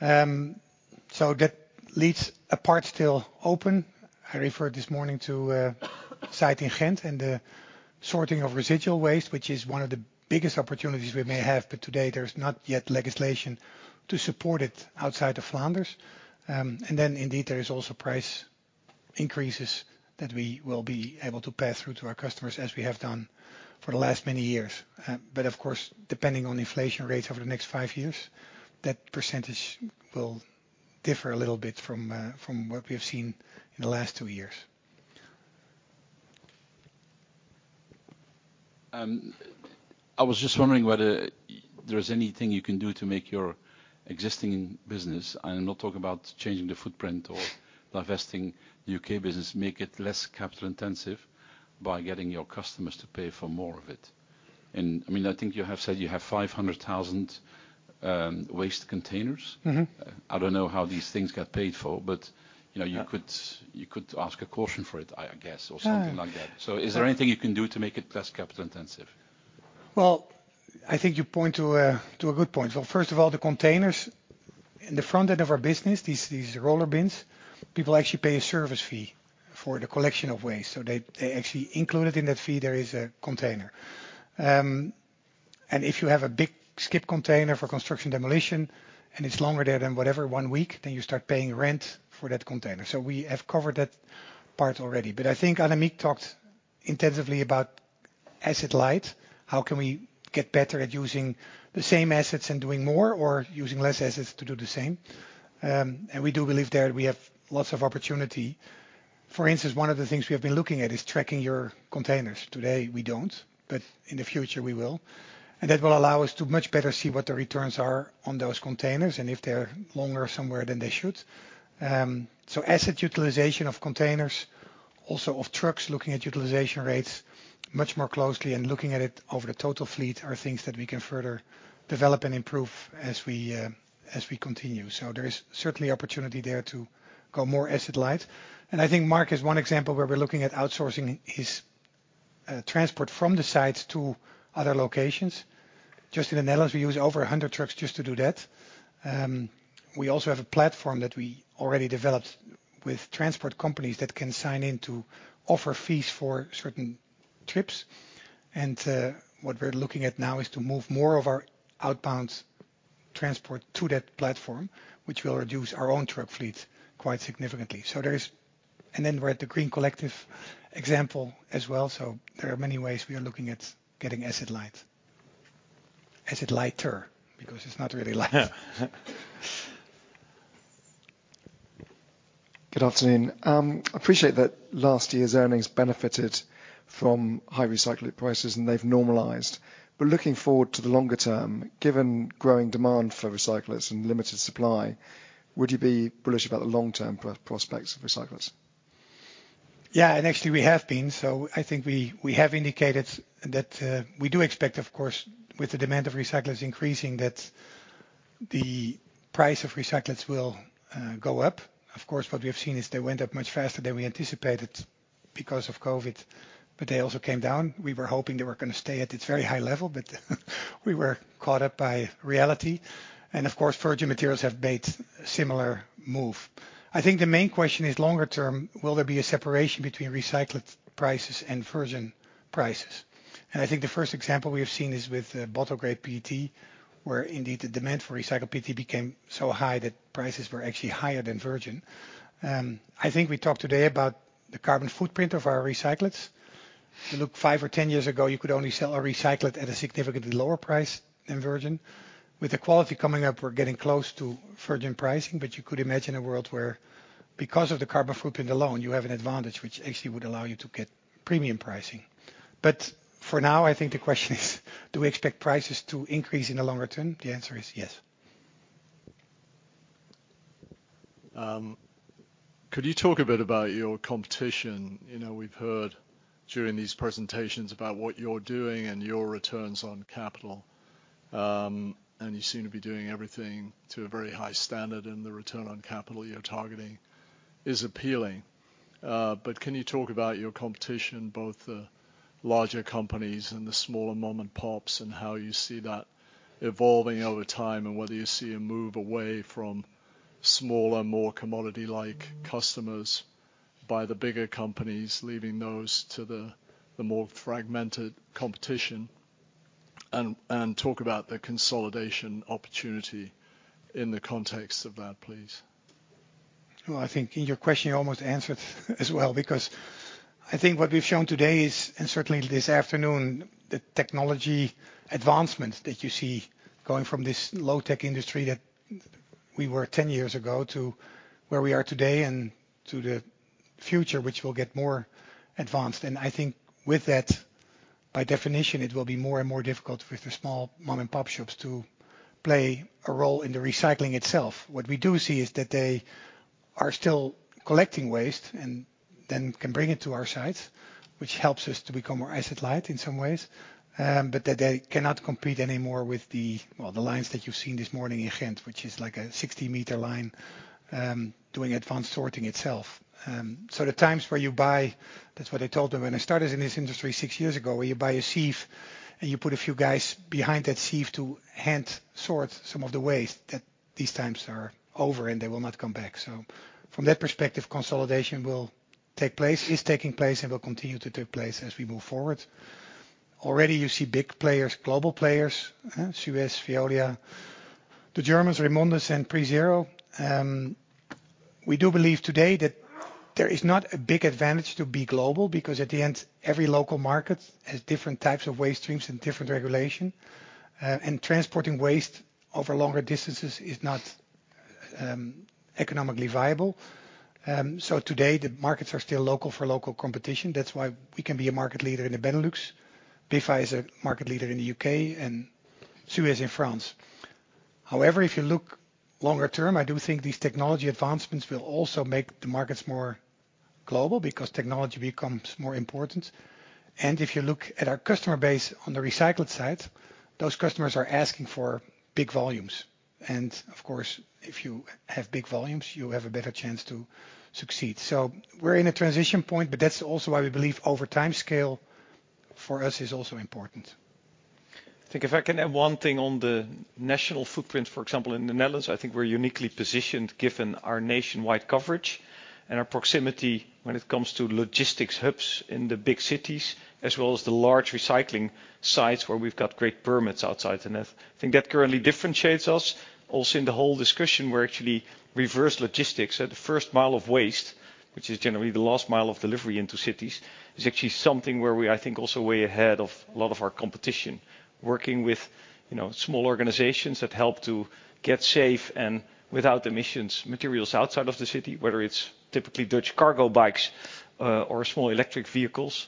So that leaves a part still open. I referred this morning to a site in Ghent and the sorting of residual waste, which is one of the biggest opportunities we may have, but today there's not yet legislation to support it outside of Flanders. And then indeed, there is also price increases that we will be able to pass through to our customers, as we have done for the last many years. But of course, depending on inflation rates over the next five years, that percentage will differ a little bit from what we have seen in the last two years. I was just wondering whether there is anything you can do to make your existing business, and I'm not talking about changing the footprint or divesting the U.K. business, make it less capital intensive by getting your customers to pay for more of it. And, I mean, I think you have said you have 500,000 waste containers. Mm-hmm. I don't know how these things get paid for, but, you know, you could- Yeah... you could ask a caution for it, I guess- Yeah... or something like that. So is there anything you can do to make it less capital intensive? Well, I think you point to a good point. Well, first of all, the containers-... In the front end of our business, these roller bins, people actually pay a service fee for the collection of waste. So they actually included in that fee, there is a container. And if you have a big skip container for construction demolition, and it's longer there than whatever, one week, then you start paying rent for that container. So we have covered that part already. But I think Annemieke talked intensively about asset light. How can we get better at using the same assets and doing more, or using less assets to do the same? And we do believe there we have lots of opportunity. For instance, one of the things we have been looking at is tracking your containers. Today, we don't, but in the future, we will. And that will allow us to much better see what the returns are on those containers, and if they're longer somewhere than they should. So asset utilization of containers, also of trucks, looking at utilization rates much more closely and looking at it over the total fleet, are things that we can further develop and improve as we, as we continue. So there is certainly opportunity there to go more asset light. And I think Marc has one example where we're looking at outsourcing his, transport from the sites to other locations. Just in the Netherlands, we use over 100 trucks just to do that. We also have a platform that we already developed with transport companies that can sign in to offer fees for certain trips. What we're looking at now is to move more of our outbound transport to that platform, which will reduce our own truck fleet quite significantly. So there is... And then we're at the Green Collective example as well, so there are many ways we are looking at getting asset light. Asset lighter, because it's not really light. Good afternoon. Appreciate that last year's earnings benefited from high recycling prices, and they've normalized. But looking forward to the longer term, given growing demand for recyclates and limited supply, would you be bullish about the long-term prospects of recyclates? Yeah, and actually we have been. So I think we, we have indicated that, we do expect, of course, with the demand of recyclates increasing, that the price of recyclates will, go up. Of course, what we have seen is they went up much faster than we anticipated because of COVID, but they also came down. We were hoping they were gonna stay at its very high level, but we were caught up by reality. And of course, virgin materials have made a similar move. I think the main question is longer term, will there be a separation between recyclate prices and virgin prices? And I think the first example we have seen is with, bottle-grade PET, where indeed, the demand for recycled PET became so high that prices were actually higher than virgin. I think we talked today about the carbon footprint of our recyclates. You look 5 or 10 years ago, you could only sell a recyclate at a significantly lower price than virgin. With the quality coming up, we're getting close to virgin pricing, but you could imagine a world where, because of the carbon footprint alone, you have an advantage which actually would allow you to get premium pricing. But for now, I think the question is, do we expect prices to increase in the longer term? The answer is yes. Could you talk a bit about your competition? You know, we've heard during these presentations about what you're doing and your returns on capital. And you seem to be doing everything to a very high standard, and the return on capital you're targeting is appealing. But can you talk about your competition, both the larger companies and the smaller mom-and-pops, and how you see that evolving over time? And whether you see a move away from smaller, more commodity-like customers by the bigger companies, leaving those to the more fragmented competition. And talk about the consolidation opportunity in the context of that, please. Well, I think in your question, you almost answered as well, because I think what we've shown today is, and certainly this afternoon, the technology advancements that you see going from this low-tech industry that we were ten years ago to where we are today and to the future, which will get more advanced. I think with that, by definition, it will be more and more difficult for the small mom-and-pop shops to play a role in the recycling itself. What we do see is that they are still collecting waste and then can bring it to our sites, which helps us to become more asset light in some ways. But that they cannot compete anymore with the, well, the lines that you've seen this morning in Ghent, which is like a 60-meter line, doing advanced sorting itself. So the times where you buy... That's what I told them when I started in this industry six years ago, where you buy a sieve, and you put a few guys behind that sieve to hand-sort some of the waste, that these times are over, and they will not come back. So from that perspective, consolidation will take place, is taking place and will continue to take place as we move forward. Already, you see big players, global players, SUEZ, Veolia, the Germans, Remondis and PreZero. We do believe today that there is not a big advantage to be global, because at the end, every local market has different types of waste streams and different regulation. And transporting waste over longer distances is not economically viable. So today, the markets are still local for local competition. That's why we can be a market leader in the Benelux. Biffa is a market leader in the U.K. and SUEZ in France. However, if you look longer term, I do think these technology advancements will also make the markets more global, because technology becomes more important. And if you look at our customer base on the recyclate side, those customers are asking for big volumes. And of course, if you have big volumes, you have a better chance to succeed. So we're in a transition point, but that's also why we believe over time scale for us is also important.... I think if I can add one thing on the national footprint, for example, in the Netherlands, I think we're uniquely positioned given our nationwide coverage and our proximity when it comes to logistics hubs in the big cities, as well as the large recycling sites where we've got great permits outside the net. I think that currently differentiates us. Also, in the whole discussion, we're actually reverse logistics at the first mile of waste, which is generally the last mile of delivery into cities, is actually something where we, I think, also way ahead of a lot of our competition. Working with, you know, small organizations that help to get safe and without emissions, materials outside of the city, whether it's typically Dutch cargo bikes, or small electric vehicles.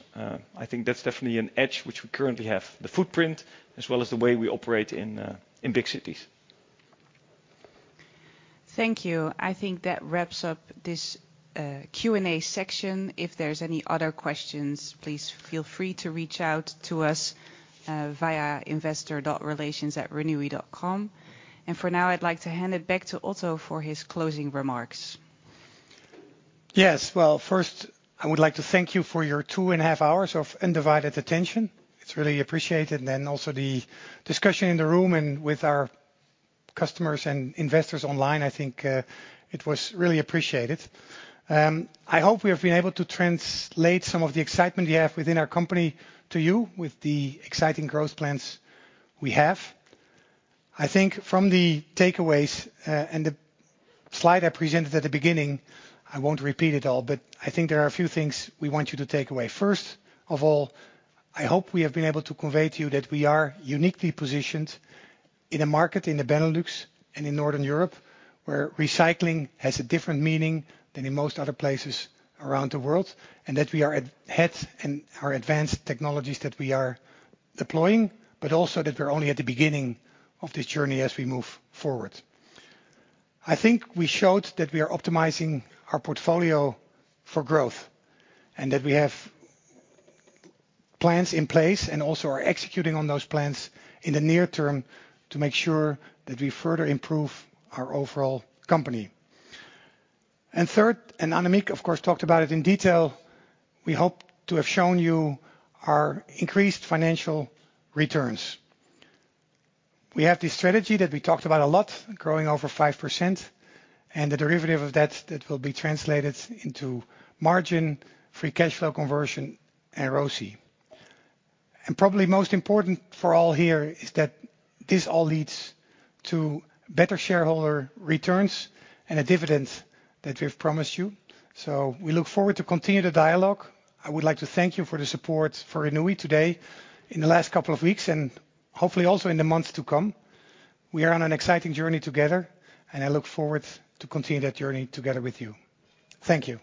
I think that's definitely an edge which we currently have, the footprint, as well as the way we operate in big cities. Thank you. I think that wraps up this Q&A section. If there's any other questions, please feel free to reach out to us via investor.relations@renewi.com. And for now, I'd like to hand it back to Otto for his closing remarks. Yes. Well, first, I would like to thank you for your 2.5 hours of undivided attention. It's really appreciated. And then also the discussion in the room and with our customers and investors online, I think, it was really appreciated. I hope we have been able to translate some of the excitement we have within our company to you with the exciting growth plans we have. I think from the takeaways, and the slide I presented at the beginning, I won't repeat it all, but I think there are a few things we want you to take away. First of all, I hope we have been able to convey to you that we are uniquely positioned in a market in the Benelux and in Northern Europe, where recycling has a different meaning than in most other places around the world, and that we are ahead in our advanced technologies that we are deploying, but also that we're only at the beginning of this journey as we move forward. I think we showed that we are optimizing our portfolio for growth and that we have plans in place and also are executing on those plans in the near term to make sure that we further improve our overall company. And third, and Annemieke, of course, talked about it in detail, we hope to have shown you our increased financial returns. We have this strategy that we talked about a lot, growing over 5%, and the derivative of that, that will be translated into margin, free cash flow conversion, and ROCE. Probably most important for all here is that this all leads to better shareholder returns and a dividend that we've promised you. We look forward to continue the dialogue. I would like to thank you for the support for Renewi today in the last couple of weeks, and hopefully also in the months to come. We are on an exciting journey together, and I look forward to continue that journey together with you. Thank you.